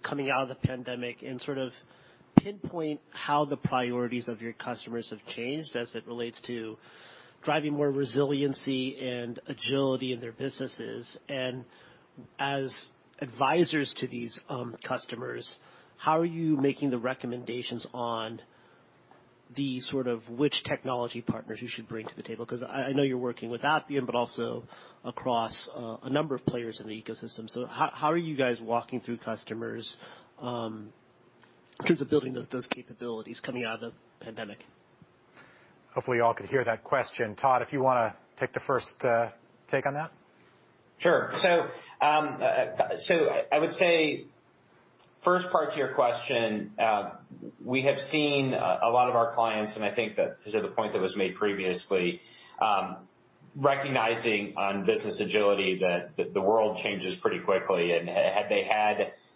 coming out of the pandemic and sort of pinpoint how the priorities of your customers have changed as it relates to driving more resiliency and agility in their businesses. As advisors to these customers, how are you making the recommendations on the sort of which technology partners you should bring to the table? Because I know you're working with Appian, but also across a number of players in the ecosystem. How are you guys walking through customers in terms of building those capabilities coming out of the pandemic? Hopefully, you all could hear that question. Todd, if you want to take the first take on that? I would say first part to your question, we have seen a lot of our clients, and I think that to the point that was made previously, recognizing on business agility that the world changes pretty quickly.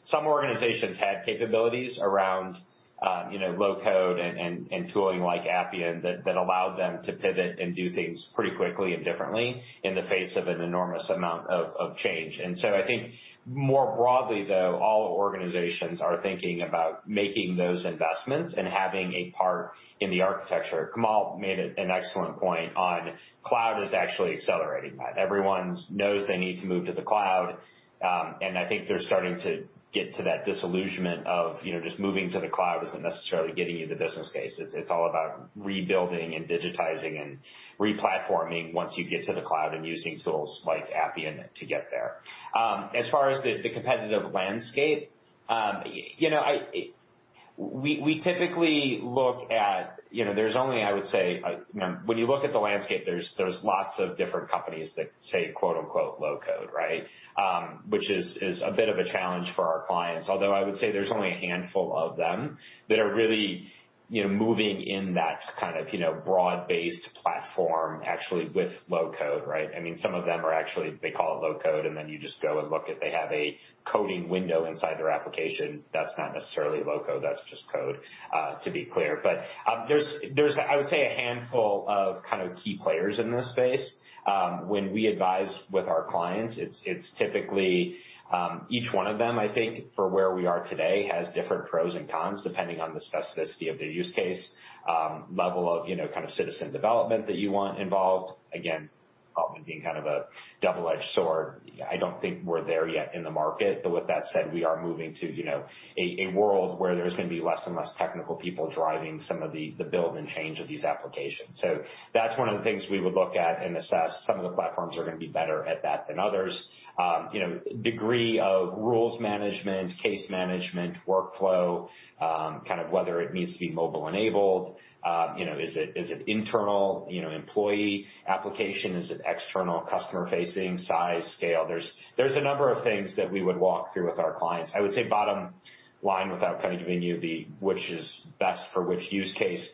Some organizations had capabilities around low-code and tooling like Appian that allowed them to pivot and do things pretty quickly and differently in the face of an enormous amount of change. I think more broadly, though, all organizations are thinking about making those investments and having a part in the architecture. Kamal made an excellent point on cloud is actually accelerating that. Everyone knows they need to move to the cloud, and I think they're starting to get to that disillusionment of just moving to the cloud isn't necessarily getting you the business case. It's all about rebuilding and digitizing and re-platforming once you get to the cloud and using tools like Appian to get there. As far as the competitive landscape, we typically look at. There's only, I would say, when you look at the landscape, there's lots of different companies that say, quote-unquote, low-code, right? Which is a bit of a challenge for our clients. Although I would say there's only a handful of them that are really moving in that kind of broad-based platform, actually with low-code, right? Some of them are actually, they call it low-code, and then you just go and look, if they have a coding window inside their application, that's not necessarily low-code, that's just code, to be clear. There's, I would say, a handful of key players in this space. When we advise with our clients, it's typically each one of them, I think, for where we are today, has different pros and cons, depending on the specificity of the use case, level of citizen development that you want involved. Again, probably being kind of a double-edged sword, I don't think we're there yet in the market. With that said, we are moving to a world where there's going to be less and less technical people driving some of the build and change of these applications. That's one of the things we would look at and assess. Some of the platforms are going to be better at that than others. Degree of rules management, case management, workflow, whether it needs to be mobile-enabled. Is it internal employee application? Is it external customer-facing size, scale? There's a number of things that we would walk through with our clients. I would say bottom line, without kind of giving you which is best for which use case.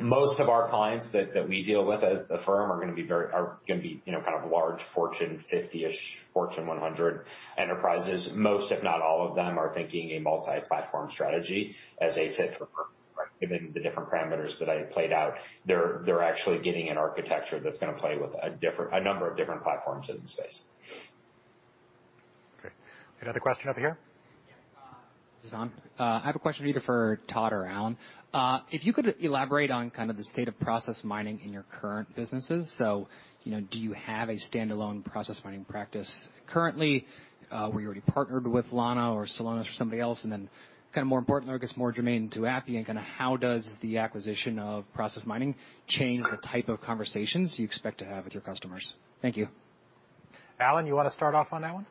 Most of our clients that we deal with as a firm are going to be large Fortune 50-ish, Fortune 100 enterprises. Most, if not all of them, are thinking a multi-platform strategy as a fit for purpose, right? Given the different parameters that I played out, they're actually getting an architecture that's going to play with a number of different platforms in the space. Great. Another question over here? Yeah. Is this on? I have a question either for Todd or Alan. If you could elaborate on kind of the state of process mining in your current businesses. Do you have a standalone process mining practice currently? Were you already partnered with Lana Labs or Celonis or somebody else? More importantly, or I guess more germane to Appian, how does the acquisition of process mining change the type of conversations you expect to have with your customers? Thank you. Alan, you want to start off on that one?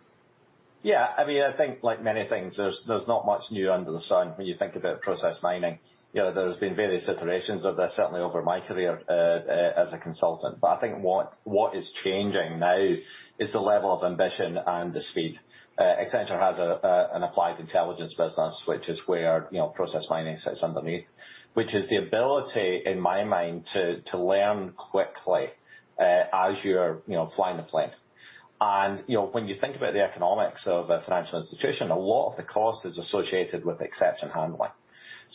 Yeah. I think like many things, there's not much new under the sun when you think about process mining. There's been various iterations of this, certainly over my career as a consultant. I think what is changing now is the level of ambition and the speed. Accenture has an applied intelligence business, which is where process mining sits underneath. Which is the ability, in my mind, to learn quickly as you're flying the plane. When you think about the economics of a financial institution, a lot of the cost is associated with exception handling.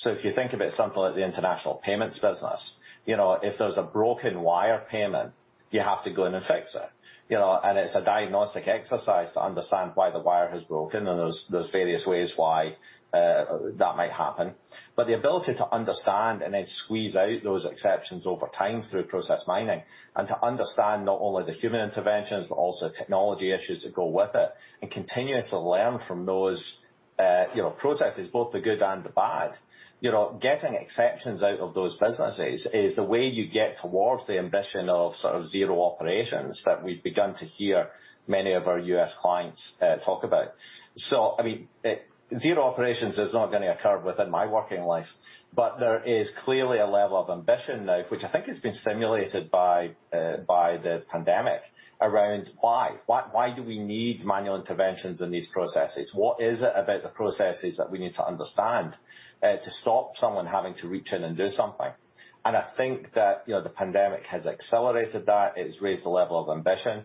If you think about something like the international payments business, if there's a broken wire payment, you have to go in and fix it. It's a diagnostic exercise to understand why the wire has broken, and there's various ways why that might happen. The ability to understand and then squeeze out those exceptions over time through process mining, and to understand not only the human interventions, but also technology issues that go with it, and continuously learn from those processes, both the good and the bad. Getting exceptions out of those businesses is the way you get towards the ambition of zero operations that we've begun to hear many of our U.S. clients talk about. Zero operations is not going to occur within my working life, but there is clearly a level of ambition now, which I think has been stimulated by the pandemic around, why? Why do we need manual interventions in these processes? What is it about the processes that we need to understand to stop someone having to reach in and do something? I think that the pandemic has accelerated that. It has raised the level of ambition.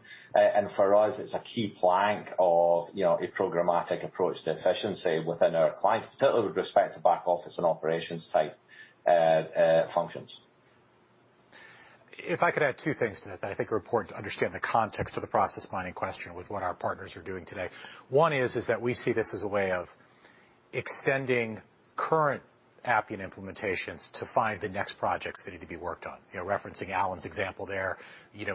For us, it's a key plank of a programmatic approach to efficiency within our clients, particularly with respect to back office and operations-type functions. If I could add two things to that I think are important to understand the context of the process mining question with what our partners are doing today. One is that we see this as a way of extending current Appian implementations to find the next projects that need to be worked on. Referencing Alan's example there,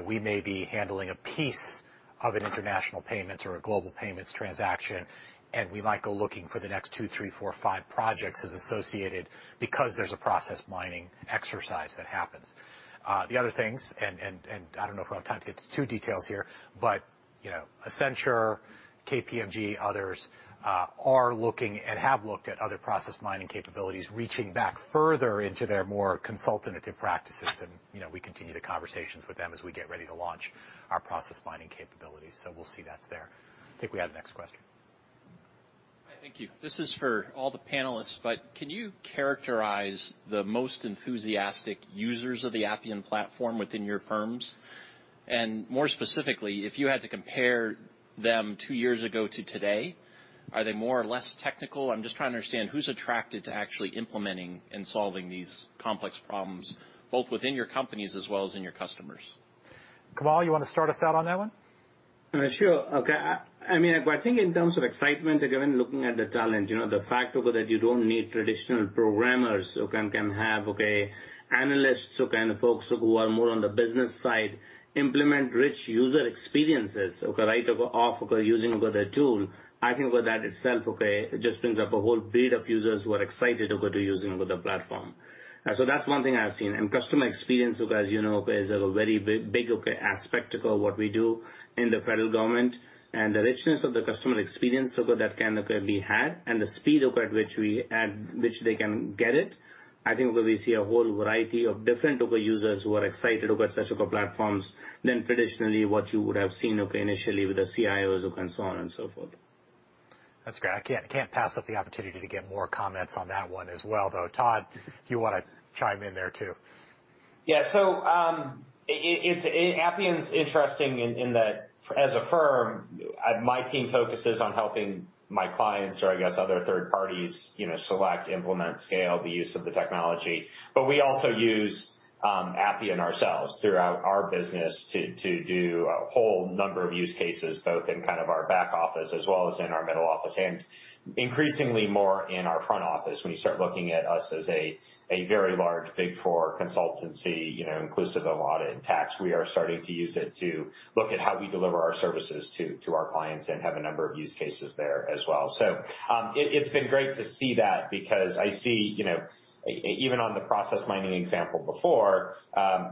we may be handling a piece of an international payments or a global payments transaction, and we might go looking for the next two, three, four, five projects as associated because there's a process mining exercise that happens. The other things, I don't know if we'll have time to get to two details here, but Accenture, KPMG, others are looking and have looked at other process mining capabilities, reaching back further into their more consultative practices. We continue the conversations with them as we get ready to launch our process mining capabilities. We'll see that's there. I think we had the next question. Thank you. This is for all the panelists, can you characterize the most enthusiastic users of the Appian platform within your firms? More specifically, if you had to compare them two years ago to today, are they more or less technical? I'm just trying to understand who's attracted to actually implementing and solving these complex problems, both within your companies as well as in your customers. Kamal, you want to start us out on that one? Sure. Okay. I think in terms of excitement, again, looking at the talent, the fact that you don't need traditional programmers who can have analysts folks who are more on the business side implement rich user experiences off using the tool. I think that itself just brings up a whole breed of users who are excited to go to using the platform. That's one thing I've seen. Customer experience, as you know, is a very big aspect of what we do in the Federal Government. The richness of the customer experience that can be had and the speed at which they can get it, I think we see a whole variety of different users who are excited about such platforms than traditionally what you would have seen initially with the CIOs and so on and so forth. That's great. I can't pass up the opportunity to get more comments on that one as well, though. Todd, if you want to chime in there too. Yeah. Appian's interesting in that as a firm, my team focuses on helping my clients or I guess other third parties select, implement, scale the use of the technology. We also use Appian ourselves throughout our business to do a whole number of use cases, both in kind of our back office as well as in our middle office, and increasingly more in our front office. When you start looking at us as a very large, Big Four consultancy, inclusive of audit and tax, we are starting to use it to look at how we deliver our services to our clients and have a number of use cases there as well. It's been great to see that because I see, even on the process mining example before,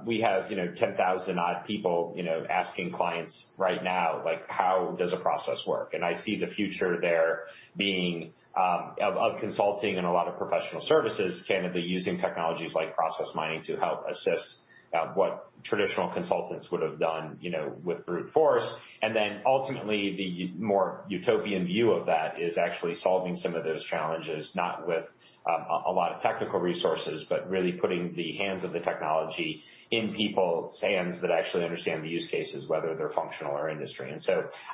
we have 10,000 odd people asking clients right now, how does a process work? I see the future there being of consulting and a lot of professional services candidly using technologies like process mining to help assist what traditional consultants would've done with brute force. Ultimately, the more utopian view of that is actually solving some of those challenges, not with a lot of technical resources, but really putting the hands of the technology in people's hands that actually understand the use cases, whether they're functional or industry.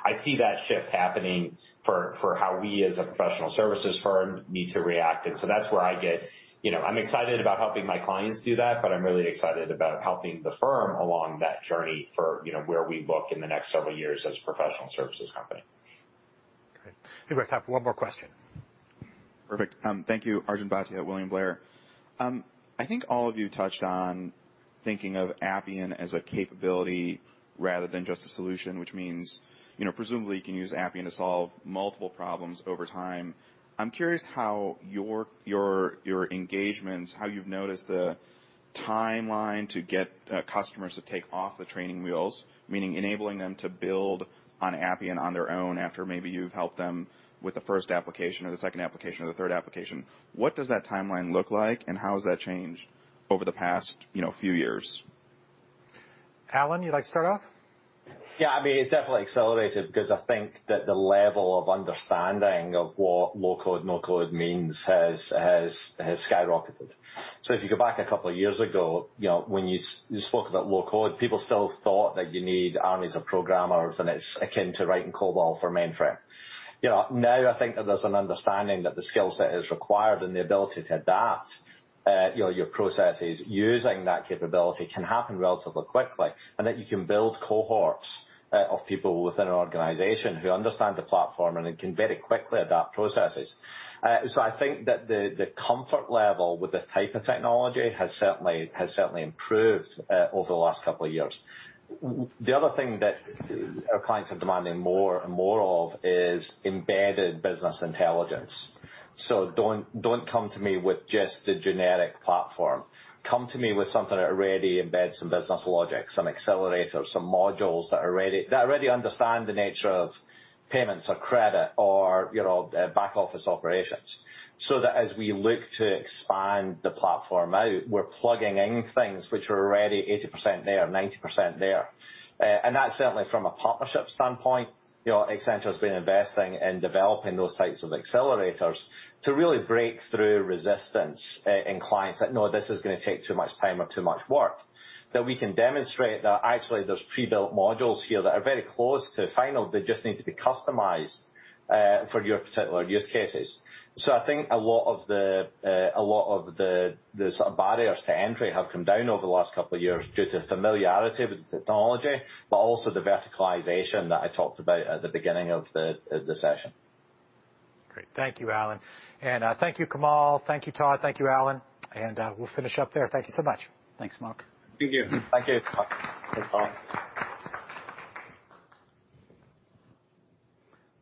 I see that shift happening for how we, as a professional services firm, need to react. That's where I'm excited about helping my clients do that, but I'm really excited about helping the firm along that journey for where we look in the next several years as a professional services company. Great. I think we've got time for one more question. Perfect. Thank you. Arjun Bhatia, William Blair. I think all of you touched on thinking of Appian as a capability rather than just a solution, which means presumably you can use Appian to solve multiple problems over time. I'm curious how your engagements, how you've noticed the timeline to get customers to take off the training wheels, meaning enabling them to build on Appian on their own after maybe you've helped them with the first application or the second application or the third application. What does that timeline look like, and how has that changed over the past few years? Alan, you'd like to start off? Yeah. It definitely accelerated because I think that the level of understanding of what low-code/no-code means has skyrocketed. If you go back a couple of years ago, when you spoke about low-code, people still thought that you need armies of programmers, and it's akin to writing COBOL for mainframe. Now, I think that there's an understanding that the skill set is required and the ability to adapt your processes using that capability can happen relatively quickly, and that you can build cohorts of people within an organization who understand the platform and it can very quickly adapt processes. I think that the comfort level with this type of technology has certainly improved over the last couple of years. The other thing that our clients are demanding more and more of is embedded Enterprise Business Intelligence. Don't come to me with just the generic platform. Come to me with something that already embeds some business logic, some accelerators, some modules that already understand the nature of payments or credit or back office operations. That as we look to expand the platform out, we're plugging in things which are already 80% there, 90% there. That's certainly from a partnership standpoint. Accenture's been investing in developing those types of accelerators to really break through resistance in clients that know this is going to take too much time or too much work. That we can demonstrate that actually there's pre-built modules here that are very close to final. They just need to be customized for your particular use cases. I think a lot of the sort of barriers to entry have come down over the last couple of years due to familiarity with the technology, but also the verticalization that I talked about at the beginning of the session. Great. Thank you, Alan. Thank you, Kamal. Thank you, Todd. Thank you, Alan. We'll finish up there. Thank you so much. Thanks, Marc. Thank you. Thank you. Thanks, Kamal.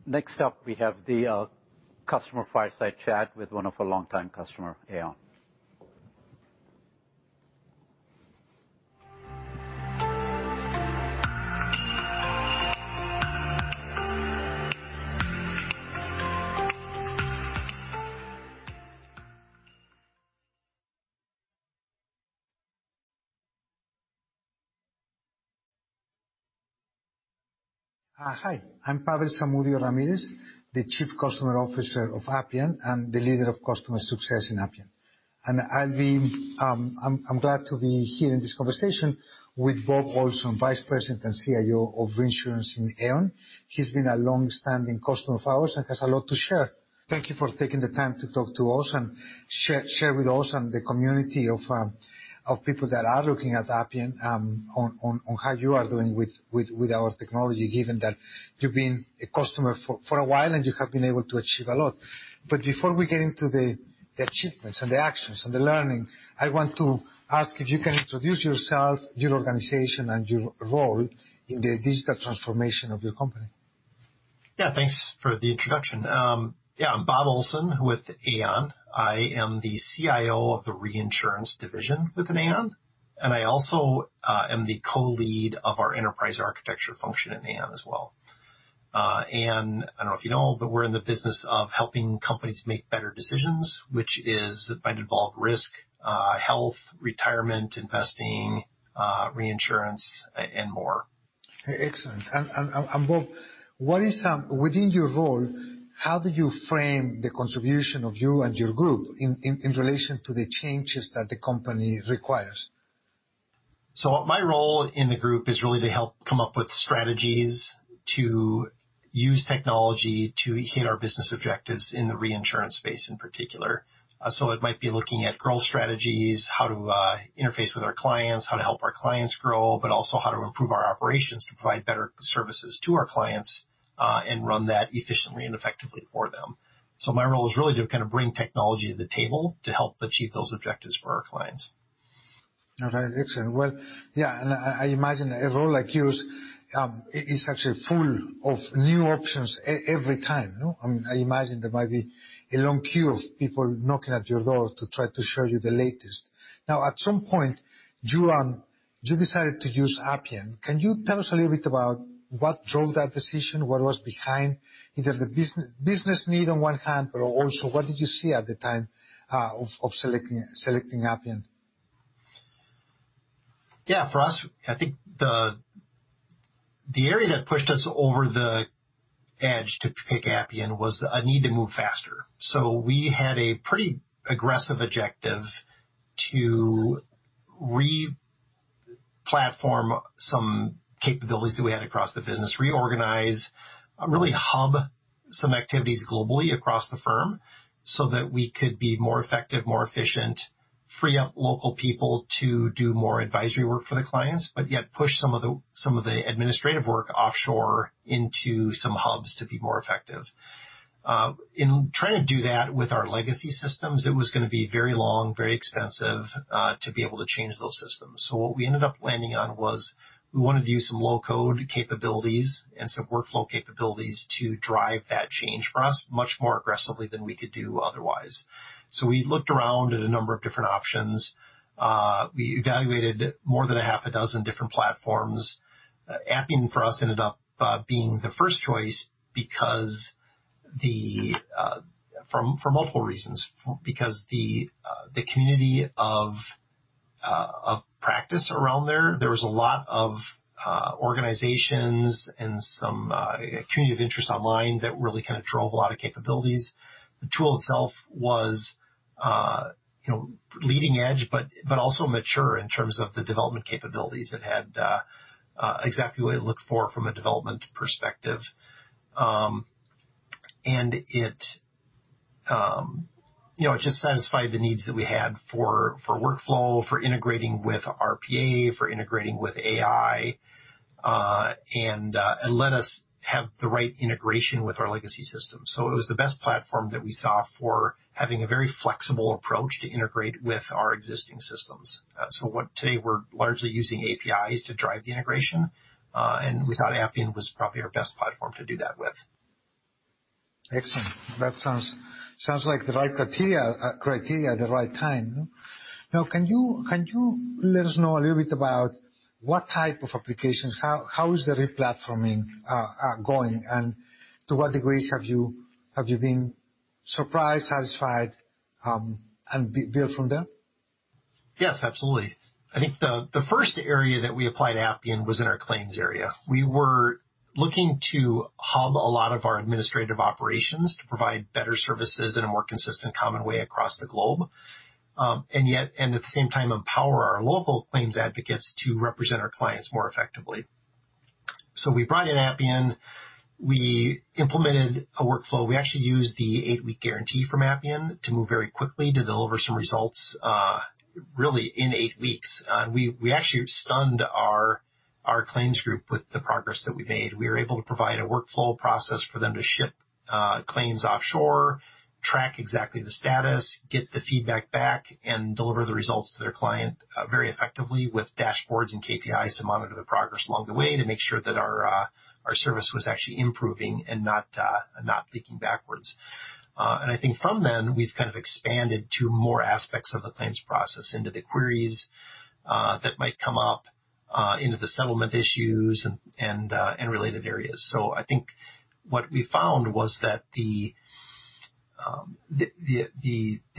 Next up, we have the customer fireside chat with one of our longtime customer, Aon. Hi, I'm Pavel Zamudio-Ramirez, the Chief Customer Officer of Appian, and the leader of Customer Success in Appian. I'm glad to be here in this conversation with Bob Olson, Vice President and CIO of Reinsurance Solutions, Aon. He's been a longstanding customer of ours and has a lot to share. Thank you for taking the time to talk to us and share with us and the community of people that are looking at Appian on how you are doing with our technology, given that you've been a customer for a while, and you have been able to achieve a lot. Before we get into the achievements and the actions and the learning, I want to ask if you can introduce yourself, your organization, and your role in the digital transformation of your company. Thanks for the introduction. I'm Bob Olson with Aon. I am the CIO of the Reinsurance Division within Aon. I also am the Co-Lead of our Enterprise Architecture Function in Aon as well. I don't know if you know, but we're in the business of helping companies make better decisions, which is might involve risk, health, retirement, investing, reinsurance, and more. Excellent. Bob, within your role, how do you frame the contribution of you and your group in relation to the changes that the company requires? My role in the group is really to help come up with strategies to use technology to hit our business objectives in the reinsurance space in particular. It might be looking at growth strategies, how to interface with our clients, how to help our clients grow, but also how to improve our operations to provide better services to our clients, and run that efficiently and effectively for them. My role is really to kind of bring technology to the table to help achieve those objectives for our clients. All right. Excellent. Well, yeah, I imagine a role like yours is actually full of new options every time. I imagine there might be a long queue of people knocking at your door to try to show you the latest. At some point, you decided to use Appian. Can you tell us a little bit about what drove that decision? What was behind either the business need on one hand, but also what did you see at the time of selecting Appian? Yeah. For us, I think the area that pushed us over the edge to pick Appian was a need to move faster. We had a pretty aggressive objective to re-platform some capabilities that we had across the business. Reorganize, really hub some activities globally across the firm so that we could be more effective, more efficient, free up local people to do more advisory work for the clients, but yet push some of the administrative work offshore into some hubs to be more effective. In trying to do that with our legacy systems, it was going to be very long, very expensive, to be able to change those systems. What we ended up landing on was we wanted to use some low-code capabilities and some workflow capabilities to drive that change for us much more aggressively than we could do otherwise. We looked around at a number of different options. We evaluated more than a half a dozen different platforms. Appian, for us, ended up being the first choice for multiple reasons. The community of practice around there was a lot of organizations and some community of interest online that really kind of drove a lot of capabilities. The tool itself was leading edge, but also mature in terms of the development capabilities. It had exactly what it looked for from a development perspective. It just satisfied the needs that we had for workflow, for integrating with RPA, for integrating with AI, and let us have the right integration with our legacy system. It was the best platform that we saw for having a very flexible approach to integrate with our existing systems. Today, we're largely using APIs to drive the integration. We thought Appian was probably our best platform to do that with. Excellent. That sounds like the right criteria at the right time. Now, can you let us know a little bit about what type of applications, how is the re-platforming going, and to what degree have you been surprised, satisfied, and built from there? Yes, absolutely. I think the first area that we applied Appian was in our Claims area. We were looking to hub a lot of our administrative operations to provide better services in a more consistent, common way across the globe. Yet, at the same time, empower our local Claims advocates to represent our clients more effectively. We brought in Appian. We implemented a workflow. We actually used the Appian Guarantee from Appian to move very quickly to deliver some results really in eight weeks. We actually stunned our Claims group with the progress that we made. We were able to provide a workflow process for them to ship Claims offshore, track exactly the status, get the feedback back, and deliver the results to their client very effectively with dashboards and KPIs to monitor the progress along the way to make sure that our service was actually improving and not leaking backwards. I think from then we've kind of expanded to more aspects of the Claims process into the queries that might come up into the settlement issues and related areas. I think what we found was that the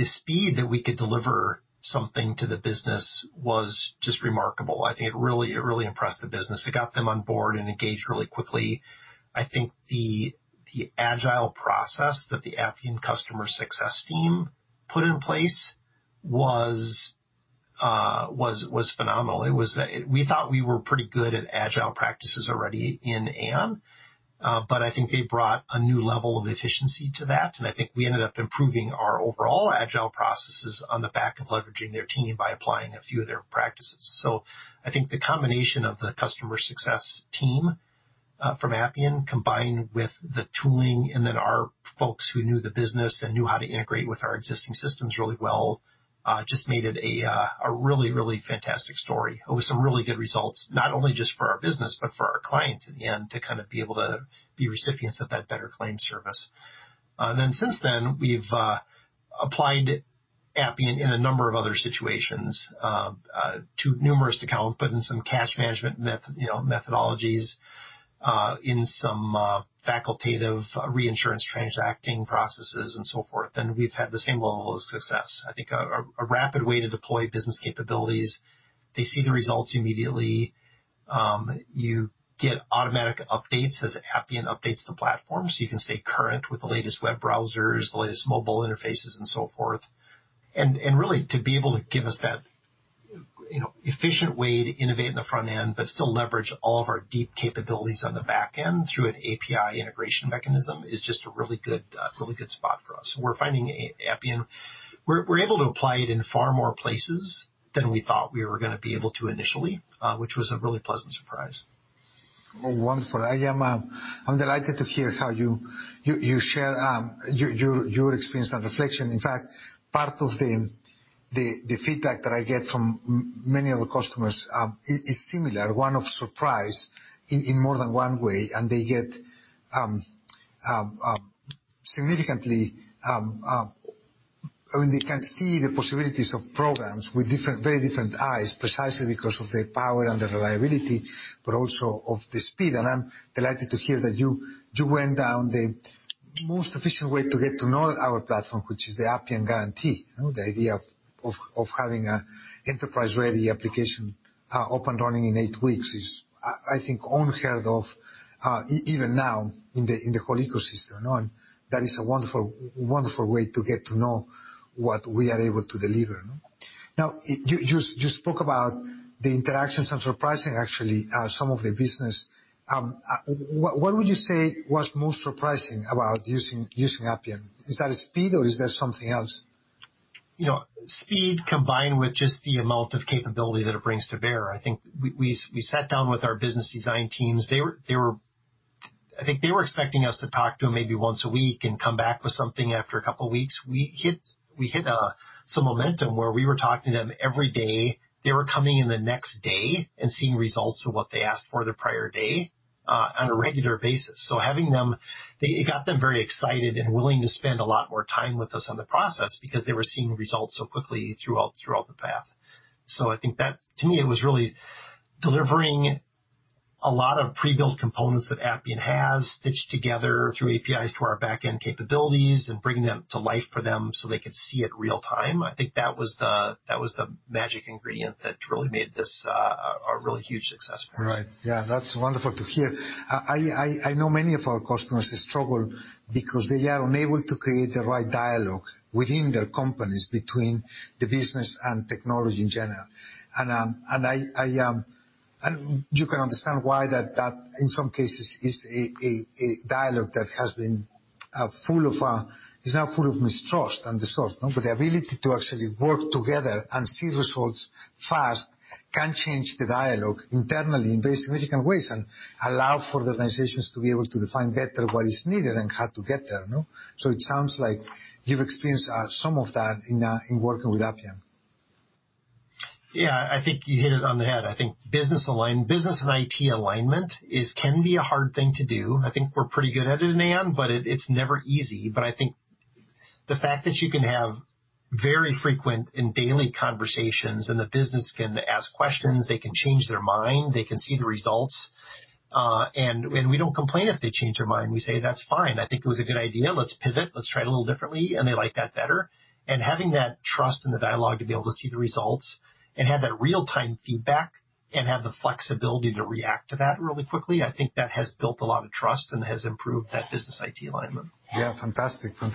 speed that we could deliver something to the business was just remarkable. I think it really impressed the business. It got them on board and engaged really quickly. I think the agile process that the Appian Customer Success and Support team put in place was phenomenal. We thought we were pretty good at agile practices already in Aon. I think they brought a new level of efficiency to that. I think we ended up improving our overall agile processes on the back of leveraging their team by applying a few of their practices. I think the combination of the Customer Success and Support team from Appian, combined with the tooling and then our folks who knew the business and knew how to integrate with our existing systems really well, just made it a really fantastic story with some really good results. Not only just for our business but for our clients in the end to be able to be recipients of that better claim service. Since then, we've applied Appian in a number of other situations, too numerous to count, but in some cash management methodologies, in some facultative reinsurance transacting processes and so forth. We've had the same level of success. I think a rapid way to deploy business capabilities. They see the results immediately. You get automatic updates as Appian updates the platform, so you can stay current with the latest web browsers, the latest mobile interfaces, and so forth. Really to be able to give us that efficient way to innovate in the front-end, but still leverage all of our deep capabilities on the back-end through an API integration mechanism is just a really good spot for us. We're finding Appian. We're able to apply it in far more places than we thought we were going to be able to initially, which was a really pleasant surprise. Wonderful. I'm delighted to hear how you share your experience and reflection. In fact, part of the feedback that I get from many other customers is similar, one of surprise in more than one way. They can see the possibilities of programs with very different eyes, precisely because of their power and their reliability, but also of the speed. I'm delighted to hear that you went down the most efficient way to get to know our platform, which is the Appian Guarantee. The idea of having an enterprise-ready application up and running in eight weeks is, I think, unheard of even now in the whole ecosystem. That is a wonderful way to get to know what we are able to deliver. Now, you spoke about the interactions and surprising, actually, some of the business. What would you say was most surprising about using Appian? Is that speed or is there something else? Speed combined with just the amount of capability that it brings to bear. I think we sat down with our business design teams. I think they were expecting us to talk to them maybe once a week and come back with something after a couple of weeks. We hit some momentum where we were talking to them every day. They were coming in the next day and seeing results of what they asked for the prior day on a regular basis. It got them very excited and willing to spend a lot more time with us on the process because they were seeing results so quickly throughout the path. I think that, to me, it was really delivering a lot of pre-built components that Appian has stitched together through APIs to our back-end capabilities and bringing them to life for them so they could see it real time. I think that was the magic ingredient that really made this a really huge success for us. Right. Yeah. That's wonderful to hear. I know many of our customers struggle because they are unable to create the right dialogue within their companies between the business and technology in general. You can understand why that, in some cases, is a dialogue that is now full of mistrust and distrust. The ability to actually work together and see results fast can change the dialogue internally in very significant ways and allow for the organizations to be able to define better what is needed and how to get there. It sounds like you've experienced some of that in working with Appian. Yeah, I think you hit it on the head. I think business and IT alignment can be a hard thing to do. I think we're pretty good at it in Aon, but it's never easy. I think the fact that you can have very frequent and daily conversations and the business can ask questions, they can change their mind, they can see the results. We don't complain if they change their mind. We say, "That's fine. I think it was a good idea. Let's pivot. Let's try it a little differently." They like that better. Having that trust in the dialogue to be able to see the results and have that real-time feedback and have the flexibility to react to that really quickly, I think that has built a lot of trust and has improved that business IT alignment. Fantastic. I'm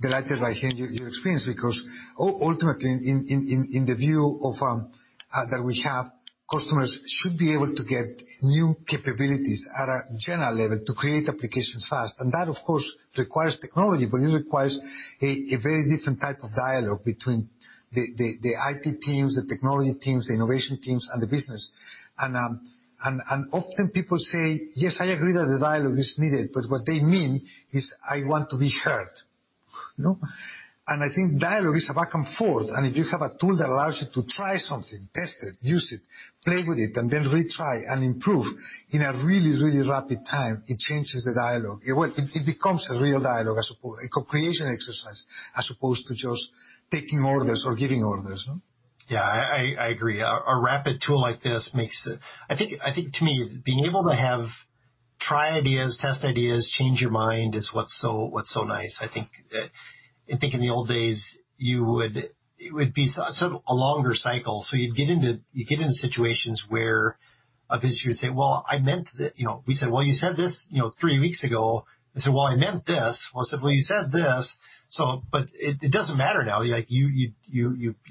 delighted by hearing your experience because ultimately in the view that we have, customers should be able to get new capabilities at a general level to create applications fast. That, of course, requires technology, but it requires a very different type of dialogue between the IT teams, the technology teams, the innovation teams, and the business. Often people say, "Yes, I agree that the dialogue is needed," but what they mean is, "I want to be heard." I think dialogue is a back and forth. If you have a tool that allows you to try something, test it, use it, play with it, and then retry and improve in a really rapid time, it changes the dialogue. It becomes a real dialogue, a co-creation exercise, as opposed to just taking orders or giving orders. Yeah, I agree. A rapid tool like this makes it. I think to me, being able to have try ideas, test ideas, change your mind is what's so nice. I think in the old days it would be sort of a longer cycle. You'd get into situations where a visitor would say, "Well, I meant that." We say, "Well, you said this three weeks ago." They say, "Well, I meant this." Well, I said, "Well, you said this." But it doesn't matter now. You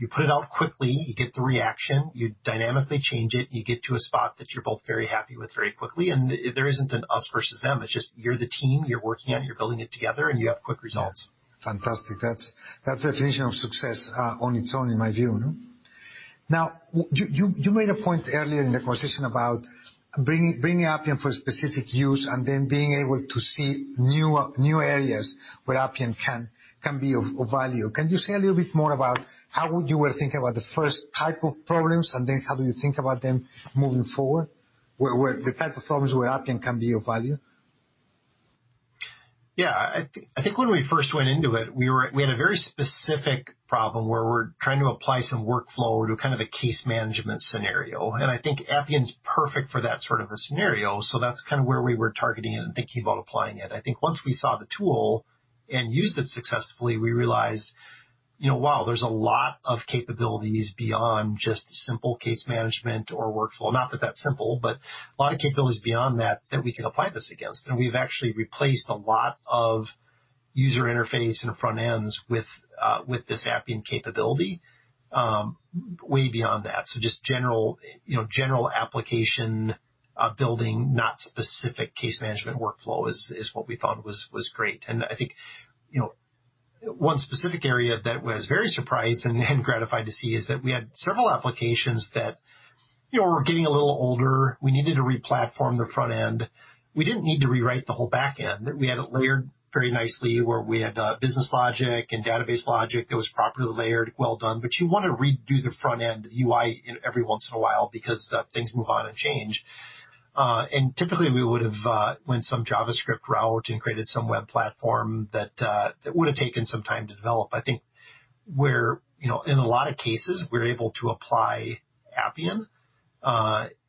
put it out quickly, you get the reaction, you dynamically change it, and you get to a spot that you're both very happy with very quickly, and there isn't an us versus them. It's just you're the team, you're working on it, you're building it together, and you have quick results. Yeah. Fantastic. That's a definition of success on its own in my view, no? Now, you made a point earlier in the conversation about bringing Appian for a specific use and then being able to see new areas where Appian can be of value. Can you say a little bit more about how you were thinking about the first type of problems, and then how do you think about them moving forward? Where the type of problems where Appian can be of value? Yeah. I think when we first went into it, we had a very specific problem where we're trying to apply some workflow to kind of a case management scenario. I think Appian's perfect for that sort of a scenario. That's kind of where we were targeting it and thinking about applying it. I think once we saw the tool and used it successfully, we realized, wow, there's a lot of capabilities beyond just simple case management or workflow. Not that that's simple, a lot of capabilities beyond that that we can apply this against. We've actually replaced a lot of user interface and front-ends with this Appian capability way beyond that. Just general application of building not specific case management workflow is what we found was great. I think one specific area that was very surprised and gratified to see is that we had several applications that were getting a little older. We needed to re-platform the front-end. We didn't need to rewrite the whole back-end. We had it layered very nicely where we had business logic and database logic that was properly layered, well done. You want to redo the front-end UI every once in a while because things move on and change. Typically we would've went some JavaScript route and created some web platform that would've taken some time to develop. I think in a lot of cases, we're able to apply Appian as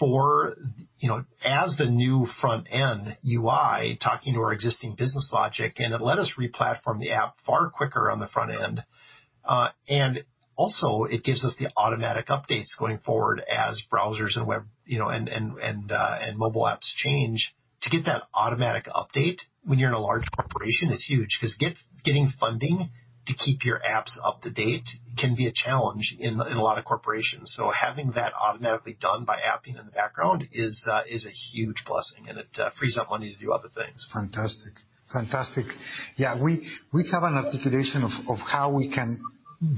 the new front-end UI talking to our existing business logic, and it let us re-platform the app far quicker on the front-end. Also it gives us the automatic updates going forward as browsers and mobile apps change. To get that automatic update when you're in a large corporation is huge because getting funding to keep your apps up to date can be a challenge in a lot of corporations. Having that automatically done by Appian in the background is a huge blessing, and it frees up money to do other things. Fantastic. Yeah. We have an articulation of how we can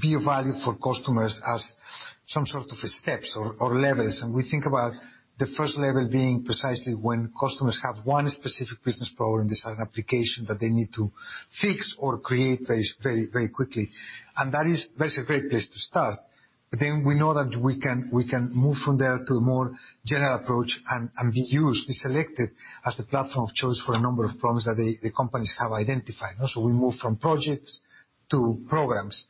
be of value for customers as some sort of steps or levels, and we think about the first level being precisely when customers have one specific business problem. There's an application that they need to fix or create very quickly. That is a great place to start. We know that we can move from there to a more general approach and be used, be selected as the platform of choice for a number of problems that the companies have identified. We move from projects to programs.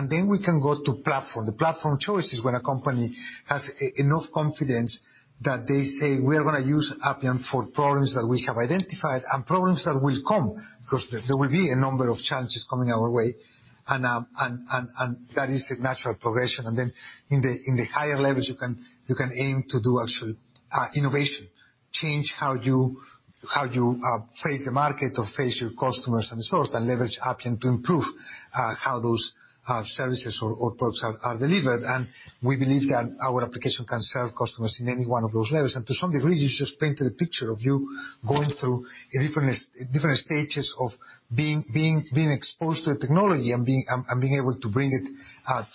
We can go to platform. The platform of choice is when a company has enough confidence that they say, "We are going to use Appian for problems that we have identified and problems that will come because there will be a number of challenges coming our way." That is the natural progression. Then in the higher levels you can aim to do actual innovation. Change how you face the market or face your customers and so forth, and leverage Appian to improve how those services or products are delivered. We believe that our application can serve customers in any one of those levels. To some degree, you just painted a picture of you going through different stages of being exposed to a technology and being able to bring it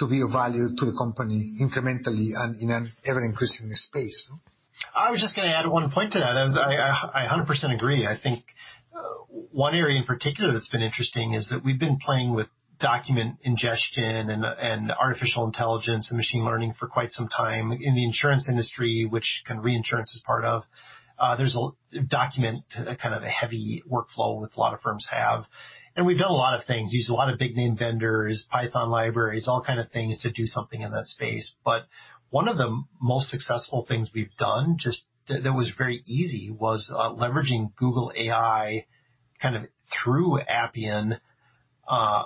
to be of value to the company incrementally and in an ever-increasing space. I was just going to add one point to that. I 100% agree. I think one area in particular that's been interesting is that we've been playing with document ingestion and artificial intelligence and machine learning for quite some time. In the insurance industry, which kind of reinsurance is part of, there's a document kind of a heavy workflow a lot of firms have. We've done a lot of things, used a lot of big name vendors, Python libraries, all kind of things to do something in that space. One of the most successful things we've done that was very easy was leveraging Google AI kind of through Appian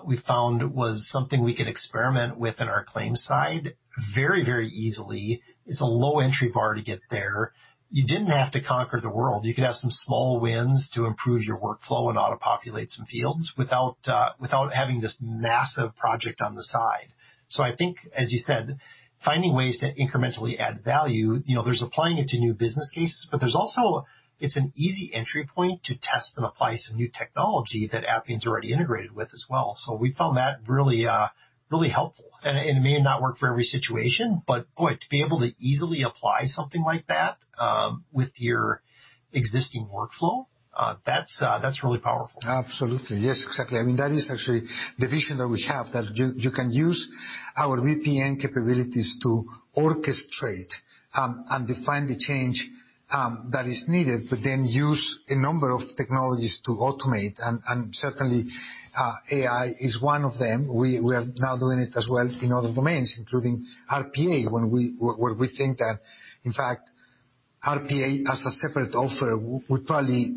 we found was something we could experiment with in our Claims side very easily. It's a low-entry bar to get there. You didn't have to conquer the world. You could have some small wins to improve your workflow and auto-populate some fields without having this massive project on the side. I think as you said, finding ways to incrementally add value, there's applying it to new business cases, but there's also it's an easy entry point to test and apply some new technology that Appian's already integrated with as well. We found that really helpful and it may not work for every situation, but boy, to be able to easily apply something like that with your existing workflow, that's really powerful. Absolutely. Yes. Exactly. That is actually the vision that we have, that you can use our BPM capabilities to orchestrate and define the change that is needed, but then use a number of technologies to automate and certainly AI is one of them. We are now doing it as well in other domains, including RPA, where we think that in fact RPA as a separate offer would probably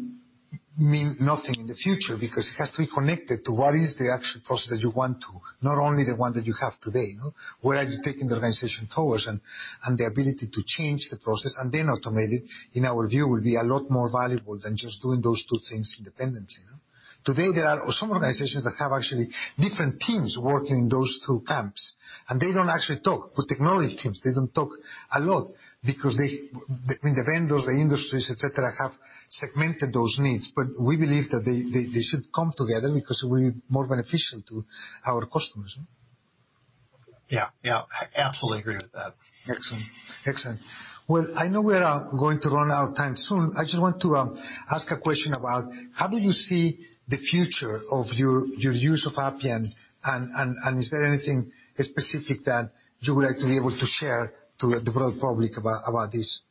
mean nothing in the future, because it has to be connected to what is the actual process that you want to, not only the one that you have today. Where are you taking the organization towards? The ability to change the process and then automate it, in our view, will be a lot more valuable than just doing those two things independently. Today, there are some organizations that have actually different teams working in those two camps, and they don't actually talk. The technology teams, they don't talk a lot because the vendors, the industries, et cetera, have segmented those needs. We believe that they should come together because it will be more beneficial to our customers. Yeah. I absolutely agree with that. Excellent. Well, I know we are going to run out of time soon. I just want to ask a question about how do you see the future of your use of Appian, and is there anything specific that you would like to be able to share to the broad public about this?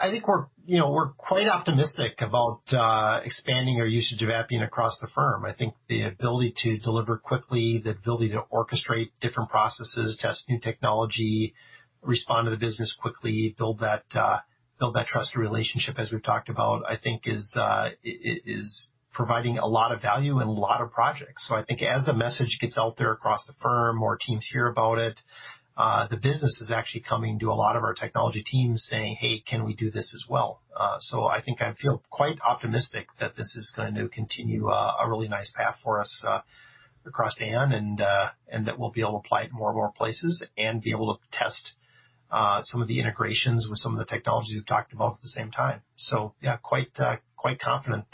I think we're quite optimistic about expanding our usage of Appian across the firm. I think the ability to deliver quickly, the ability to orchestrate different processes, test new technology, respond to the business quickly, build that trusted relationship as we've talked about, I think is providing a lot of value in a lot of projects. I think as the message gets out there across the firm, more teams hear about it, the business is actually coming to a lot of our technology teams saying, "Hey, can we do this as well?" I think I feel quite optimistic that this is going to continue a really nice path for us across Aon, and that we'll be able to apply it in more and more places and be able to test some of the integrations with some of the technologies we've talked about at the same time. Yeah, quite confident,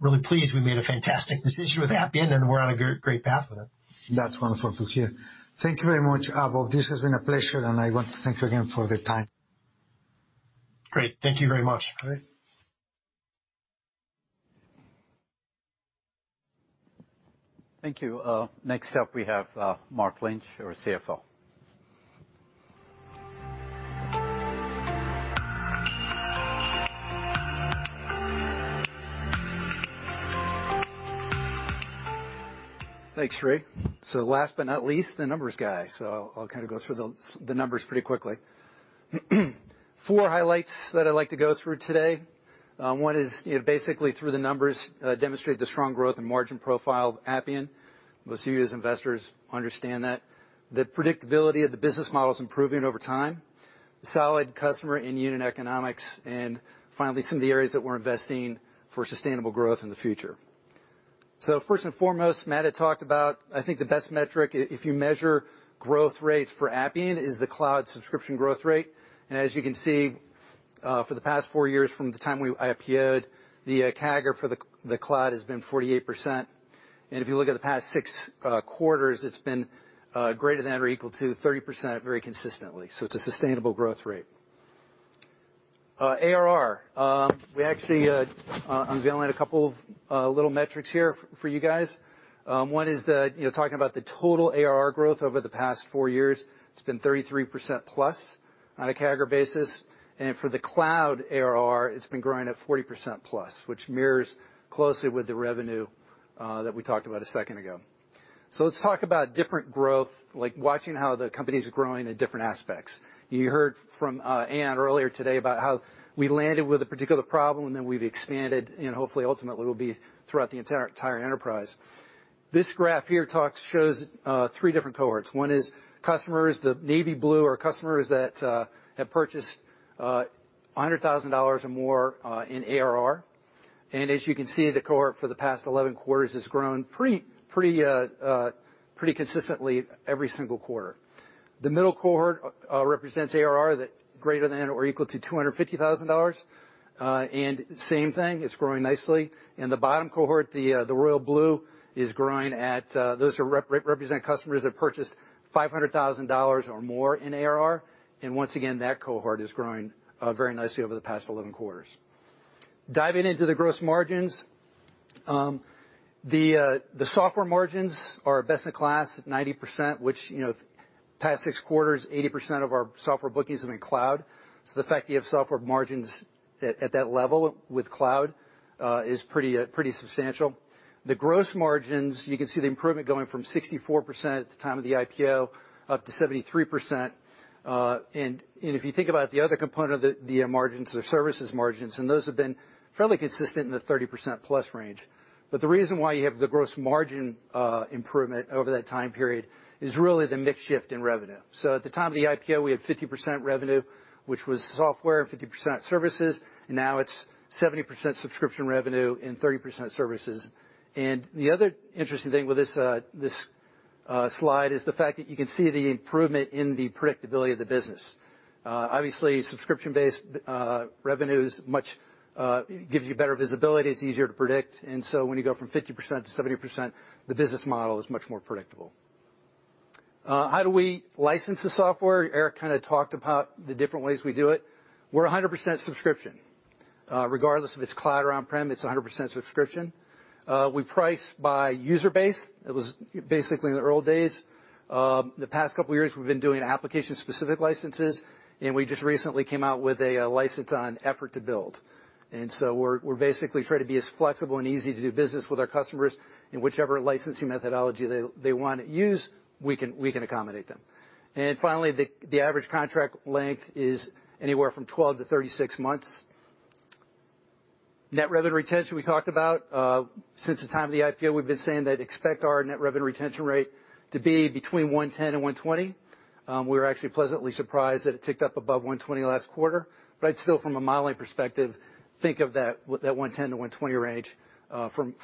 really pleased we made a fantastic decision with Appian, and we're on a great path with it. That's wonderful to hear. Thank you very much, Bob. This has been a pleasure, and I want to thank you again for the time. Great. Thank you very much. Okay. Thank you. Next up, we have Mark Lynch, our CFO. Thanks, Sri. Last but not least, the numbers guy. I'll go through the numbers pretty quickly. Four highlights that I'd like to go through today. One is, basically through the numbers, demonstrate the strong growth and margin profile of Appian. Most of you as investors understand that. The predictability of the business model is improving over time, solid customer and unit economics, and finally, some of the areas that we're investing for sustainable growth in the future. First and foremost, Matt had talked about, I think the best metric, if you measure growth rates for Appian, is the cloud subscription growth rate. As you can see, for the past four years from the time we IPO'd, the CAGR for the cloud has been 48%. If you look at the past six quarters, it's been greater than or equal to 30% very consistently. It's a sustainable growth rate. ARR. We actually unveiling a couple of little metrics here for you guys. One is talking about the total ARR growth over the past four years, it's been 33%+ on a CAGR basis. For the cloud ARR, it's been growing at 40%+, which mirrors closely with the revenue that we talked about a second ago. Let's talk about different growth, like watching how the company's growing in different aspects. You heard from Aon earlier today about how we landed with a particular problem, and then we've expanded and hopefully ultimately will be throughout the entire enterprise. This graph here shows three different cohorts. One is customers, the navy blue are customers that have purchased $100,000 or more in ARR. As you can see, the cohort for the past 11 quarters has grown pretty consistently every single quarter. The middle cohort represents ARR that greater than or equal to $250,000. Same thing, it's growing nicely. The bottom cohort, the royal blue, those represent customers that purchased $500,000 or more in ARR. Once again, that cohort is growing very nicely over the past 11 quarters. Diving into the gross margins. The software margins are best in class at 90%, which past six quarters, 80% of our software bookings have been cloud. The fact that you have software margins at that level with cloud is pretty substantial. The gross margins, you can see the improvement going from 64% at the time of the IPO up to 73%. If you think about the other component of the margins, the services margins, and those have been fairly consistent in the 30%+ range. The reason why you have the gross margin improvement over that time period is really the mix shift in revenue. At the time of the IPO, we had 50% revenue, which was software, and 50% services, and now it's 70% subscription revenue and 30% services. The other interesting thing with this slide is the fact that you can see the improvement in the predictability of the business. Obviously, subscription-based revenues gives you better visibility. It's easier to predict. When you go from 50% to 70%, the business model is much more predictable. How do we license the software? Eric kind of talked about the different ways we do it. We're 100% subscription. Regardless if it's cloud or on-prem, it's 100% subscription. We price by user base. It was basically in the early days. The past couple of years, we've been doing application-specific licenses. We just recently came out with a license on effort to build. We're basically trying to be as flexible and easy to do business with our customers in whichever licensing methodology they want to use, we can accommodate them. Finally, the average contract length is anywhere from 12 to 36 months. Net revenue retention we talked about. Since the time of the IPO, we've been saying that expect our net revenue retention rate to be between 110% and 120%. We were actually pleasantly surprised that it ticked up above 120% last quarter. Still from a modeling perspective, think of that 110%-120% range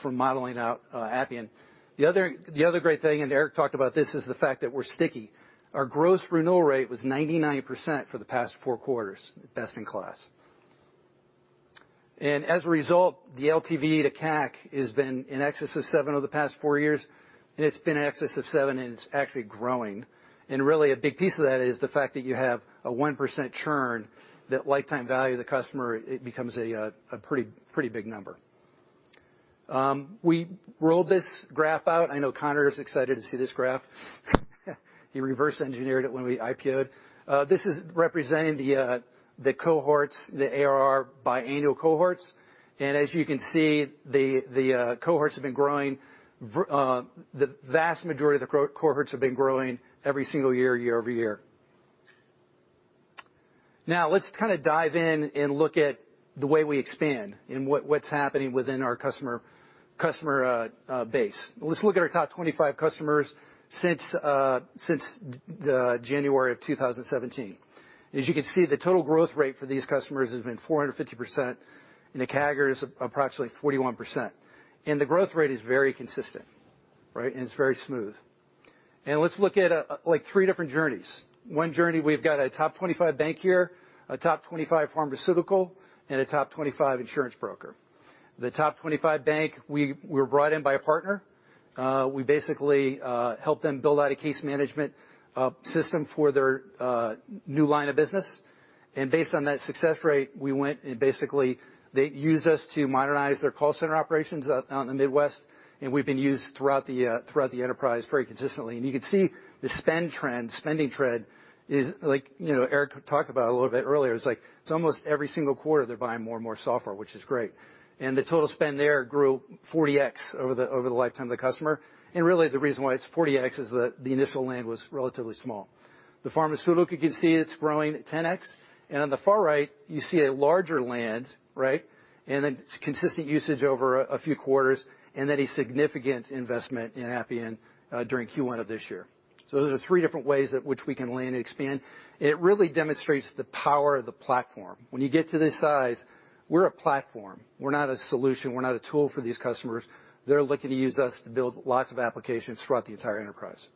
for modeling out Appian. The other great thing, Eric talked about this, is the fact that we're sticky. Our gross renewal rate was 99% for the past four quarters, best in class. As a result, the LTV:CAC has been in excess of 7:1 over the past four years, and it's been in excess of 7:1 and it's actually growing. Really, a big piece of that is the fact that you have a 1% churn, that lifetime value of the customer, it becomes a pretty big number. We rolled this graph out. I know Connor Aylett is excited to see this graph. He reverse engineered it when we IPO'd. This is representing the cohorts, the ARR by annual cohorts. As you can see, the cohorts have been growing. The vast majority of the cohorts have been growing every single year-over-year. Now, let's dive in and look at the way we expand and what's happening within our customer base. Let's look at our top 25 customers since January of 2017. As you can see, the total growth rate for these customers has been 450%, and the CAGR is approximately 41%. The growth rate is very consistent, and it's very smooth. Let's look at three different journeys. One journey, we've got a top 25 bank here, a top 25 pharmaceutical, and a top 25 insurance broker. The top 25 bank, we were brought in by a partner. We basically helped them build out a case management system for their new line of business. Based on that success rate, we went and basically, they used us to modernize their call center operations out in the Midwest, and we've been used throughout the enterprise very consistently. You can see the spend trend, spending trend is, like Eric talked about a little bit earlier, it's almost every single quarter, they're buying more and more software, which is great. The total spend there grew 40x over the lifetime of the customer. Really, the reason why it's 40x is that the initial land was relatively small. The pharmaceutical, you can see it's growing at 10x. On the far right, you see a larger land. Then consistent usage over a few quarters, then a significant investment in Appian during Q1 of this year. Those are the three different ways at which we can land and expand. It really demonstrates the power of the platform. When you get to this size, we're a platform. We're not a solution. We're not a tool for these customers. They're looking to use us to build lots of applications throughout the entire enterprise.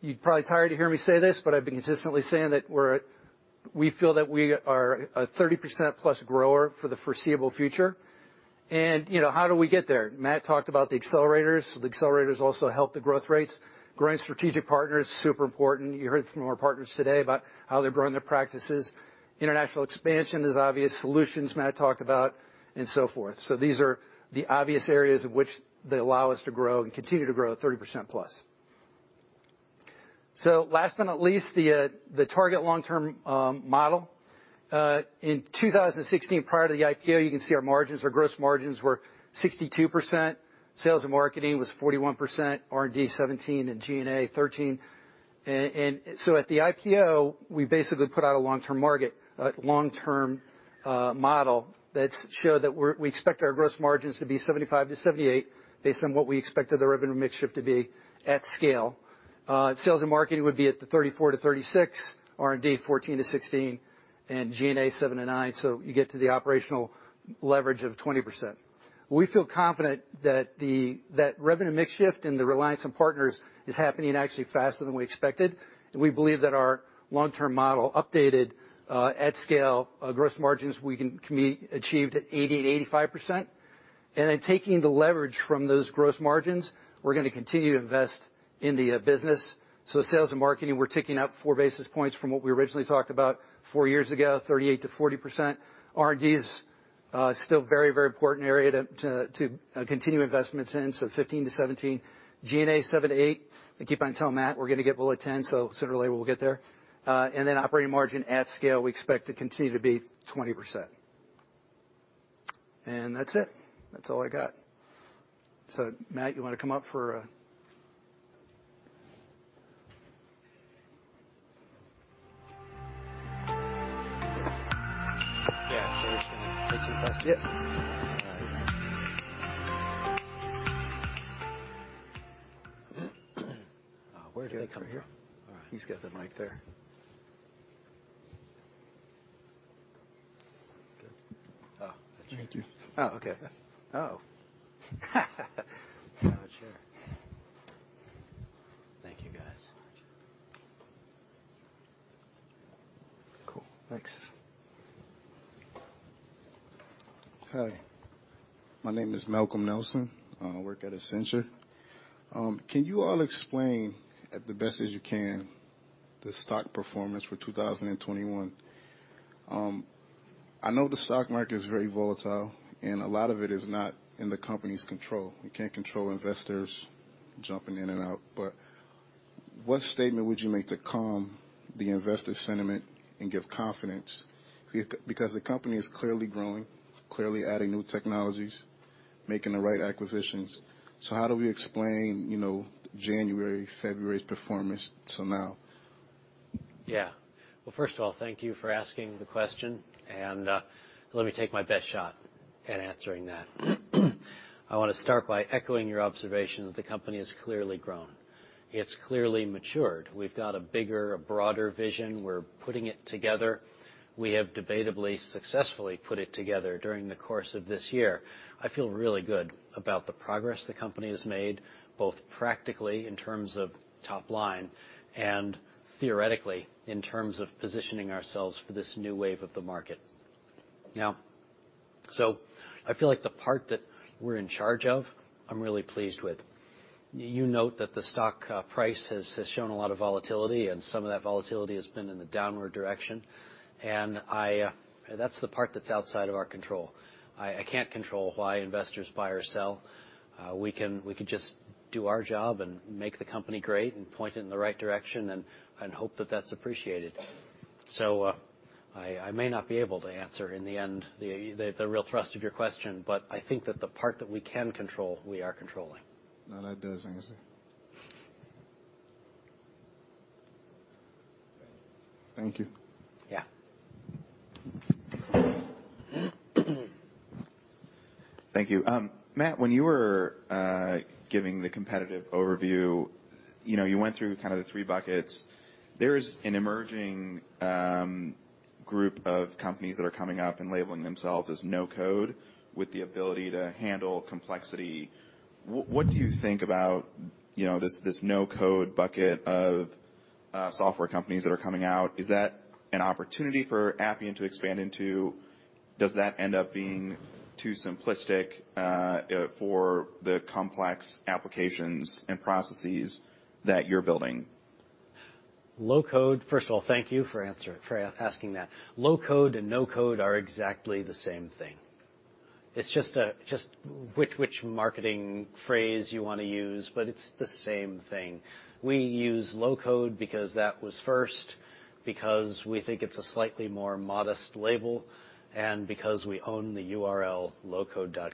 You're probably tired of hearing me say this, but I've been consistently saying that we feel that we are a 30%+ grower for the foreseeable future. How do we get there? Matt talked about the accelerators. The accelerators also help the growth rates. Growing strategic partners, super important. You heard from our partners today about how they're growing their practices. International expansion is obvious. Solutions, Matt talked about, and so forth. These are the obvious areas of which they allow us to grow and continue to grow at 30%+. Last but not least, the target long-term model. In 2016, prior to the IPO, you can see our margins, our gross margins were 62%, sales and marketing was 41%, R&D 17%, and G&A 13%. At the IPO, we basically put out a long-term model that showed that we expect our gross margins to be 75%-78%, based on what we expected the revenue mix shift to be at scale. Sales and marketing would be at the 34%-36%, R&D 14%-16%, and G&A 7%-9%, so you get to the operational leverage of 20%. We feel confident that revenue mix shift and the reliance on partners is happening actually faster than we expected. We believe that our long-term model updated at scale, gross margins can be achieved at 80% and 85%. Taking the leverage from those gross margins, we're going to continue to invest in the business. Sales and marketing, we're ticking up four basis points from what we originally talked about four years ago, 38%-40%. R&D is still very important area to continue investments in, 15%-17%. G&A, 7%-8%. I keep on telling Matt we're going to get below 10%, sooner or later we'll get there. Then operating margin at scale, we expect to continue to be 20%. That's it. That's all I got. Matt, you want to come up for a Yeah. We're just going to take some questions. Yeah. All right. Where do they come from? Right here. All right. He's got the mic there. Good. Oh. Thank you. Oh, okay. Oh. Have a chair. Thank you guys. Cool. Thanks. Hi. My name is Malcolm Nelson. I work at Accenture. Can you all explain, the best as you can, the stock performance for 2021? I know the stock market is very volatile, and a lot of it is not in the company's control. You can't control investors jumping in and out, but what statement would you make to calm the investor sentiment and give confidence? Because the company is clearly growing, clearly adding new technologies, making the right acquisitions. How do we explain January, February's performance to now? Yeah. Well, first of all, thank you for asking the question, and let me take my best shot at answering that. I want to start by echoing your observation that the company has clearly grown. It's clearly matured. We've got a bigger, broader vision. We're putting it together. We have debatably successfully put it together during the course of this year. I feel really good about the progress the company has made, both practically, in terms of top line, and theoretically, in terms of positioning ourselves for this new wave of the market. I feel like the part that we're in charge of, I'm really pleased with. You note that the stock price has shown a lot of volatility, and some of that volatility has been in the downward direction. That's the part that's outside of our control. I can't control why investors buy or sell. We can just do our job and make the company great and point it in the right direction and hope that that's appreciated. I may not be able to answer, in the end, the real thrust of your question, but I think that the part that we can control, we are controlling. No, that does answer. Thank you. Yeah. Thank you. Matt, when you were giving the competitive overview, you went through kind of the three buckets. There's an emerging group of companies that are coming up and labeling themselves as no-code with the ability to handle complexity. What do you think about this no-code bucket of software companies that are coming out? Is that an opportunity for Appian to expand into? Does that end up being too simplistic for the complex applications and processes that you're building? First of all, thank you for asking that. Low-code and no-code are exactly the same thing. It's just which marketing phrase you want to use, but it's the same thing. We use low-code because that was first, because we think it's a slightly more modest label, and because we own the URL lowcode.com.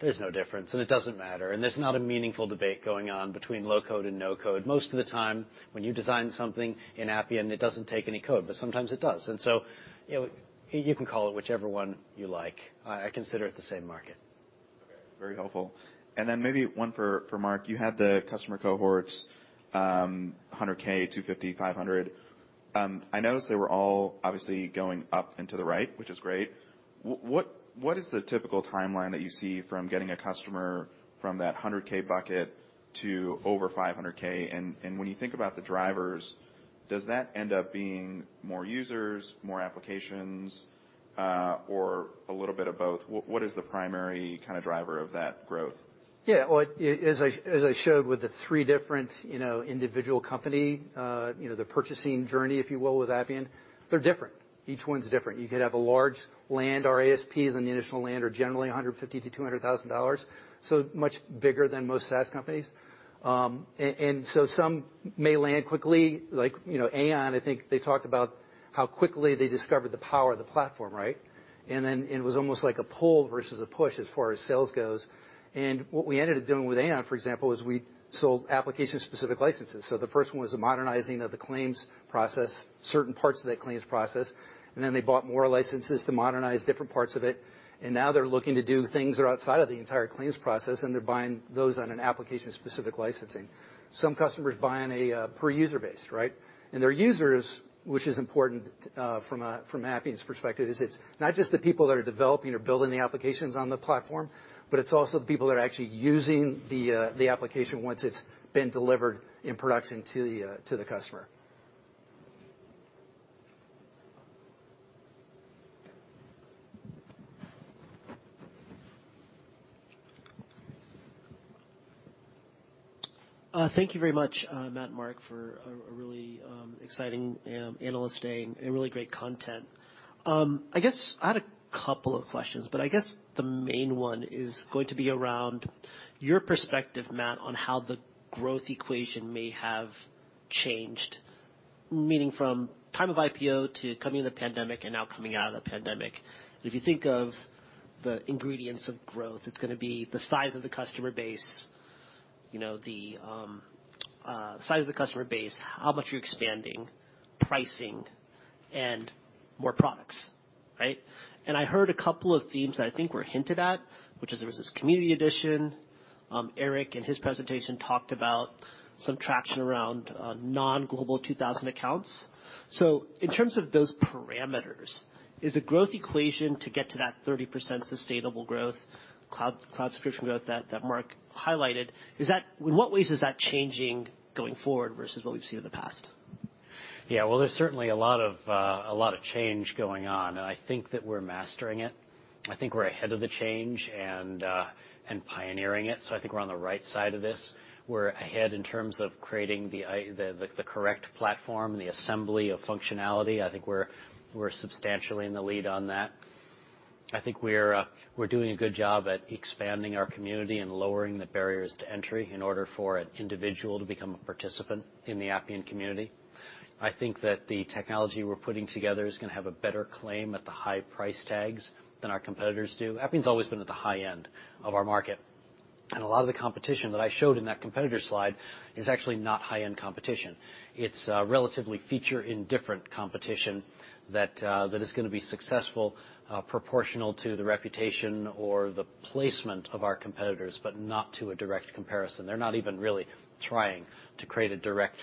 There's no difference, and it doesn't matter, and there's not a meaningful debate going on between low-code and no-code. Most of the time, when you design something in Appian, it doesn't take any code, but sometimes it does. You can call it whichever one you like. I consider it the same market. Okay. Very helpful. Then maybe one for Mark. You had the customer cohorts, $100,000, $250,000, $500,000. I noticed they were all obviously going up and to the right, which is great. What is the typical timeline that you see from getting a customer from that $100,000-bucket to over $500,000? When you think about the drivers, does that end up being more users, more applications, or a little bit of both? What is the primary driver of that growth? Well, as I showed with the three different individual company, the purchasing journey, if you will, with Appian, they're different. Each one's different. You could have a large land. Our ASP on the initial land are generally $150,000-$200,000, so much bigger than most SaaS companies. Some may land quickly, like Aon, I think they talked about how quickly they discovered the power of the platform, right? It was almost like a pull versus a push as far as sales goes. What we ended up doing with Aon, for example, is we sold application-specific licenses. The first one was the modernizing of the Claims process, certain parts of that Claims process. They bought more licenses to modernize different parts of it. Now they're looking to do things that are outside of the entire Claims process, and they're buying those on an application-specific licensing. Some customers buy on a per user base, right? Their users, which is important from Appian's perspective, is it's not just the people that are developing or building the applications on the platform, but it's also the people that are actually using the application once it's been delivered in production to the customer. Thank you very much, Matt and Mark, for a really exciting analyst day and really great content. I guess I had a couple of questions, but I guess the main one is going to be around your perspective, Matt, on how the growth equation may have changed, meaning from time of IPO to coming to the pandemic and now coming out of the pandemic. If you think of the ingredients of growth, it's going to be the size of the customer base, how much you're expanding, pricing, and more products, right? I heard a couple of themes that I think were hinted at, which is there was this Community Edition. Eric in his presentation talked about some traction around non-Global 2000 accounts. In terms of those parameters, is the growth equation to get to that 30% sustainable growth, cloud subscription growth that Mark highlighted, in what ways is that changing going forward versus what we've seen in the past? Yeah. Well, there's certainly a lot of change going on, and I think that we're mastering it. I think we're ahead of the change and pioneering it. I think we're on the right side of this. We're ahead in terms of creating the correct platform, the assembly of functionality. I think we're substantially in the lead on that. I think we're doing a good job at expanding our community and lowering the barriers to entry in order for an individual to become a participant in the Appian Community Edition. I think that the technology we're putting together is going to have a better claim at the high price tags than our competitors do. Appian's always been at the high end of our market. A lot of the competition that I showed in that competitor slide is actually not high-end competition. It's a relatively feature-indifferent competition that is going to be successful proportional to the reputation or the placement of our competitors, but not to a direct comparison. They're not even really trying to create a direct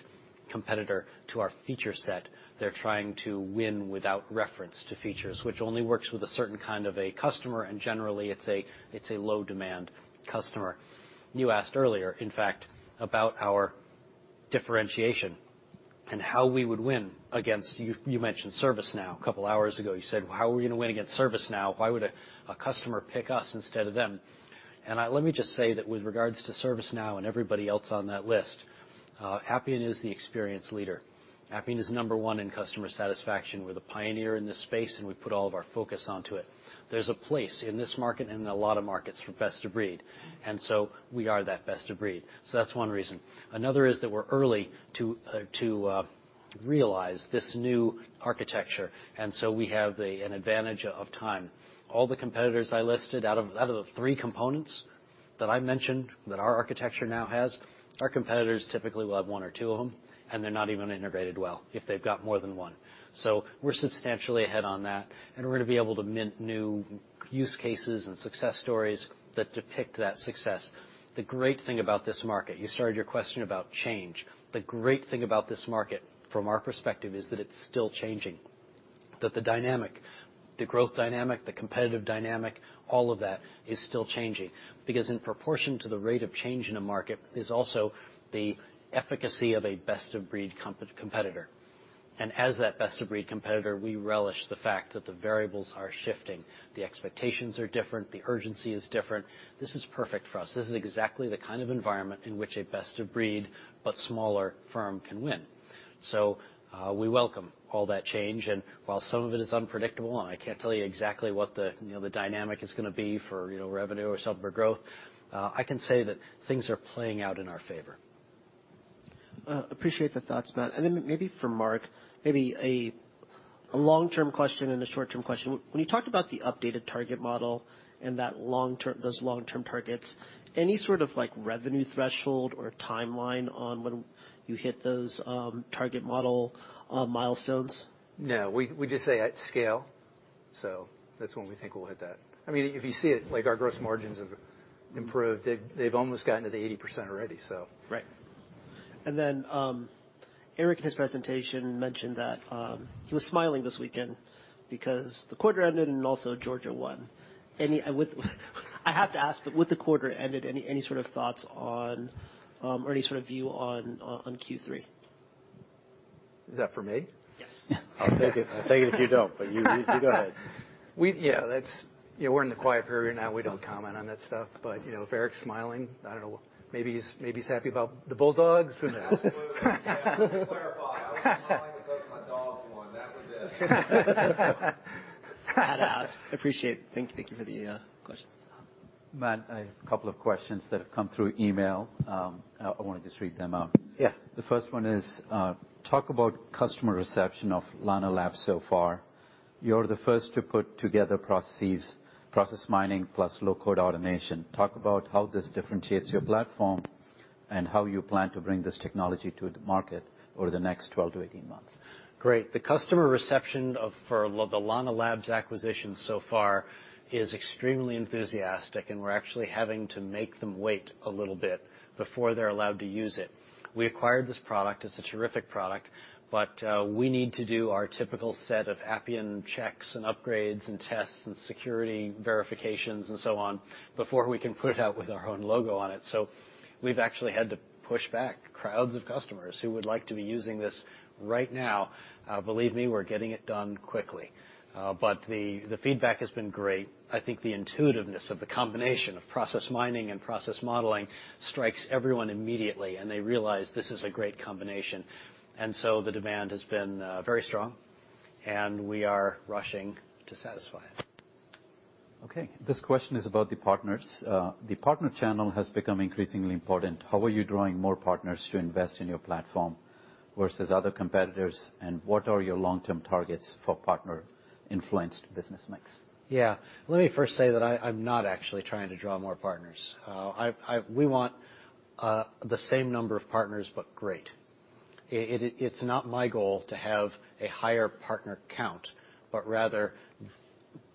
competitor to our feature set. They're trying to win without reference to features, which only works with a certain kind of a customer, and generally it's a low-demand customer. You asked earlier, in fact, about our differentiation and how we would win against, you mentioned ServiceNow a couple of hours ago. You said, "How are we going to win against ServiceNow? Why would a customer pick us instead of them?" Let me just say that with regards to ServiceNow and everybody else on that list, Appian is the experience leader. Appian is number one in customer satisfaction. We're the pioneer in this space, and we put all of our focus onto it. There's a place in this market and in a lot of markets for best-of-breed, and so we are that best-of-breed. That's one reason. Another is that we're early to realize this new architecture, and so we have an advantage of time. All the competitors I listed, out of the three components that I mentioned that our architecture now has, our competitors typically will have one or two of them, and they're not even integrated well if they've got more than one. We're substantially ahead on that, and we're going to be able to mint new use cases and success stories that depict that success. The great thing about this market, you started your question about change. The great thing about this market from our perspective is that it's still changing. That the dynamic, the growth dynamic, the competitive dynamic, all of that is still changing. In proportion to the rate of change in a market is also the efficacy of a best-of-breed competitor. As that best-of-breed competitor, we relish the fact that the variables are shifting, the expectations are different, the urgency is different. This is perfect for us. This is exactly the kind of environment in which a best-of-breed but smaller firm can win. We welcome all that change. While some of it is unpredictable, and I can't tell you exactly what the dynamic is going to be for revenue or software growth, I can say that things are playing out in our favor. Appreciate the thoughts, Matt. Maybe for Mark, maybe a long-term question and a short-term question. When you talked about the updated target model and those long-term targets, any sort of revenue threshold or timeline on when you hit those target model milestones? No, we just say at scale. That's when we think we'll hit that. If you see it, our gross margins have improved. They've almost gotten to the 80% already. Right. Eric in his presentation mentioned that he was smiling this weekend because the quarter ended and also Georgia won. I have to ask, with the quarter ended, any sort of thoughts on or any sort of view on Q3? Is that for me? Yes. I'll take it if you don't. You go ahead. We're in the quiet period now. We don't comment on that stuff. If Eric's smiling, I don't know, maybe he's happy about the Bulldogs, who knows? Absolutely. To clarify, I was smiling because my Dogs won. That was it. I appreciate it. Thank you for the questions. Matt, a couple of questions that have come through email. I want to just read them out. Yeah. The first one is, talk about customer reception of Lana Labs so far. You're the first to put together processes, process mining, plus low-code automation. Talk about how this differentiates your platform and how you plan to bring this technology to the market over the next 12 to 18 months. Great. The customer reception for the Lana Labs acquisition so far is extremely enthusiastic, and we're actually having to make them wait a little bit before they're allowed to use it. We acquired this product. It's a terrific product, but we need to do our typical set of Appian checks and upgrades and tests and security verifications and so on before we can put it out with our own logo on it. We've actually had to push back crowds of customers who would like to be using this right now. Believe me, we're getting it done quickly. The feedback has been great. I think the intuitiveness of the combination of process mining and process modeling strikes everyone immediately, and they realize this is a great combination. The demand has been very strong, and we are rushing to satisfy it. Okay. This question is about the partners. The partner channel has become increasingly important. How are you drawing more partners to invest in your platform versus other competitors? What are your long-term targets for partner-influenced business mix? Yeah. Let me first say that I'm not actually trying to draw more partners. We want the same number of partners, but great. It's not my goal to have a higher partner count, but rather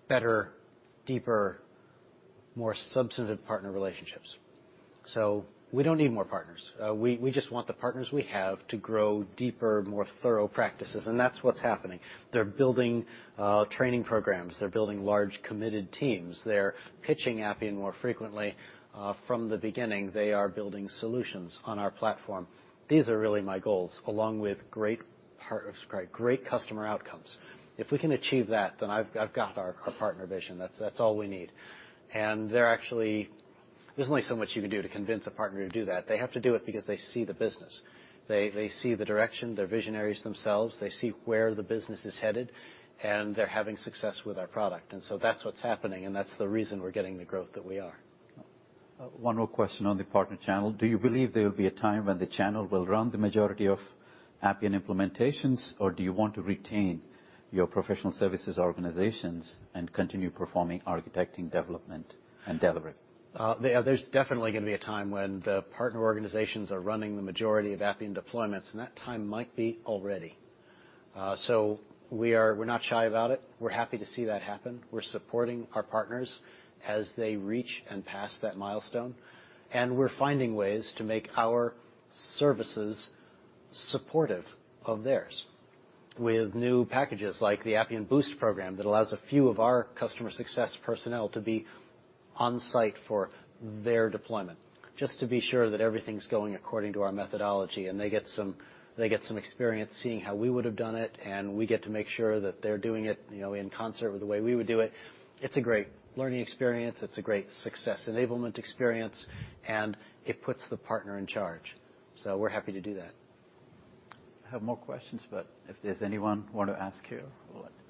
better, deeper, more substantive partner relationships. We don't need more partners. We just want the partners we have to grow deeper, more thorough practices. That's what's happening. They're building training programs. They're building large, committed teams. They're pitching Appian more frequently. From the beginning, they are building solutions on our platform. These are really my goals, along with great customer outcomes. If we can achieve that, I've got our partner vision. That's all we need. There's only so much you can do to convince a partner to do that. They have to do it because they see the business. They see the direction. They're visionaries themselves. They see where the business is headed, and they're having success with our product. That's what's happening, and that's the reason we're getting the growth that we are. One more question on the partner channel. Do you believe there will be a time when the channel will run the majority of Appian implementations, or do you want to retain your professional services organizations and continue performing architecting development and delivery? There's definitely going to be a time when the partner organizations are running the majority of Appian deployments, and that time might be already. We're not shy about it. We're happy to see that happen. We're supporting our partners as they reach and pass that milestone, and we're finding ways to make our services supportive of theirs with new packages like the Appian Boost program that allows a few of our Customer Success personnel to be on-site for their deployment, just to be sure that everything's going according to our methodology. They get some experience seeing how we would have done it, and we get to make sure that they're doing it in concert with the way we would do it. It's a great learning experience. It's a great success enablement experience, and it puts the partner in charge. We're happy to do that. I have more questions, but if there's anyone want to ask here, well, let us.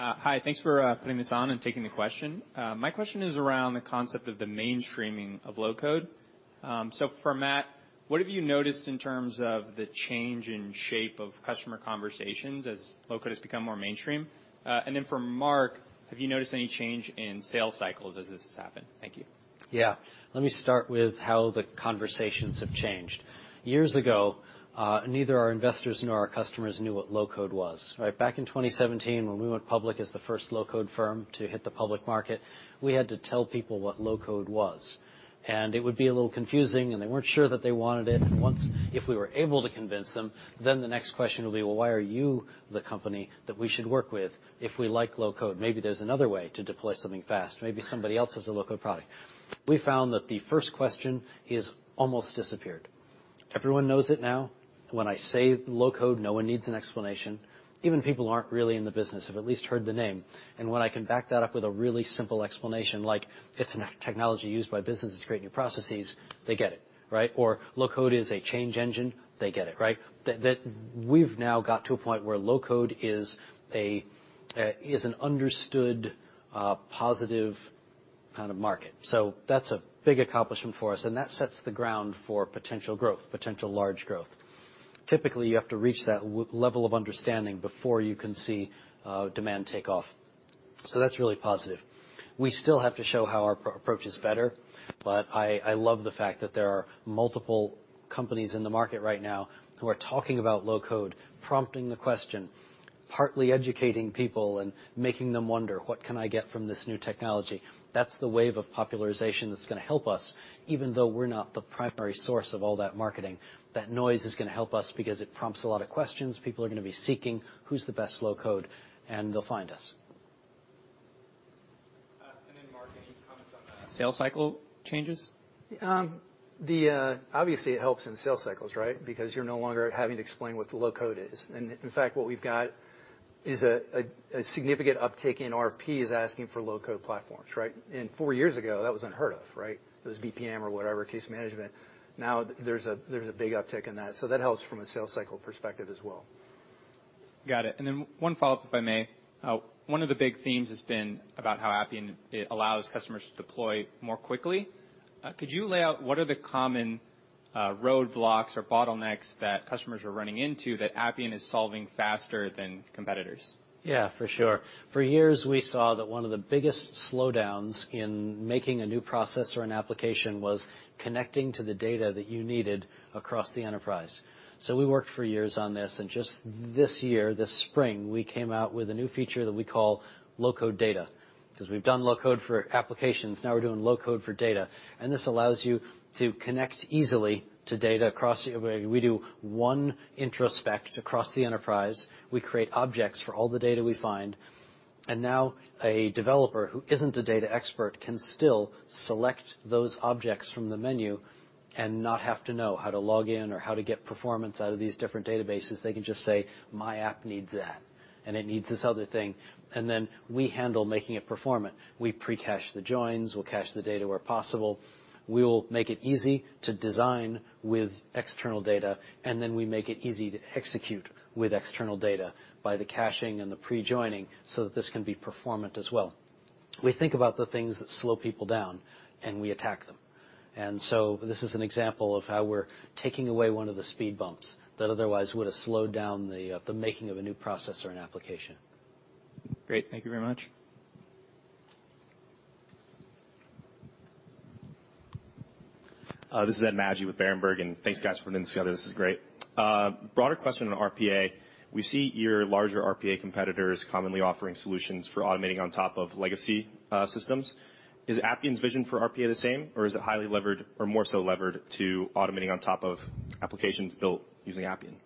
Hi. Thanks for putting this on and taking the question. My question is around the concept of the mainstreaming of low-code. For Matt, what have you noticed in terms of the change in shape of customer conversations as low-code has become more mainstream? For Mark, have you noticed any change in sales cycles as this has happened? Thank you. Yeah. Let me start with how the conversations have changed. Years ago, neither our investors nor our customers knew what low-code was. Back in 2017, when we went public as the first low-code firm to hit the public market, we had to tell people what low-code was. It would be a little confusing, and they weren't sure that they wanted it. Once, if we were able to convince them, then the next question would be, "Well, why are you the company that we should work with if we like low-code? Maybe there's another way to deploy something fast. Maybe somebody else has a low-code product." We found that the first question is almost disappeared. Everyone knows it now. When I say low-code, no one needs an explanation. Even people who aren't really in the business have at least heard the name. When I can back that up with a really simple explanation like, "It's a technology used by businesses to create new processes," they get it. "Low-code is a change engine," they get it. That we've now got to a point where low-code is an understood, positive kind of market. That's a big accomplishment for us, and that sets the ground for potential large growth. Typically, you have to reach that level of understanding before you can see demand take off. That's really positive. We still have to show how our approach is better, but I love the fact that there are multiple companies in the market right now who are talking about low-code, prompting the question, partly educating people and making them wonder, "What can I get from this new technology?" That's the wave of popularization that's going to help us, even though we're not the primary source of all that marketing. That noise is going to help us because it prompts a lot of questions. People are going to be seeking who's the best low-code, and they'll find us. Mark, any comments on the sales cycle changes? Obviously, it helps in sales cycles. You're no longer having to explain what the low-code is. In fact, what we've got is a significant uptick in RFPs asking for low-code platforms. Four years ago, that was unheard of. Those BPM or whatever, case management. Now there's a big uptick in that, so that helps from a sales cycle perspective as well. Got it. One follow-up, if I may. One of the big themes has been about how Appian allows customers to deploy more quickly. Could you lay out what are the common roadblocks or bottlenecks that customers are running into that Appian is solving faster than competitors? Yeah, for sure. For years, we saw that one of the biggest slowdowns in making a new process or an application was connecting to the data that you needed across the enterprise. We worked for years on this, and just this year, this spring, we came out with a new feature that we call low-code data, because we've done low-code for applications, now we're doing low-code for data, and this allows you to connect easily to data across. We do one introspect across the enterprise. We create objects for all the data we find. Now a developer who isn't a data expert can still select those objects from the menu and not have to know how to log in or how to get performance out of these different databases. They can just say, "My app needs that, and it needs this other thing." Then we handle making it performant. We pre-cache the joins. We'll cache the data where possible. We will make it easy to design with external data, and then we make it easy to execute with external data by the caching and the pre-joining so that this can be performant as well. We think about the things that slow people down, and we attack them. This is an example of how we're taking away one of the speed bumps that otherwise would have slowed down the making of a new process or an application. Great. Thank you very much. This is Ed Magi with Berenberg. Thanks guys for putting this together. This is great. Broader question on RPA. We see your larger RPA competitors commonly offering solutions for automating on top of legacy systems. Is Appian's vision for RPA the same, or is it highly levered or more so levered to automating on top of applications built using Appian?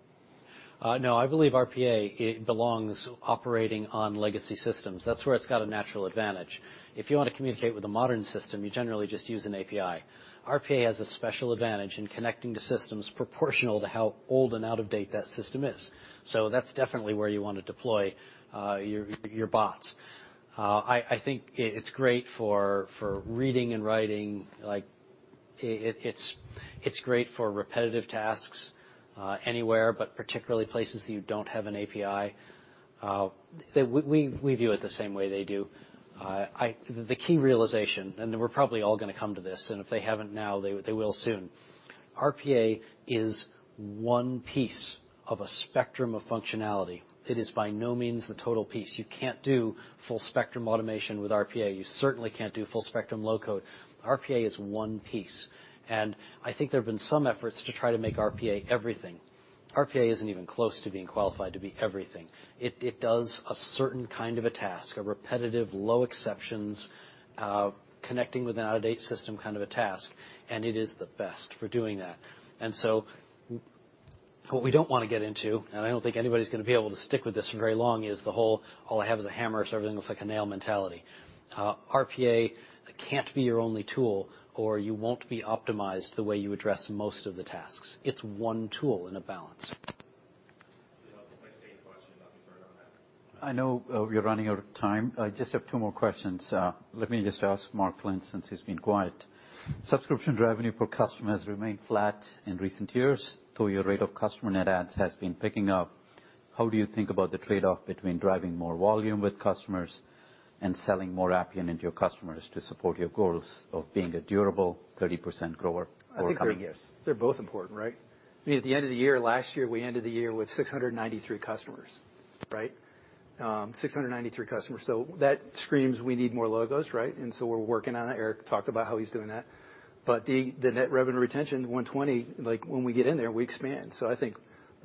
No, I believe RPA belongs operating on legacy systems. That's where it's got a natural advantage. If you want to communicate with a modern system, you generally just use an API. RPA has a special advantage in connecting to systems proportional to how old and out-of-date that system is. That's definitely where you want to deploy your bots. I think it's great for reading and writing. It's great for repetitive tasks anywhere, but particularly places that you don't have an API. We view it the same way they do. The key realization, and we're probably all going to come to this, and if they haven't now, they will soon. RPA is one piece of a spectrum of functionality. It is by no means the total piece. You can't do full-spectrum automation with RPA. You certainly can't do Full-Spectrum Low-Code. RPA is one piece. I think there have been some efforts to try to make RPA everything. RPA isn't even close to being qualified to be everything. It does a certain kind of a task, a repetitive, low exceptions, connecting with an out-of-date system kind of a task, and it is the best for doing that. What we don't want to get into, and I don't think anybody's going to be able to stick with this for very long, is the whole, all I have is a hammer, so everything looks like a nail mentality. RPA can't be your only tool, or you won't be optimized the way you address most of the tasks. It's one tool in a balance. That was my same question, but you've heard on that. I know we're running out of time. I just have two more questions. Let me just ask Mark Lynch since he's been quiet. Subscription revenue per customer has remained flat in recent years, though your rate of customer net adds has been picking up. How do you think about the trade-off between driving more volume with customers and selling more Appian into your customers to support your goals of being a durable 30% grower over coming years? I think they're both important, right? I mean, at the end of the year, last year, we ended the year with 693 customers, right? 693 customers. That screams we need more logos, right? We're working on it. Eric talked about how he's doing that. The net revenue retention of 120, like when we get in there, we expand. I think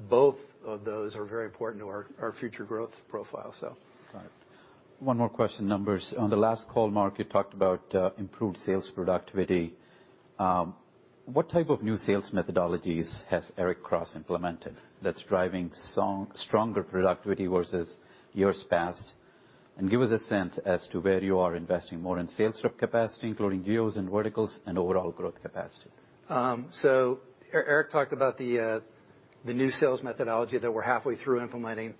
both of those are very important to our future growth profile. Got it. One more question, numbers. On the last call, Mark, you talked about improved sales productivity. What type of new sales methodologies has Eric Cross implemented that's driving stronger productivity versus years past? Give us a sense as to where you are investing more in sales rep capacity, including geos and verticals and overall growth capacity. Eric talked about the new sales methodology that we're halfway through implementing.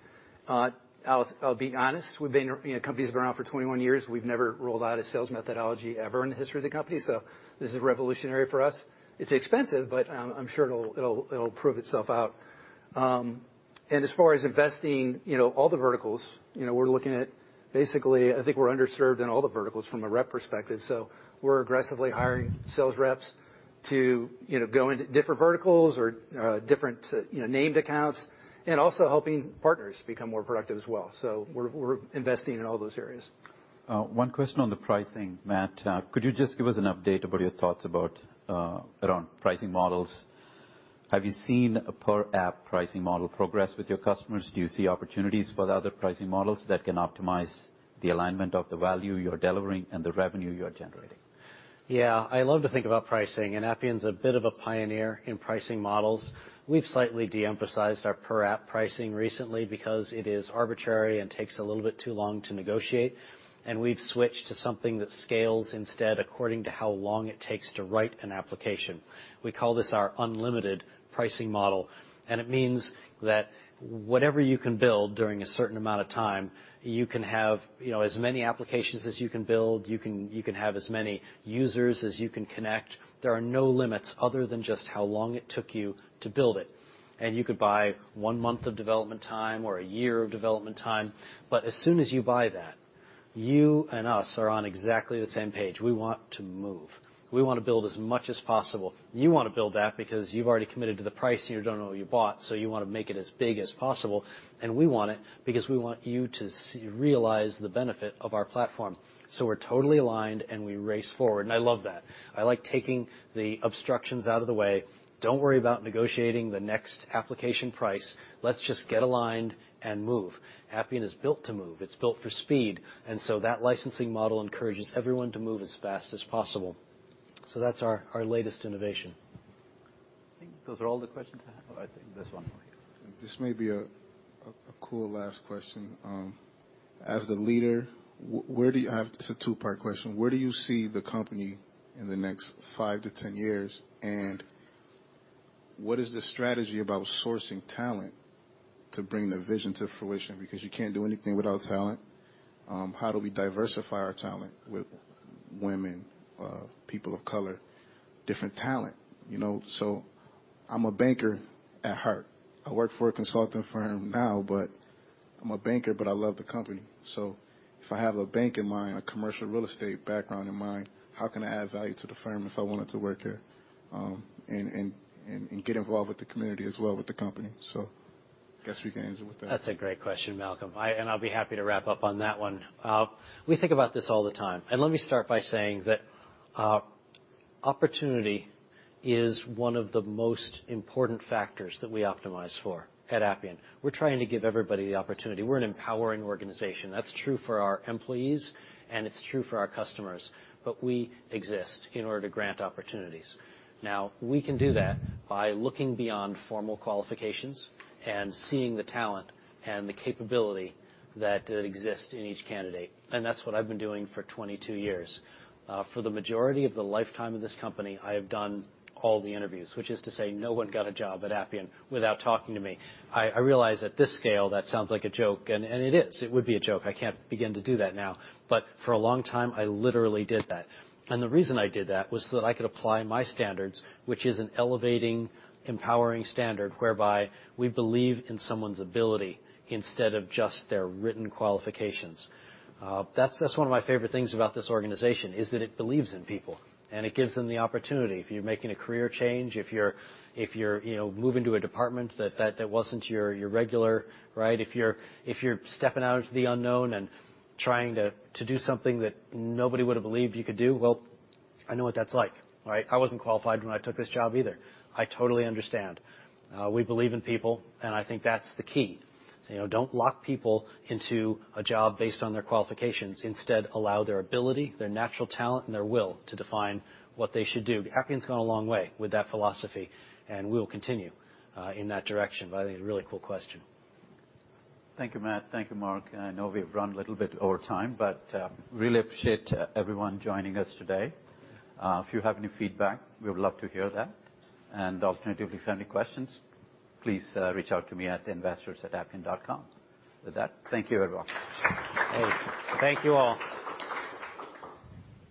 I'll be honest, the company's been around for 21 years, we've never rolled out a sales methodology ever in the history of the company. This is revolutionary for us. It's expensive, I'm sure it'll prove itself out. As far as investing, all the verticals, we're looking at, basically, I think we're underserved in all the verticals from a rep perspective. We're aggressively hiring sales reps to go into different verticals or different named accounts and also helping partners become more productive as well. We're investing in all those areas. One question on the pricing, Matt. Could you just give us an update about your thoughts around pricing models? Have you seen a per-app, per-user pricing model progress with your customers? Do you see opportunities for the other pricing models that can optimize the alignment of the value you're delivering and the revenue you are generating? Yeah, I love to think about pricing. Appian's a bit of a pioneer in pricing models. We've slightly de-emphasized our per app, per-user pricing model recently because it is arbitrary and takes a little bit too long to negotiate, and we've switched to something that scales instead according to how long it takes to write an application. We call this our unlimited pricing model, and it means that whatever you can build during a certain amount of time, you can have as many applications as you can build. You can have as many users as you can connect. There are no limits other than just how long it took you to build it. You could buy one month of development time or a year of development time. As soon as you buy that, you and us are on exactly the same page. We want to move. We want to build as much as possible. You want to build that because you've already committed to the price, you don't know what you bought, so you want to make it as big as possible. We want it because we want you to realize the benefit of our platform. We're totally aligned, and we race forward. I love that. I like taking the obstructions out of the way. Don't worry about negotiating the next application price. Let's just get aligned and move. Appian is built to move. It's built for speed. That licensing model encourages everyone to move as fast as possible. That's our latest innovation. I think those are all the questions I have. Oh, I think there's one more. This may be a cool last question. As the leader, it's a two-part question, where do you see the company in the next 5 to 10 years, and what is the strategy about sourcing talent to bring the vision to fruition? You can't do anything without talent. How do we diversify our talent with women, people of color, different talent? I'm a banker at heart. I work for a consulting firm now, but I'm a banker, but I love the company. If I have a bank in mind, a commercial real estate background in mind, how can I add value to the firm if I wanted to work here, and get involved with the community as well with the company? I guess we can end with that. That's a great question, Malcolm. I'll be happy to wrap up on that one. Let me start by saying that opportunity is one of the most important factors that we optimize for at Appian. We're trying to give everybody the opportunity. We're an empowering organization. That's true for our employees, and it's true for our customers, but we exist in order to grant opportunities. We can do that by looking beyond formal qualifications and seeing the talent and the capability that exists in each candidate. That's what I've been doing for 22 years. For the majority of the lifetime of this company, I have done all the interviews, which is to say no one got a job at Appian without talking to me. I realize at this scale, that sounds like a joke, and it is. It would be a joke. I can't begin to do that now. For a long time, I literally did that. The reason I did that was so that I could apply my standards, which is an elevating, empowering standard whereby we believe in someone's ability instead of just their written qualifications. That's one of my favorite things about this organization, is that it believes in people, and it gives them the opportunity. If you're making a career change, if you're moving to a department that wasn't your regular, right? If you're stepping out into the unknown and trying to do something that nobody would have believed you could do, well, I know what that's like, all right? I wasn't qualified when I took this job either. I totally understand. We believe in people, and I think that's the key. Don't lock people into a job based on their qualifications. Instead, allow their ability, their natural talent, and their will to define what they should do. Appian's gone a long way with that philosophy, and we'll continue in that direction. I think a really cool question. Thank you, Matt. Thank you, Mark. I know we've run a little bit over time, but really appreciate everyone joining us today. If you have any feedback, we would love to hear that. Alternatively, if you have any questions, please reach out to me at investors@appian.com. With that, thank you, everyone. Hey, thank you all.